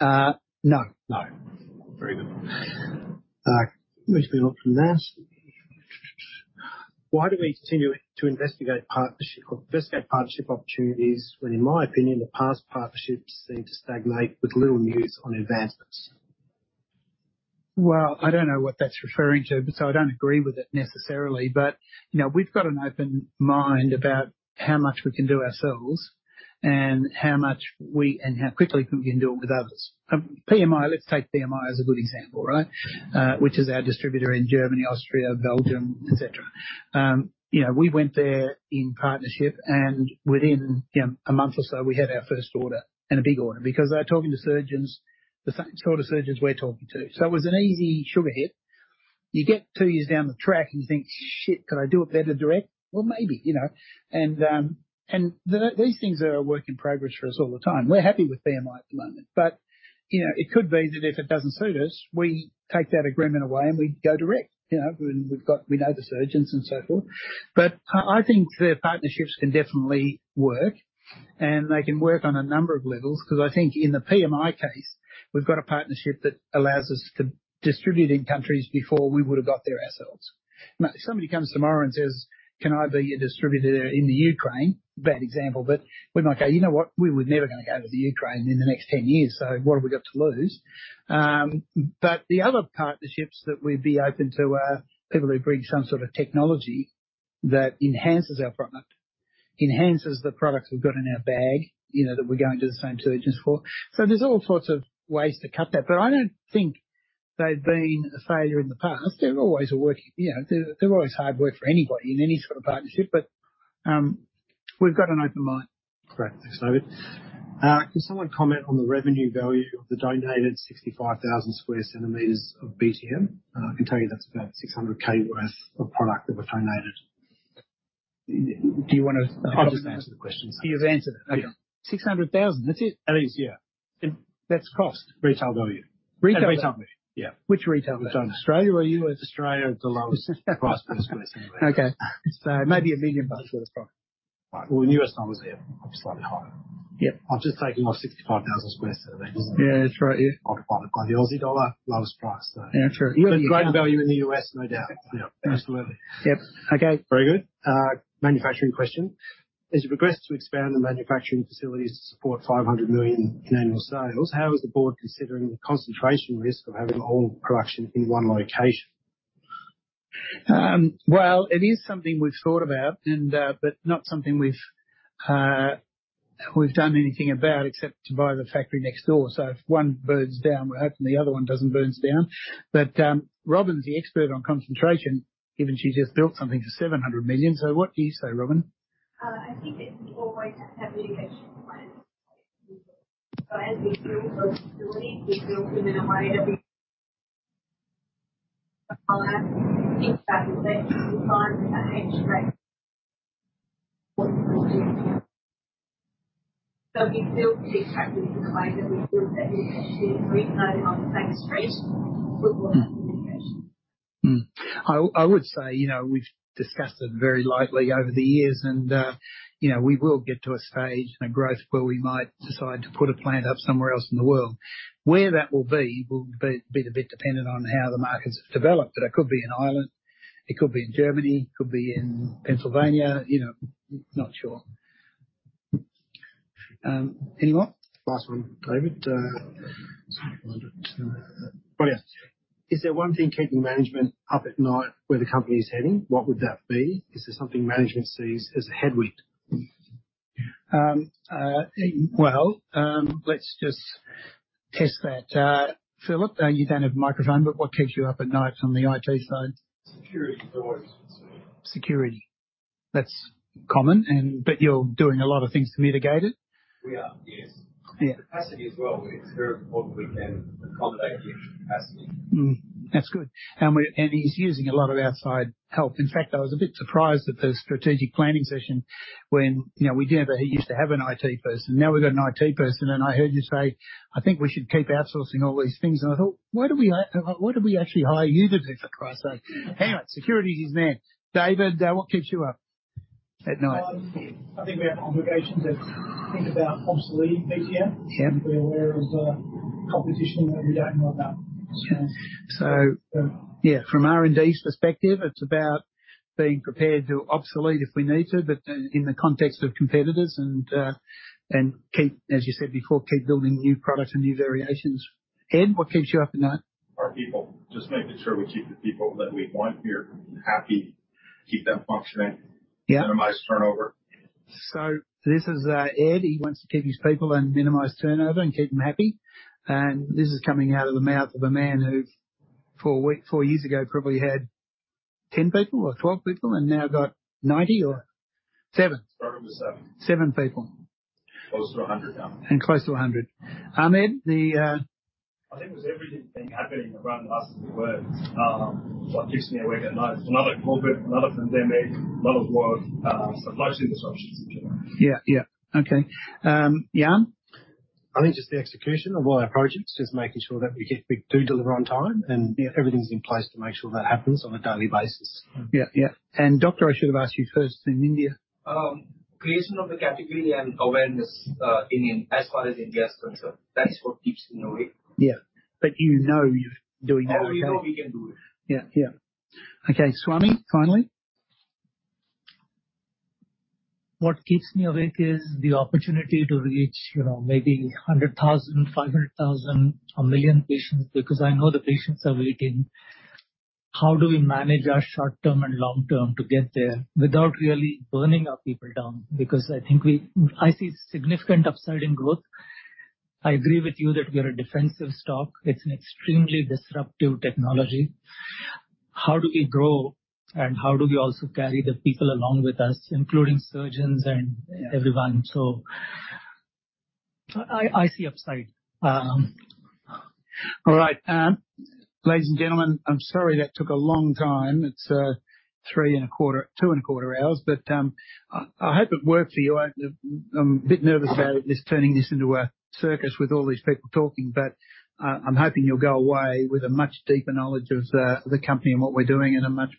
Uh, no. No. Very good. Moving on from that, why do we continue to investigate partnership or investigate partnership opportunities when, in my opinion, the past partnerships seem to stagnate with little news on advancements? Well, I don't know what that's referring to, but so I don't agree with it necessarily. But, you know, we've got an open mind about how much we can do ourselves and how much we, and how quickly we can do it with others. PMI, let's take PMI as a good example, right? Which is our distributor in Germany, Austria, Belgium, et cetera. You know, we went there in partnership, and within, you know, a month or so, we had our first order, and a big order, because they were talking to surgeons, the same sort of surgeons we're talking to. So it was an easy sugar hit. You get two years down the track, and you think, "Shit, could I do it better direct?" Well, maybe, you know, and, and the, these things are a work in progress for us all the time. We're happy with PMI at the moment, but, you know, it could be that if it doesn't suit us, we take that agreement away, and we go direct. You know, we've got-- We know the surgeons and so forth. But I, I think the partnerships can definitely work, and they can work on a number of levels. Because I think in the PMI case, we've got a partnership that allows us to distribute in countries before we would have got there ourselves. Now, if somebody comes to me and says, "Can I be your distributor in the Ukraine?" Bad example, but we might go, "You know what? We were never gonna go to the Ukraine in the next 10 years, so what have we got to lose?" But the other partnerships that we'd be open to are people who bring some sort of technology that enhances our product, enhances the products we've got in our bag, you know, that we're going to the same surgeons for. So there's all sorts of ways to cut that, but I don't think they've been a failure in the past. They're always... You know, they're always hard work for anybody in any sort of partnership, but we've got an open mind. Great. Thanks, David. Can someone comment on the revenue value of the donated 65,000 sq cm of BTM? I can tell you that's about 600,000 worth of product that were donated. Do you want to? I'll just answer the question. You've answered it. Yeah. 600,000? That's it. At least, yeah. That's cost. Retail value. Retail value? Yeah. Which retail value? Australia or U.S. Australia, it's the lowest price per square centimeter. Okay. So maybe $1 million worth of product. Well, in U.S. dollars, yeah, slightly higher. Yep. I've just taken my 65,000 sq cm multiplied it by the Aussie dollar, lowest price, though. Yeah, true. Great value in the U.S., no doubt. Yeah. Absolutely. Yep. Okay. Very good. Manufacturing question: As you progress to expand the manufacturing facilities to support 500 million in annual sales, how is the Board considering the concentration risk of having all production in one location? Well, it is something we've thought about and, but not something we've done anything about except to buy the factory next door. So if one burns down, we're hoping the other one doesn't burn down. But, Robyn's the expert on concentration, given she just built something for 700 million. So what do you say, Robyn? I think it's always have mitigation plans. So as we build our facilities, we build them in a way that we-- So we build these factories in a way that we build them on the same street. I would say, you know, we've discussed it very lightly over the years, and you know, we will get to a stage in our growth where we might decide to put a plant up somewhere else in the world. Where that will be will be a bit dependent on how the markets have developed, but it could be in Ireland, it could be in Germany, it could be in Pennsylvania, you know, not sure. Anyone? Last one, David, oh, yeah. Is there one thing keeping management up at night where the company is heading? What would that be? Is there something management sees as a headwind? Well, let's just test that. Philip, you don't have a microphone, but what keeps you up at night on the IT side? Security always. Security. That's common, but you're doing a lot of things to mitigate it. We are, yes. Yeah. Capacity as well. It's very important we can accommodate the extra capacity. Mm-hmm. That's good. And he's using a lot of outside help. In fact, I was a bit surprised at the strategic planning session when, you know, we never used to have an IT person. Now we've got an IT person, and I heard you say, "I think we should keep outsourcing all these things." And I thought, "Why do we, why did we actually hire you then, for Christ's sake?" Anyway, security is his name. David, what keeps you up at night? I think we have obligations to think about obsolete BTM. Yeah. Be aware of the competition every day more than that. So, yeah, from R&D's perspective, it's about being prepared to obsolete if we need to, but in the context of competitors and keep, as you said before, keep building new products and new variations. Ed, what keeps you up at night? Our people. Just making sure we keep the people that we want here happy, keep them functioning. Yeah. Minimize turnover. So this is Ed. He wants to keep his people and minimize turnover and keep them happy. And this is coming out of the mouth of a man who, four years ago, probably had 10 people or 12 people and now got 97? 97. 97 people. Close to 100 now. And close to 100. Ahmed, I think with everything happening around us, we were, what keeps me awake at night, another COVID, another pandemic, another war, supply chain disruptions. Yeah. Yeah. Okay. Jan? I think just the execution of all our projects, just making sure that we get-- We do deliver on time, and, you know, everything's in place to make sure that happens on a daily basis. Yeah. Yeah. Dr. Shastri, I should have asked you first in India. Creation of the category and awareness in India, as far as India is concerned, that is what keeps me awake. Yeah, but you know you're doing okay. Oh, we know we can do it. Yeah. Yeah. Okay, Swami, finally. What keeps me awake is the opportunity to reach, you know, maybe 100,000, 500,000, or 1 million patients, because I know the patients are waiting. How do we manage our short term and long term to get there without really burning our people down? Because I think we... I see significant upside in growth. I agree with you that we are a defensive stock. It's an extremely disruptive technology. How do we grow, and how do we also carry the people along with us, including surgeons and everyone? So I see upside. All right. Ladies and gentlemen, I'm sorry that took a long time. It's 3.25, 2.25 hours, but I hope it worked for you. I'm a bit nervous about this, turning this into a circus with all these people talking, but I'm hoping you'll go away with a much deeper knowledge of the company and what we're doing and a much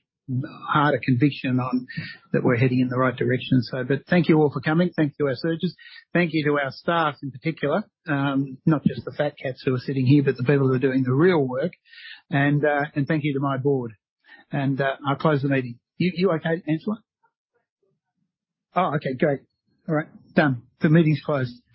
harder conviction on that we're heading in the right direction. But thank you all for coming. Thank you to our surgeons. Thank you to our staff in particular, not just the fat cats who are sitting here, but the people who are doing the real work. And thank you to my Board, and I close the meeting. You okay, Angela? Oh, okay, great. All right, done. The meeting is closed.